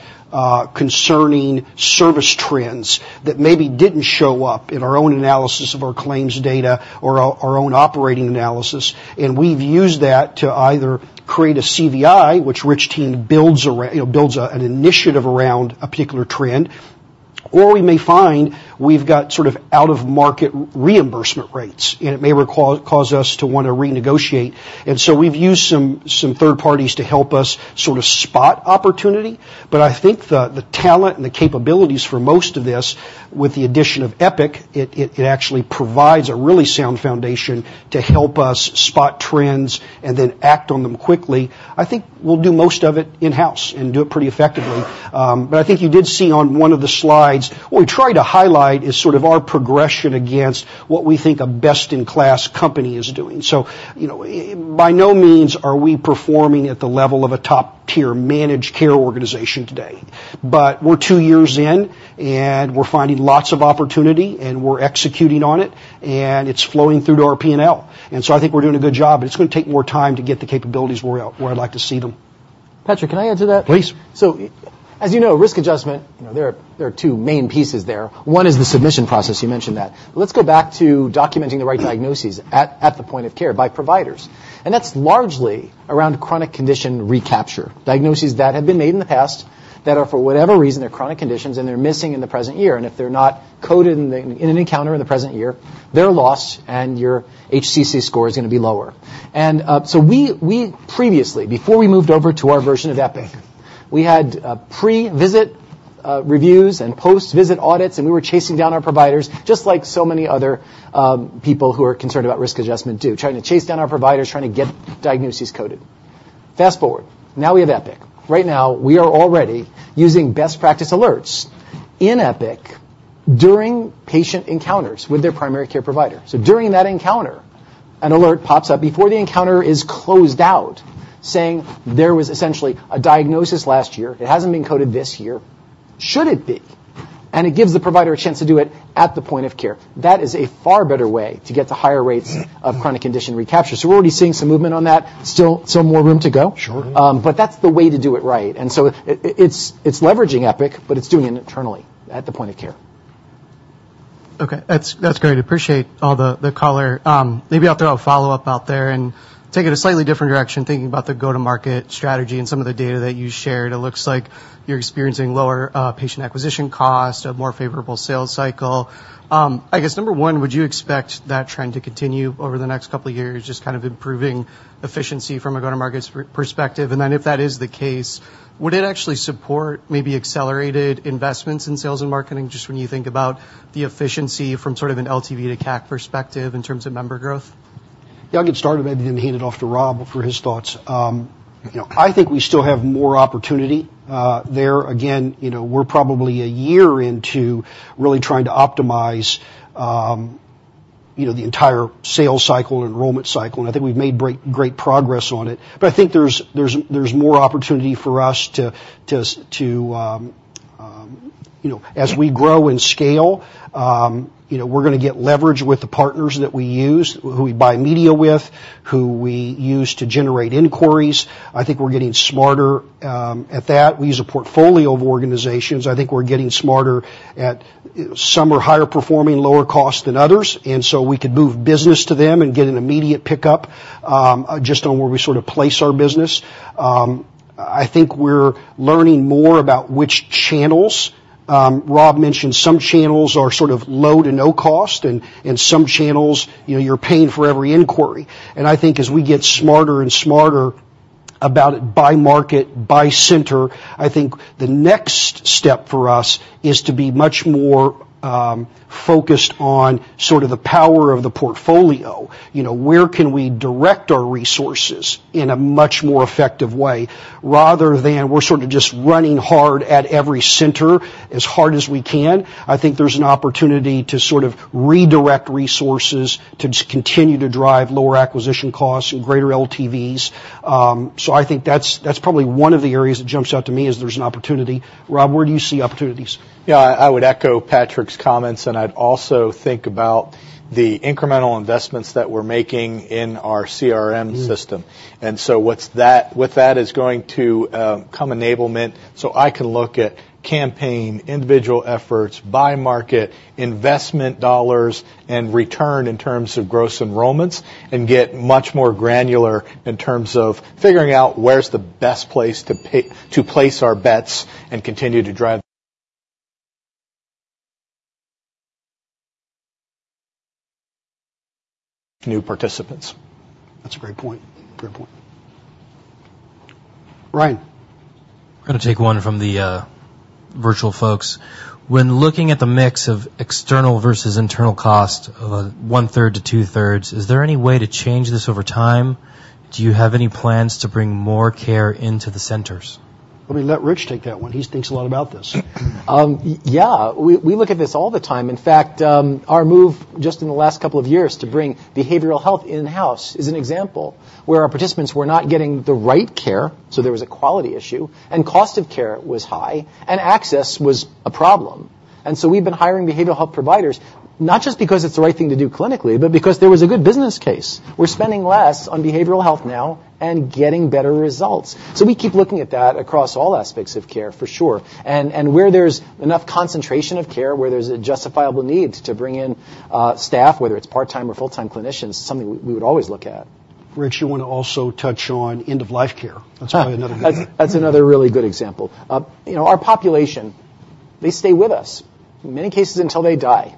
concerning service trends that maybe didn't show up in our own analysis of our claims data or our own operating analysis. And we've used that to either create a CVI, which Rich's team builds an initiative around a particular trend, or we may find we've got sort of out-of-market reimbursement rates, and it may cause us to want to renegotiate. We've used some third parties to help us sort of spot opportunity. But I think the talent and the capabilities for most of this with the addition of Epic, it actually provides a really sound foundation to help us spot trends and then act on them quickly. I think we'll do most of it in-house and do it pretty effectively. But I think you did see on one of the slides, what we tried to highlight is sort of our progression against what we think a best-in-class company is doing. So by no means are we performing at the level of a top-tier managed care organization today. But we're two years in, and we're finding lots of opportunity, and we're executing on it, and it's flowing through to our P&L. And so I think we're doing a good job, but it's going to take more time to get the capabilities where I'd like to see them. Patrick, can I add to that? Please. So as you know, risk adjustment, there are two main pieces there. One is the submission process. You mentioned that. Let's go back to documenting the right diagnoses at the point of care by providers. And that's largely around chronic condition recapture, diagnoses that have been made in the past that are for whatever reason, they're chronic conditions, and they're missing in the present year. And if they're not coded in an encounter in the present year, they're lost, and your HCC score is going to be lower. And so previously, before we moved over to our version of Epic, we had pre-visit reviews and post-visit audits, and we were chasing down our providers just like so many other people who are concerned about risk adjustment do, trying to chase down our providers, trying to get diagnoses coded. Fast forward. Now we have Epic. Right now, we are already using best practice alerts in Epic during patient encounters with their primary care provider. So during that encounter, an alert pops up before the encounter is closed out saying there was essentially a diagnosis last year. It hasn't been coded this year. Should it be? And it gives the provider a chance to do it at the point of care. That is a far better way to get to higher rates of chronic condition recapture. So we're already seeing some movement on that. Still more room to go. But that's the way to do it right. And so it's leveraging Epic, but it's doing it internally at the point of care. Okay. That's great. Appreciate all the color. Maybe I'll throw a follow-up out there and take it a slightly different direction thinking about the go-to-market strategy and some of the data that you shared. It looks like you're experiencing lower patient acquisition cost, a more favorable sales cycle. I guess, number one, would you expect that trend to continue over the next couple of years, just kind of improving efficiency from a go-to-market perspective? And then if that is the case, would it actually support maybe accelerated investments in sales and marketing just when you think about the efficiency from sort of an LTV to CAC perspective in terms of member growth? Yeah, I'll get started. Maybe then hand it off to Rob for his thoughts. I think we still have more opportunity there. Again, we're probably a year into really trying to optimize the entire sales cycle, enrollment cycle. I think we've made great progress on it. But I think there's more opportunity for us to, as we grow and scale, get leverage with the partners that we use, who we buy media with, who we use to generate inquiries. I think we're getting smarter at that. We use a portfolio of organizations. I think we're getting smarter at some are higher performing, lower cost than others. And so we could move business to them and get an immediate pickup just on where we sort of place our business. I think we're learning more about which channels. Rob mentioned some channels are sort of low to no cost, and some channels, you're paying for every inquiry. And I think as we get smarter and smarter about it by market, by center, I think the next step for us is to be much more focused on sort of the power of the portfolio. Where can we direct our resources in a much more effective way rather than we're sort of just running hard at every center as hard as we can? I think there's an opportunity to sort of redirect resources to just continue to drive lower acquisition costs and greater LTVs. So I think that's probably one of the areas that jumps out to me is there's an opportunity. Rob, where do you see opportunities? Yeah, I would echo Patrick's comments, and I'd also think about the incremental investments that we're making in our CRM system. And so with that, it's going to come enablement so I can look at campaign, individual efforts, by market, investment dollars, and return in terms of gross enrollments and get much more granular in terms of figuring out where's the best place to place our bets and continue to drive new participants. That's a great point. Great point. Ryan. I'm going to take one from the virtual folks. When looking at the mix of external versus internal cost of 1/3-2/3, is there any way to change this over time? Do you have any plans to bring more care into the centers? Let me let Rich take that one. He thinks a lot about this. Yeah, we look at this all the time. In fact, our move just in the last couple of years to bring behavioral health in-house is an example where our participants were not getting the right care. So there was a quality issue, and cost of care was high, and access was a problem. We've been hiring behavioral health providers not just because it's the right thing to do clinically, but because there was a good business case. We're spending less on behavioral health now and getting better results. We keep looking at that across all aspects of care, for sure. Where there's enough concentration of care, where there's a justifiable need to bring in staff, whether it's part-time or full-time clinicians, something we would always look at. Rich, you want to also touch on end-of-life care. That's probably another good example. That's another really good example. Our population, they stay with us, in many cases, until they die.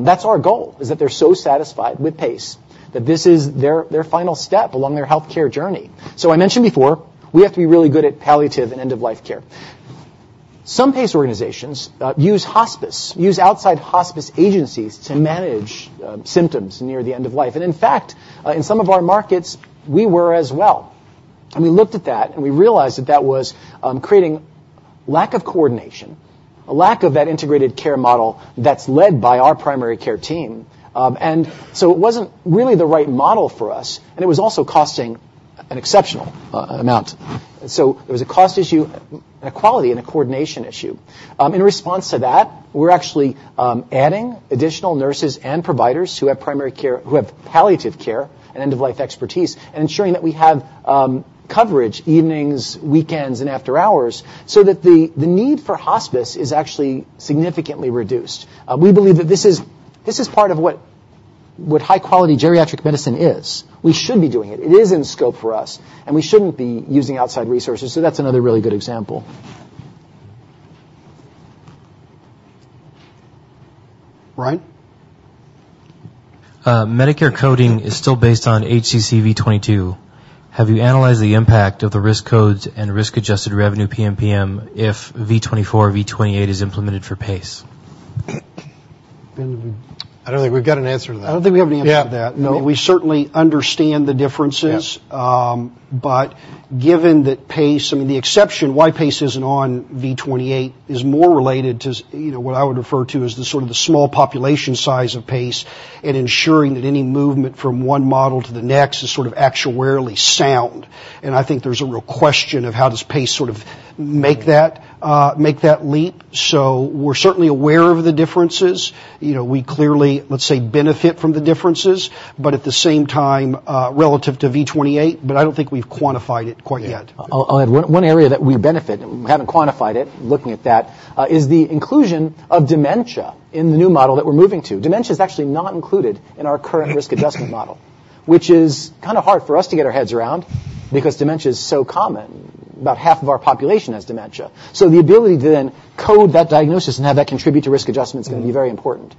That's our goal, is that they're so satisfied with PACE that this is their final step along their healthcare journey. So I mentioned before, we have to be really good at palliative and end-of-life care. Some PACE organizations use hospice, use outside hospice agencies to manage symptoms near the end of life. And in fact, in some of our markets, we were as well. And we looked at that, and we realized that that was creating lack of coordination, a lack of that integrated care model that's led by our primary care team. And so it wasn't really the right model for us, and it was also costing an exceptional amount. So there was a cost issue and a quality and a coordination issue. In response to that, we're actually adding additional nurses and providers who have primary care, who have palliative care and end-of-life expertise, and ensuring that we have coverage evenings, weekends, and after-hours so that the need for hospice is actually significantly reduced. We believe that this is part of what high-quality geriatric medicine is. We should be doing it. It is in scope for us, and we shouldn't be using outside resources. So that's another really good example. Ryan? Medicare coding is still based on HCC V22. Have you analyzed the impact of the risk codes and risk-adjusted revenue PMPM if V24, V28 is implemented for PACE? I don't think we've got an answer to that. I don't think we have an answer to that. No. We certainly understand the differences. But given that PACE, I mean, the exception, why PACE isn't on V28, is more related to what I would refer to as sort of the small population size of PACE and ensuring that any movement from one model to the next is sort of actuarially sound. And I think there's a real question of how does PACE sort of make that leap. So we're certainly aware of the differences. We clearly, let's say, benefit from the differences, but at the same time, relative to V28, but I don't think we've quantified it quite yet. I'll add one area that we benefit, haven't quantified it, looking at that, is the inclusion of dementia in the new model that we're moving to. Dementia is actually not included in our current risk adjustment model, which is kind of hard for us to get our heads around because dementia is so common. About half of our population has dementia. So the ability to then code that diagnosis and have that contribute to risk adjustment is going to be very important.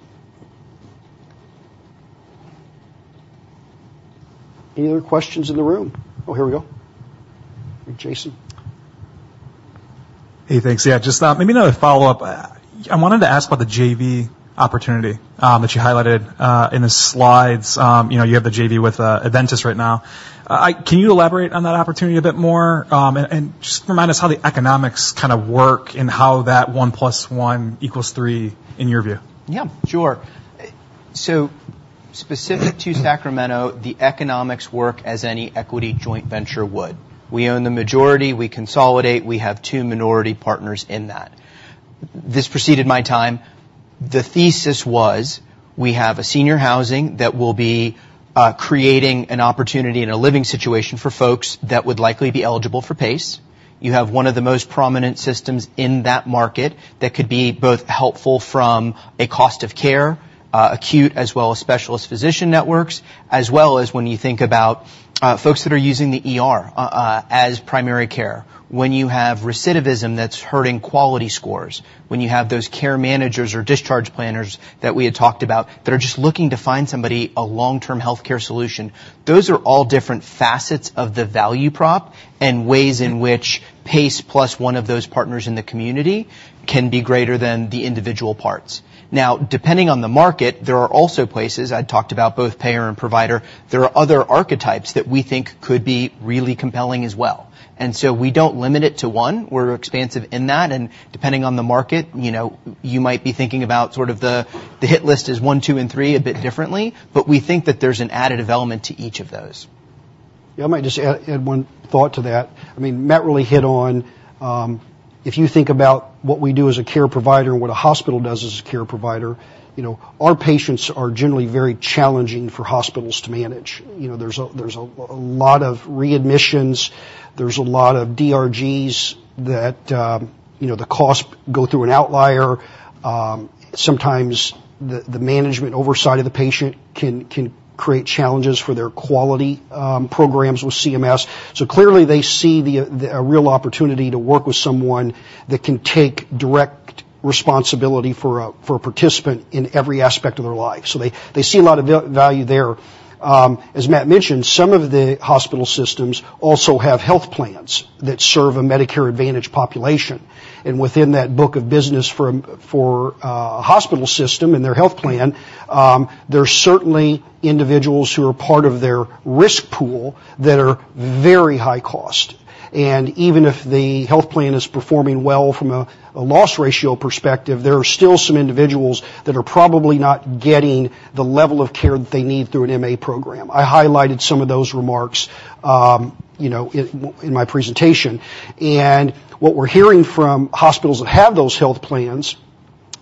Any other questions in the room? Oh, here we go. Jason? Hey, thanks. Yeah, just maybe another follow-up. I wanted to ask about the JV opportunity that you highlighted in the slides. You have the JV with Adventist right now. Can you elaborate on that opportunity a bit more and just remind us how the economics kind of work and how that one plus one equals three in your view? Yeah, sure. So specific to Sacramento, the economics work as any equity joint venture would. We own the majority. We consolidate. We have two minority partners in that. This preceded my time. The thesis was we have a senior housing that will be creating an opportunity and a living situation for folks that would likely be eligible for PACE. You have one of the most prominent systems in that market that could be both helpful from a cost of care, acute as well as specialist physician networks, as well as when you think about folks that are using them as primary care, when you have recidivism that's hurting quality scores, when you have those care managers or discharge planners that we had talked about that are just looking to find somebody, a long-term healthcare solution. Those are all different facets of the value prop and ways in which PACE plus one of those partners in the community can be greater than the individual parts. Now, depending on the market, there are also places I'd talked about both payer and provider. There are other archetypes that we think could be really compelling as well. And so we don't limit it to one. We're expansive in that. And depending on the market, you might be thinking about sort of the hit list as one, two, and three a bit differently, but we think that there's an added element to each of those. Yeah, I might just add one thought to that. I mean, Matt really hit on if you think about what we do as a care provider and what a hospital does as a care provider, our patients are generally very challenging for hospitals to manage. There's a lot of readmissions. There's a lot of DRGs that the costs go through an outlier. Sometimes the management oversight of the patient can create challenges for their quality programs with CMS. So clearly, they see a real opportunity to work with someone that can take direct responsibility for a participant in every aspect of their life. So they see a lot of value there. As Matt mentioned, some of the hospital systems also have health plans that serve a Medicare Advantage population. Within that book of business for a hospital system and their health plan, there's certainly individuals who are part of their risk pool that are very high cost. Even if the health plan is performing well from a loss ratio perspective, there are still some individuals that are probably not getting the level of care that they need through an MA program. I highlighted some of those remarks in my presentation. What we're hearing from hospitals that have those health plans,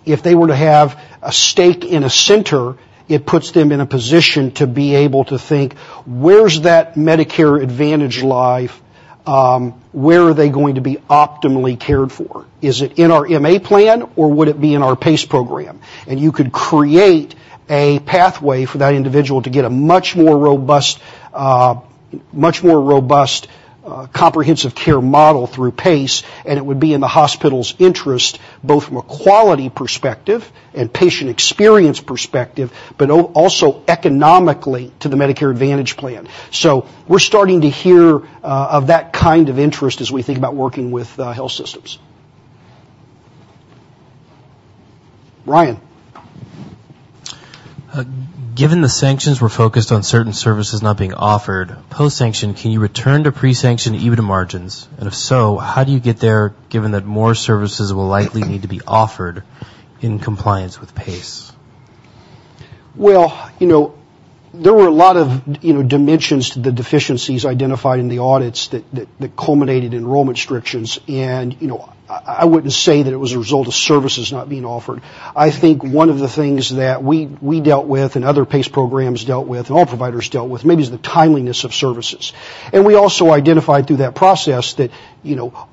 if they were to have a stake in a center, it puts them in a position to be able to think, "Where's that Medicare Advantage life? Where are they going to be optimally cared for? Is it in our MA plan, or would it be in our PACE program?" And you could create a pathway for that individual to get a much more robust, much more robust comprehensive care model through PACE, and it would be in the hospital's interest both from a quality perspective and patient experience perspective, but also economically to the Medicare Advantage plan. So we're starting to hear of that kind of interest as we think about working with health systems. Ryan? Given the sanctions, we're focused on certain services not being offered. Post-sanction, can you return to pre-sanction even margins? And if so, how do you get there given that more services will likely need to be offered in compliance with PACE? Well, there were a lot of dimensions to the deficiencies identified in the audits that culminated in enrollment restrictions. And I wouldn't say that it was a result of services not being offered. I think one of the things that we dealt with and other PACE programs dealt with and all providers dealt with maybe is the timeliness of services. And we also identified through that process that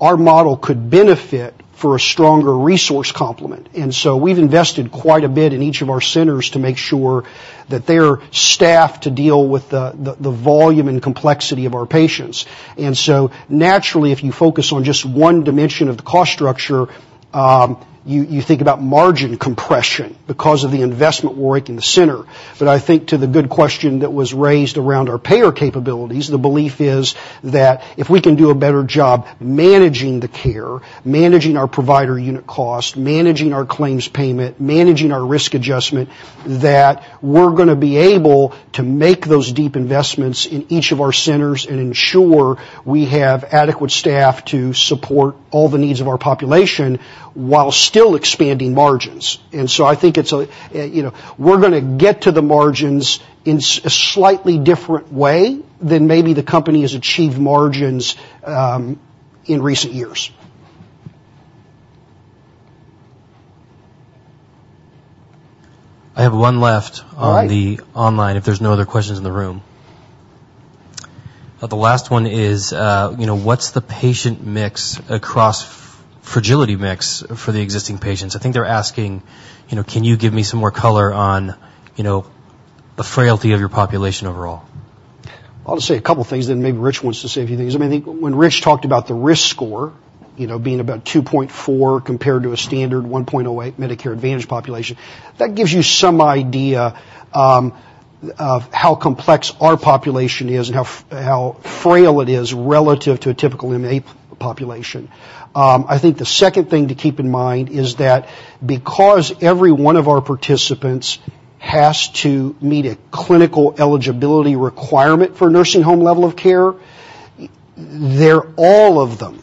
our model could benefit from a stronger resource complement. And so we've invested quite a bit in each of our centers to make sure that they're staffed to deal with the volume and complexity of our patients. And so naturally, if you focus on just one dimension of the cost structure, you think about margin compression because of the investment we're making in the center. But I think to the good question that was raised around our payer capabilities, the belief is that if we can do a better job managing the care, managing our provider unit cost, managing our claims payment, managing our risk adjustment, that we're going to be able to make those deep investments in each of our centers and ensure we have adequate staff to support all the needs of our population while still expanding margins. And so I think it's a we're going to get to the margins in a slightly different way than maybe the company has achieved margins in recent years. I have one left on the online if there's no other questions in the room. The last one is, what's the patient mix across fragility mix for the existing patients? I think they're asking, "Can you give me some more color on the frailty of your population overall? I'll just say a couple of things then maybe Rich wants to say a few things. I mean, when Rich talked about the risk score being about 2.4 compared to a standard 1.08 Medicare Advantage population, that gives you some idea of how complex our population is and how frail it is relative to a typical MA population. I think the second thing to keep in mind is that because every one of our participants has to meet a clinical eligibility requirement for nursing home level of care, all of them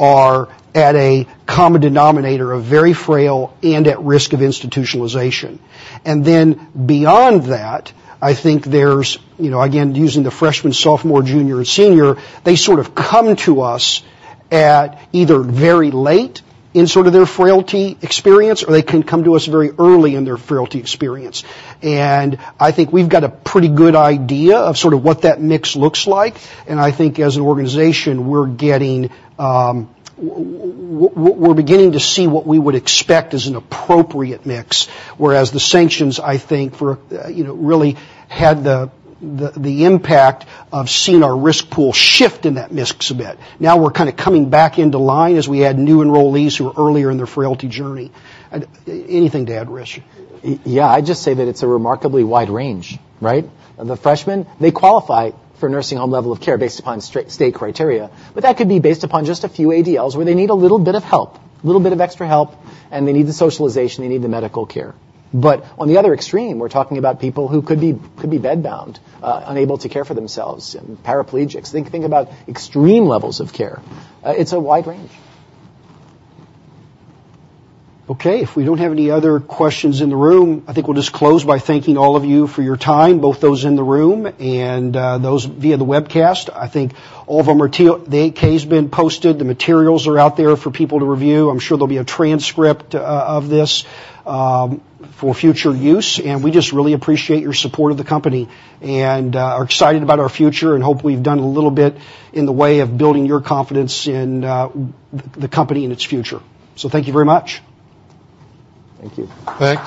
are at a common denominator of very frail and at risk of institutionalization. And then beyond that, I think there's again, using the freshmen, sophomore, junior, and senior, they sort of come to us at either very late in sort of their frailty experience or they can come to us very early in their frailty experience. And I think we've got a pretty good idea of sort of what that mix looks like. And I think as an organization, we're beginning to see what we would expect as an appropriate mix, whereas the sanctions, I think, really had the impact of seeing our risk pool shift in that mix a bit. Now we're kind of coming back into line as we add new enrollees who are earlier in their frailty journey. Anything to add, Rich? Yeah, I'd just say that it's a remarkably wide range, right? The freshmen, they qualify for nursing home level of care based upon state criteria, but that could be based upon just a few ADLs where they need a little bit of help, a little bit of extra help, and they need the socialization. They need the medical care. But on the other extreme, we're talking about people who could be bedbound, unable to care for themselves, paraplegics. Think about extreme levels of care. It's a wide range. Okay. If we don't have any other questions in the room, I think we'll just close by thanking all of you for your time, both those in the room and those via the webcast. I think all of them, the deck has been posted. The materials are out there for people to review. I'm sure there'll be a transcript of this for future use. And we just really appreciate your support of the company and are excited about our future and hope we've done a little bit in the way of building your confidence in the company and its future. So thank you very much. Thank you. Thanks.